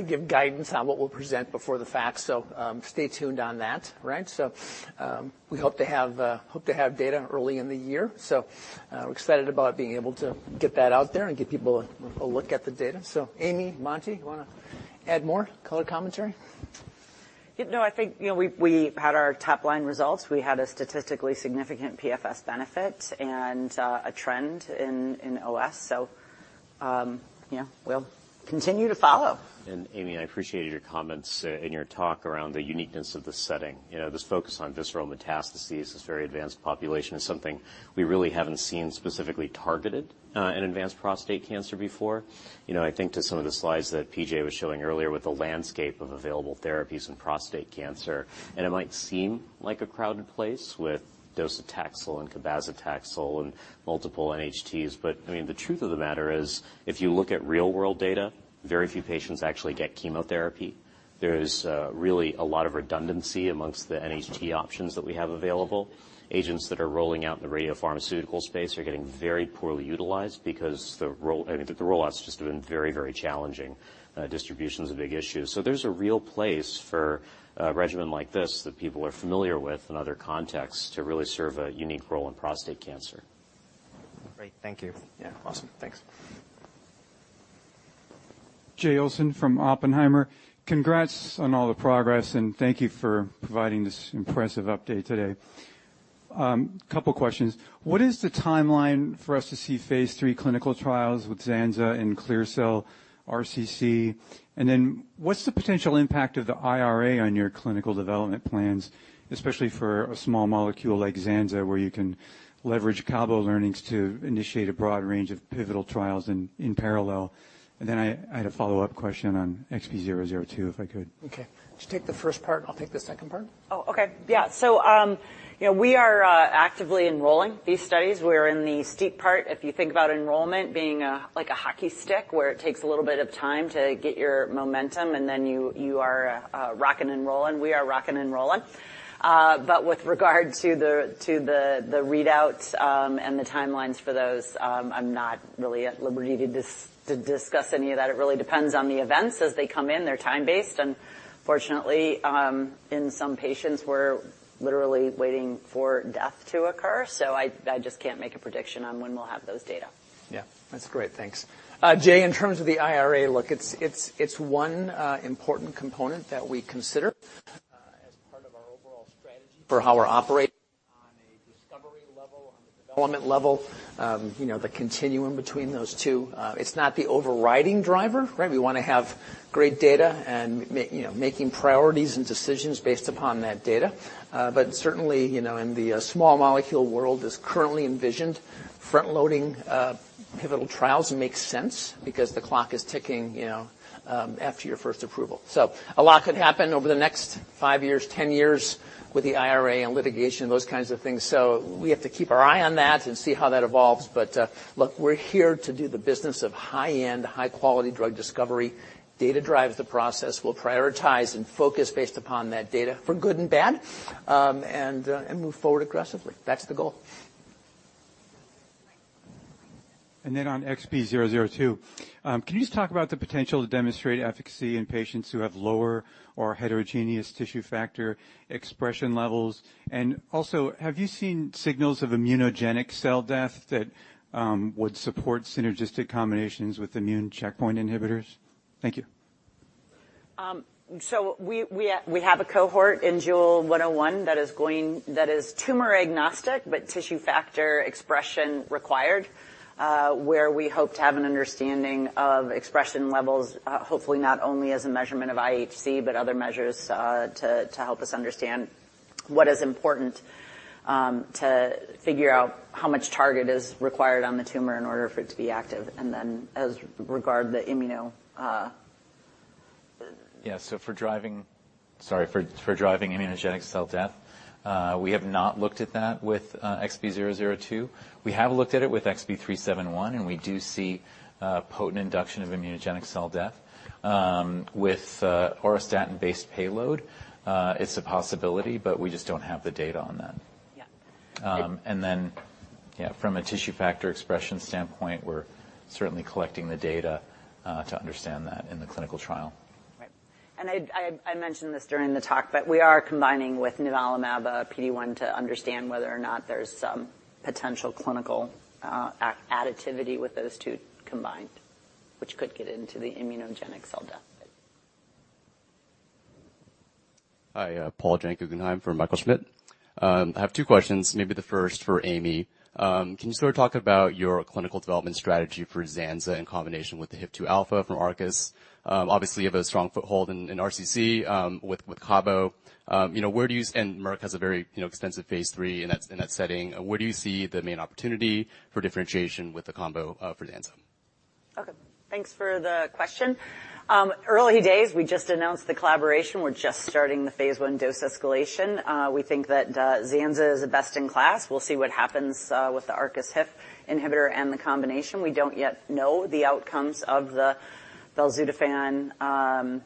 give guidance on what we'll present before the fact, so stay tuned on that, right? So, we hope to have data early in the year, so we're excited about being able to get that out there and give people a look at the data. So Amy, Monty, you wanna add more color commentary? No, I think, you know, we had our top-line results. We had a statistically significant PFS benefit and a trend in OS. Yeah, we'll continue to follow. Amy, I appreciated your comments in your talk around the uniqueness of this setting. You know, this focus on visceral metastases, this very advanced population, is something we really haven't seen specifically targeted in advanced prostate cancer before. You know, I think to some of the slides that P.J. was showing earlier with the landscape of available therapies in prostate cancer, and it might seem like a crowded place with docetaxel and cabazitaxel and multiple NHTs, but, I mean, the truth of the matter is, if you look at real-world data, very few patients actually get chemotherapy. There is really a lot of redundancy amongst the NHT options that we have available. Agents that are rolling out in the radiopharmaceutical space are getting very poorly utilized because the roll—I mean, the rollouts just have been very, very challenging. Distribution is a big issue. There's a real place for a regimen like this, that people are familiar with in other contexts, to really serve a unique role in prostate cancer. Great. Thank you. Yeah. Awesome. Thanks. Jay Olson from Oppenheimer. Congrats on all the progress, and thank you for providing this impressive update today. Couple questions: What is the timeline for us to see phase III clinical trials with zanza and clear cell RCC? And then, what's the potential impact of the IRA on your clinical development plans, especially for a small molecule like zanza, where you can leverage cabo learnings to initiate a broad range of pivotal trials in parallel? And then, I had a follow-up question on XB002, if I could. Okay. Just take the first part, and I'll take the second part. Oh, okay. Yeah. So, you know, we are actively enrolling these studies. We're in the steep part. If you think about enrollment being a, like, a hockey stick, where it takes a little bit of time to get your momentum, and then you are rocking and rolling. We are rocking and rolling. But with regard to the readouts and the timelines for those, I'm not really at liberty to discuss any of that. It really depends on the events as they come in. They're time-based, and fortunately, in some patients, we're literally waiting for death to occur, so I just can't make a prediction on when we'll have those data. Yeah. That's great. Thanks. Jay, in terms of the IRA, look, it's one important component that we consider as part of our overall strategy for how we're operating on a discovery level, on the development level. You know, the continuum between those two. It's not the overriding driver, right? We wanna have great data and you know, making priorities and decisions based upon that data. But certainly, you know, in the small molecule world as currently envisioned, front loading pivotal trials makes sense because the clock is ticking, you know, after your first approval. A lot could happen over the next five years, 10 years with the IRA and litigation, those kinds of things, so we have to keep our eye on that and see how that evolves. But, look, we're here to do the business of high-end, high-quality drug discovery. Data drives the process. We'll prioritize and focus based upon that data, for good and bad, and move forward aggressively. That's the goal. Then on XB002, can you just talk about the potential to demonstrate efficacy in patients who have lower or heterogeneous tissue factor expression levels? And also, have you seen signals of immunogenic cell death that would support synergistic combinations with immune checkpoint inhibitors? Thank you. We have a cohort in JEWEL-101 that is tumor agnostic, but tissue factor expression required, where we hope to have an understanding of expression levels, hopefully not only as a measurement of IHC, but other measures, to help us understand what is important to figure out how much target is required on the tumor in order for it to be active. And then, as regard the immuno... Yeah. So for driving immunogenic cell death, we have not looked at that with XB002. We have looked at it with XB371, and we do see potent induction of immunogenic cell death. With auristatin-based payload, it's a possibility, but we just don't have the data on that. Yeah. Then, yeah, from a tissue factor expression standpoint, we're certainly collecting the data, to understand that in the clinical trial. Right. I mentioned this during the talk, but we are combining with nivolumab, a PD-1, to understand whether or not there's some potential clinical additivity with those two combined, which could get into the immunogenic cell death. Hi, Paul Jeng, Guggenheim for Michael Schmidt. I have two questions, maybe the first for Amy. Can you sort of talk about your clinical development strategy for zanzalutinib in combination with the HIF-2 alpha from Arcus? Obviously, you have a strong foothold in RCC with cabo. You know, where do you see - and Merck has a very extensive phase III in that setting. Where do you see the main opportunity for differentiation with the combo for zanzalutinib? Okay. Thanks for the question. Early days, we just announced the collaboration. We're just starting the phase I dose escalation. We think that zanzalutinib is a best in class. We'll see what happens with the Arcus HIF inhibitor and the combination. We don't yet know the outcomes of the belzutifan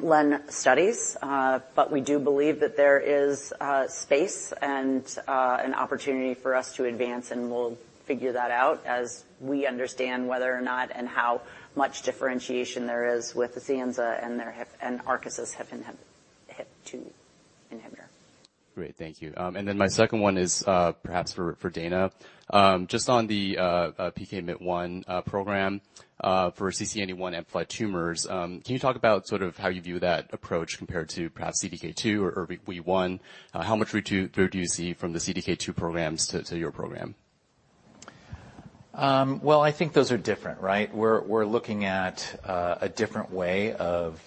LEN studies, but we do believe that there is space and an opportunity for us to advance, and we'll figure that out as we understand whether or not and how much differentiation there is with the zanzalutinib and their HIF- and Arcus' HIF-2 inhibitor. Great. Thank you. And then my second one is, perhaps for, for Dana. Just on the PKMYT1 program, for CCNE1-amplified tumors, can you talk about sort of how you view that approach compared to perhaps CDK2 or ERBB/E1? How much return do you see from the CDK2 programs to, to your program? Well, I think those are different, right? We're looking at a different way of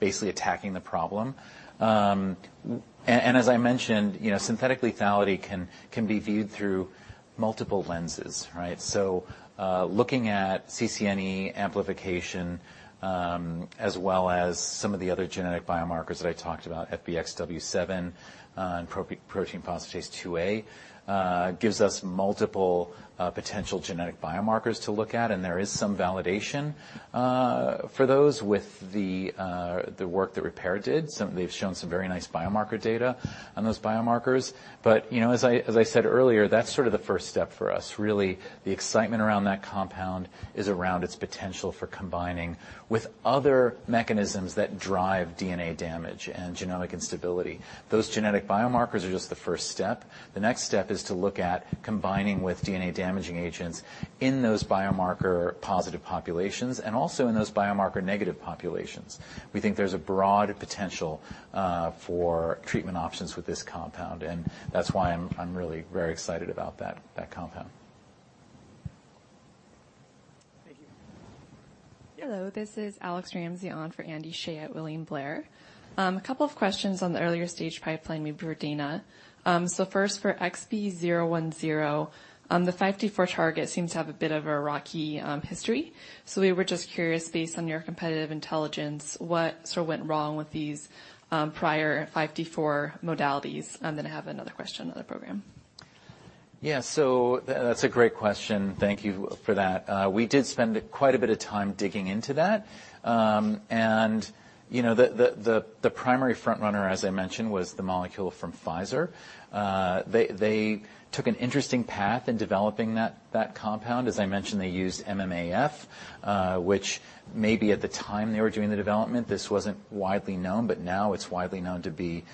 basically attacking the problem. And as I mentioned, you know, synthetic lethality can be viewed through multiple lenses, right? So, looking at CCNE amplification, as well as some of the other genetic biomarkers that I talked about, FBXW7, and protein phosphatase 2A, gives us multiple potential genetic biomarkers to look at, and there is some validation for those with the work that Repare did. Some-- They've shown some very nice biomarker data on those biomarkers. But, you know, as I said earlier, that's sort of the first step for us. Really, the excitement around that compound is around its potential for combining with other mechanisms that drive DNA damage and genomic instability. Those genetic biomarkers are just the first step. The next step is to look at combining with DNA-damaging agents in those biomarker-positive populations and also in those biomarker-negative populations. We think there's a broad potential for treatment options with this compound, and that's why I'm really very excited about that compound. Thank you. Hello, this is Alex Ramsey on for Andy Shea at William Blair. A couple of questions on the earlier stage pipeline with Dana. So first for XB010, the 5T4 target seems to have a bit of a rocky history. So we were just curious, based on your competitive intelligence, what sort of went wrong with these prior 5T4 modalities? And then I have another question on the program. Yeah. So that's a great question. Thank you for that. We did spend quite a bit of time digging into that. You know, the primary front runner, as I mentioned, was the molecule from Pfizer. They took an interesting path in developing that compound. As I mentioned, they used MMAF, which maybe at the time they were doing the development, this wasn't widely known, but now it's widely known to be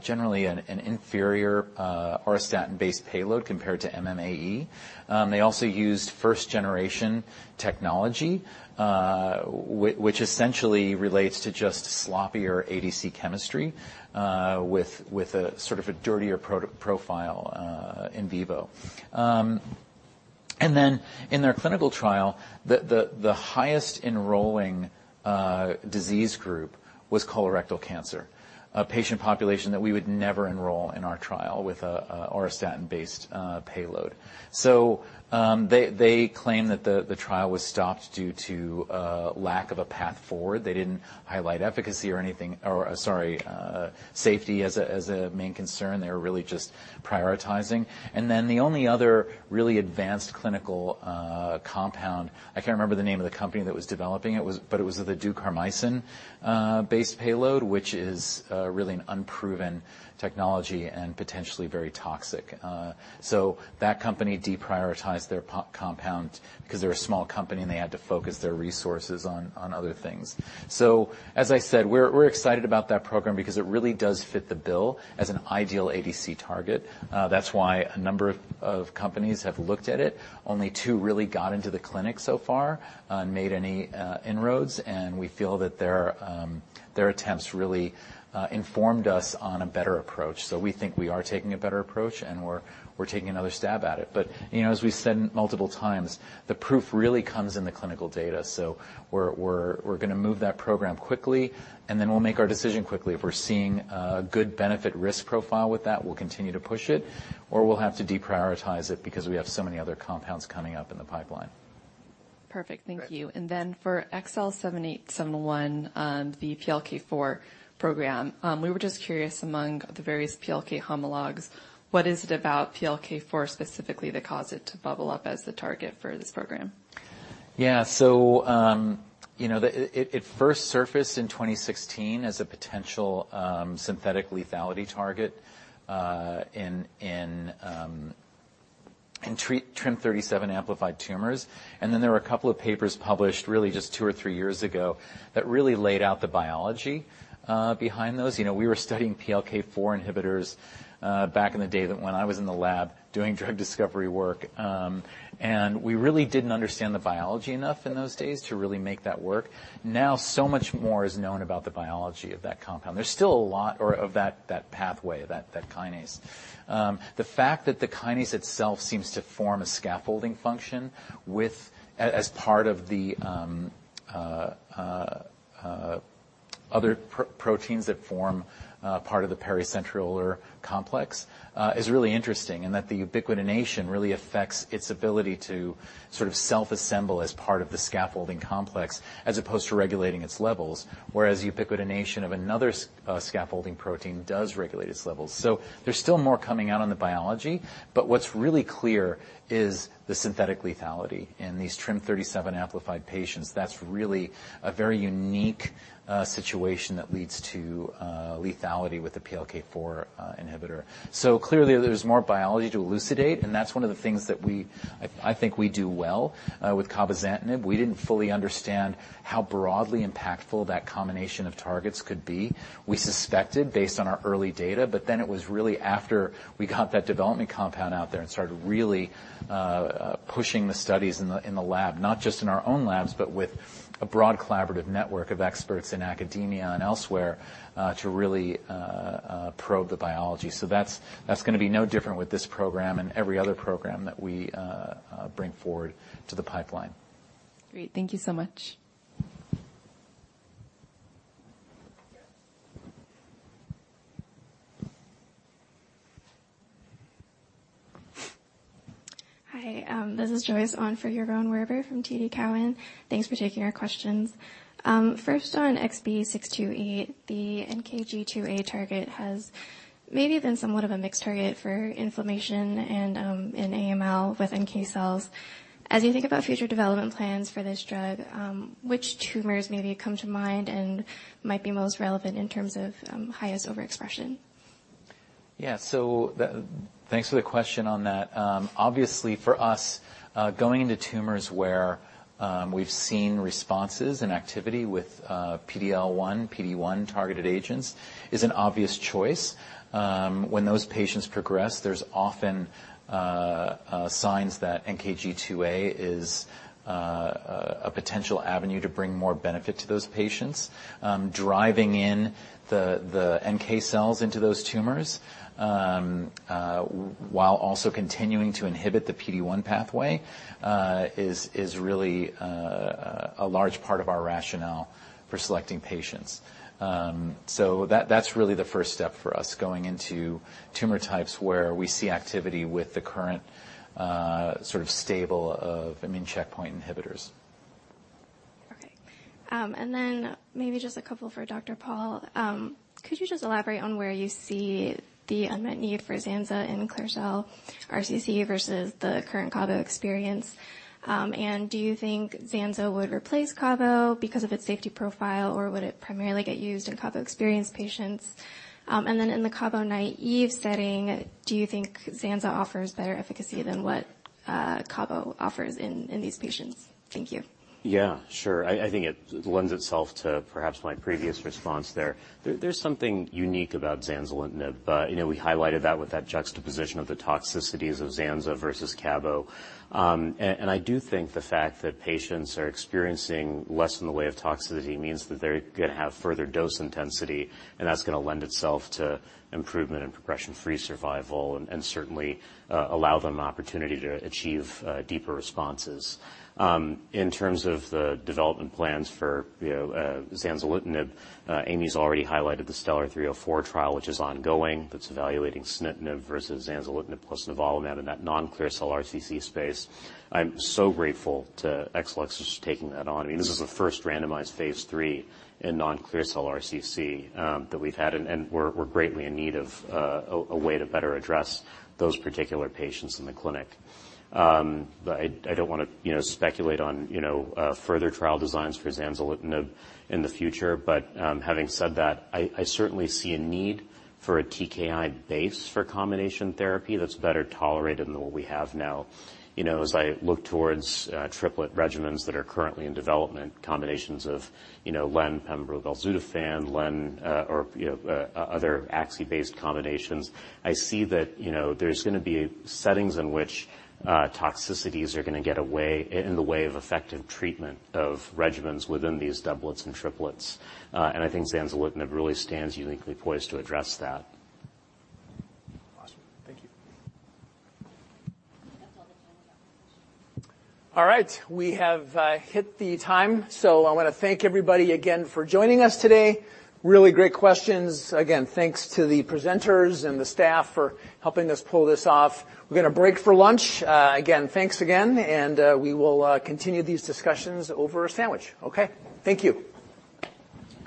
generally an inferior auristatin-based payload compared to MMAE. They also used first-generation technology, which essentially relates to just sloppier ADC chemistry with a sort of a dirtier pro-profile in vivo. Then in their clinical trial, the highest enrolling disease group was colorectal cancer, a patient population that we would never enroll in our trial with a auristatin-based payload. So, they claim that the trial was stopped due to lack of a path forward. They didn't highlight efficacy or anything... or sorry, safety as a main concern. They were really just prioritizing. And then, the only other really advanced clinical compound, I can't remember the name of the company that was developing it was—but it was the duocarmycin-based payload, which is really an unproven technology and potentially very toxic. So that company deprioritized their compound because they're a small company, and they had to focus their resources on other things. As I said, we're excited about that program because it really does fit the bill as an ideal ADC target. That's why a number of companies have looked at it. Only two really got into the clinic so far and made any inroads, and we feel that their attempts really informed us on a better approach. So we think we are taking a better approach, and we're taking another stab at it. But, you know, as we've said multiple times, the proof really comes in the clinical data. So we're gonna move that program quickly, and then we'll make our decision quickly. If we're seeing a good benefit-risk profile with that, we'll continue to push it, or we'll have to deprioritize it because we have so many other compounds coming up in the pipeline. Perfect. Thank you. For XL7871, the PLK4 program, we were just curious among the various PLK homologues, what is it about PLK4 specifically that caused it to bubble up as the target for this program? Yeah. So, you know, it first surfaced in 2016 as a potential synthetic lethality target in TRIM37 amplified tumors. And then, there were a couple of papers published really just two or three years ago that really laid out the biology behind those. You know, we were studying PLK4 inhibitors back in the day when I was in the lab doing drug discovery work, and we really didn't understand the biology enough in those days to really make that work. Now, so much more is known about the biology of that compound. There's still a lot or of that pathway, that kinase. The fact that the kinase itself seems to form a scaffolding function with... As part of the other proteins that form part of the pericentriolar complex is really interesting, and that the ubiquitination really affects its ability to sort of self-assemble as part of the scaffolding complex, as opposed to regulating its levels, whereas ubiquitination of another scaffolding protein does regulate its levels. So there's still more coming out on the biology, but what's really clear is the synthetic lethality in these TRIM37 amplified patients. That's really a very unique situation that leads to lethality with the PLK4 inhibitor. So clearly, there's more biology to elucidate, and that's one of the things that I think we do well. With cabozantinib, we didn't fully understand how broadly impactful that combination of targets could be. We suspected, based on our early data, but then it was really after we got that development compound out there and started really pushing the studies in the lab, not just in our own labs, but with a broad collaborative network of experts in academia and elsewhere, to really probe the biology. So that's gonna be no different with this program and every other program that we bring forward to the pipeline. Great. Thank you so much. Hi, this is Joyce on for Yaron Werber from TD Cowen. Thanks for taking our questions. First, on XB628, the NKG2A target has maybe been somewhat of a mixed target for inflammation and, in AML with NK cells. As you think about future development plans for this drug, which tumors maybe come to mind and might be most relevant in terms of, highest overexpression? Yeah. So thanks for the question on that. Obviously, for us, going into tumors where we've seen responses and activity with PD-L1, PD-1 targeted agents is an obvious choice. When those patients progress, there's often signs that NKG2A is a potential avenue to bring more benefit to those patients. Driving in the NK cells into those tumors, while also continuing to inhibit the PD-1 pathway, is really a large part of our rationale for selecting patients. So that, that's really the first step for us, going into tumor types where we see activity with the current sort of stable of immune checkpoint inhibitors. Okay. And then maybe just a couple for Dr. Pal. Could you just elaborate on where you see the unmet need for zanza in clear cell RCC versus the current cabo experience? And do you think zanza would replace cabo because of its safety profile, or would it primarily get used in cabo-experienced patients? And then in the cabo naive setting, do you think zanza offers better efficacy than what cabo offers in these patients? Thank you. Yeah, sure. I think it lends itself to perhaps my previous response there. There's something unique about zanzalutinib, you know, we highlighted that with that juxtaposition of the toxicities of zanza versus cabo. And I do think the fact that patients are experiencing less in the way of toxicity means that they're gonna have further dose intensity, and that's gonna lend itself to improvement in progression-free survival and certainly allow them opportunity to achieve deeper responses. In terms of the development plans for, you know, zanzalutinib, Amy's already highlighted the STELLAR-304 trial, which is ongoing. That's evaluating sunitinib versus zanzalutinib plus nivolumab in that non-clear cell RCC space. I'm so grateful to Exelixis for taking that on. I mean, this is the first randomized phase III in non-clear cell RCC that we've had, and we're greatly in need of a way to better address those particular patients in the clinic. But I don't wanna, you know, speculate on, you know, further trial designs for zanzalutinib in the future. But having said that, I certainly see a need for a TKI base for combination therapy that's better tolerated than what we have now. You know, as I look towards triplet regimens that are currently in development, combinations of, you know, lenvatinib, pembrolizumab, belzutifan, lenvatinib, or, you know, other axitinib-based combinations, I see that, you know, there's gonna be settings in which toxicities are gonna get in the way of effective treatment of regimens within these doublets and triplets. I think zanzalutinib really stands uniquely poised to address that. Awesome. Thank you. All right, we have hit the time, so I wanna thank everybody again for joining us today. Really great questions. Again, thanks to the presenters and the staff for helping us pull this off. We're gonna break for lunch. Again, thanks again, and we will continue these discussions over a sandwich. Okay. Thank you.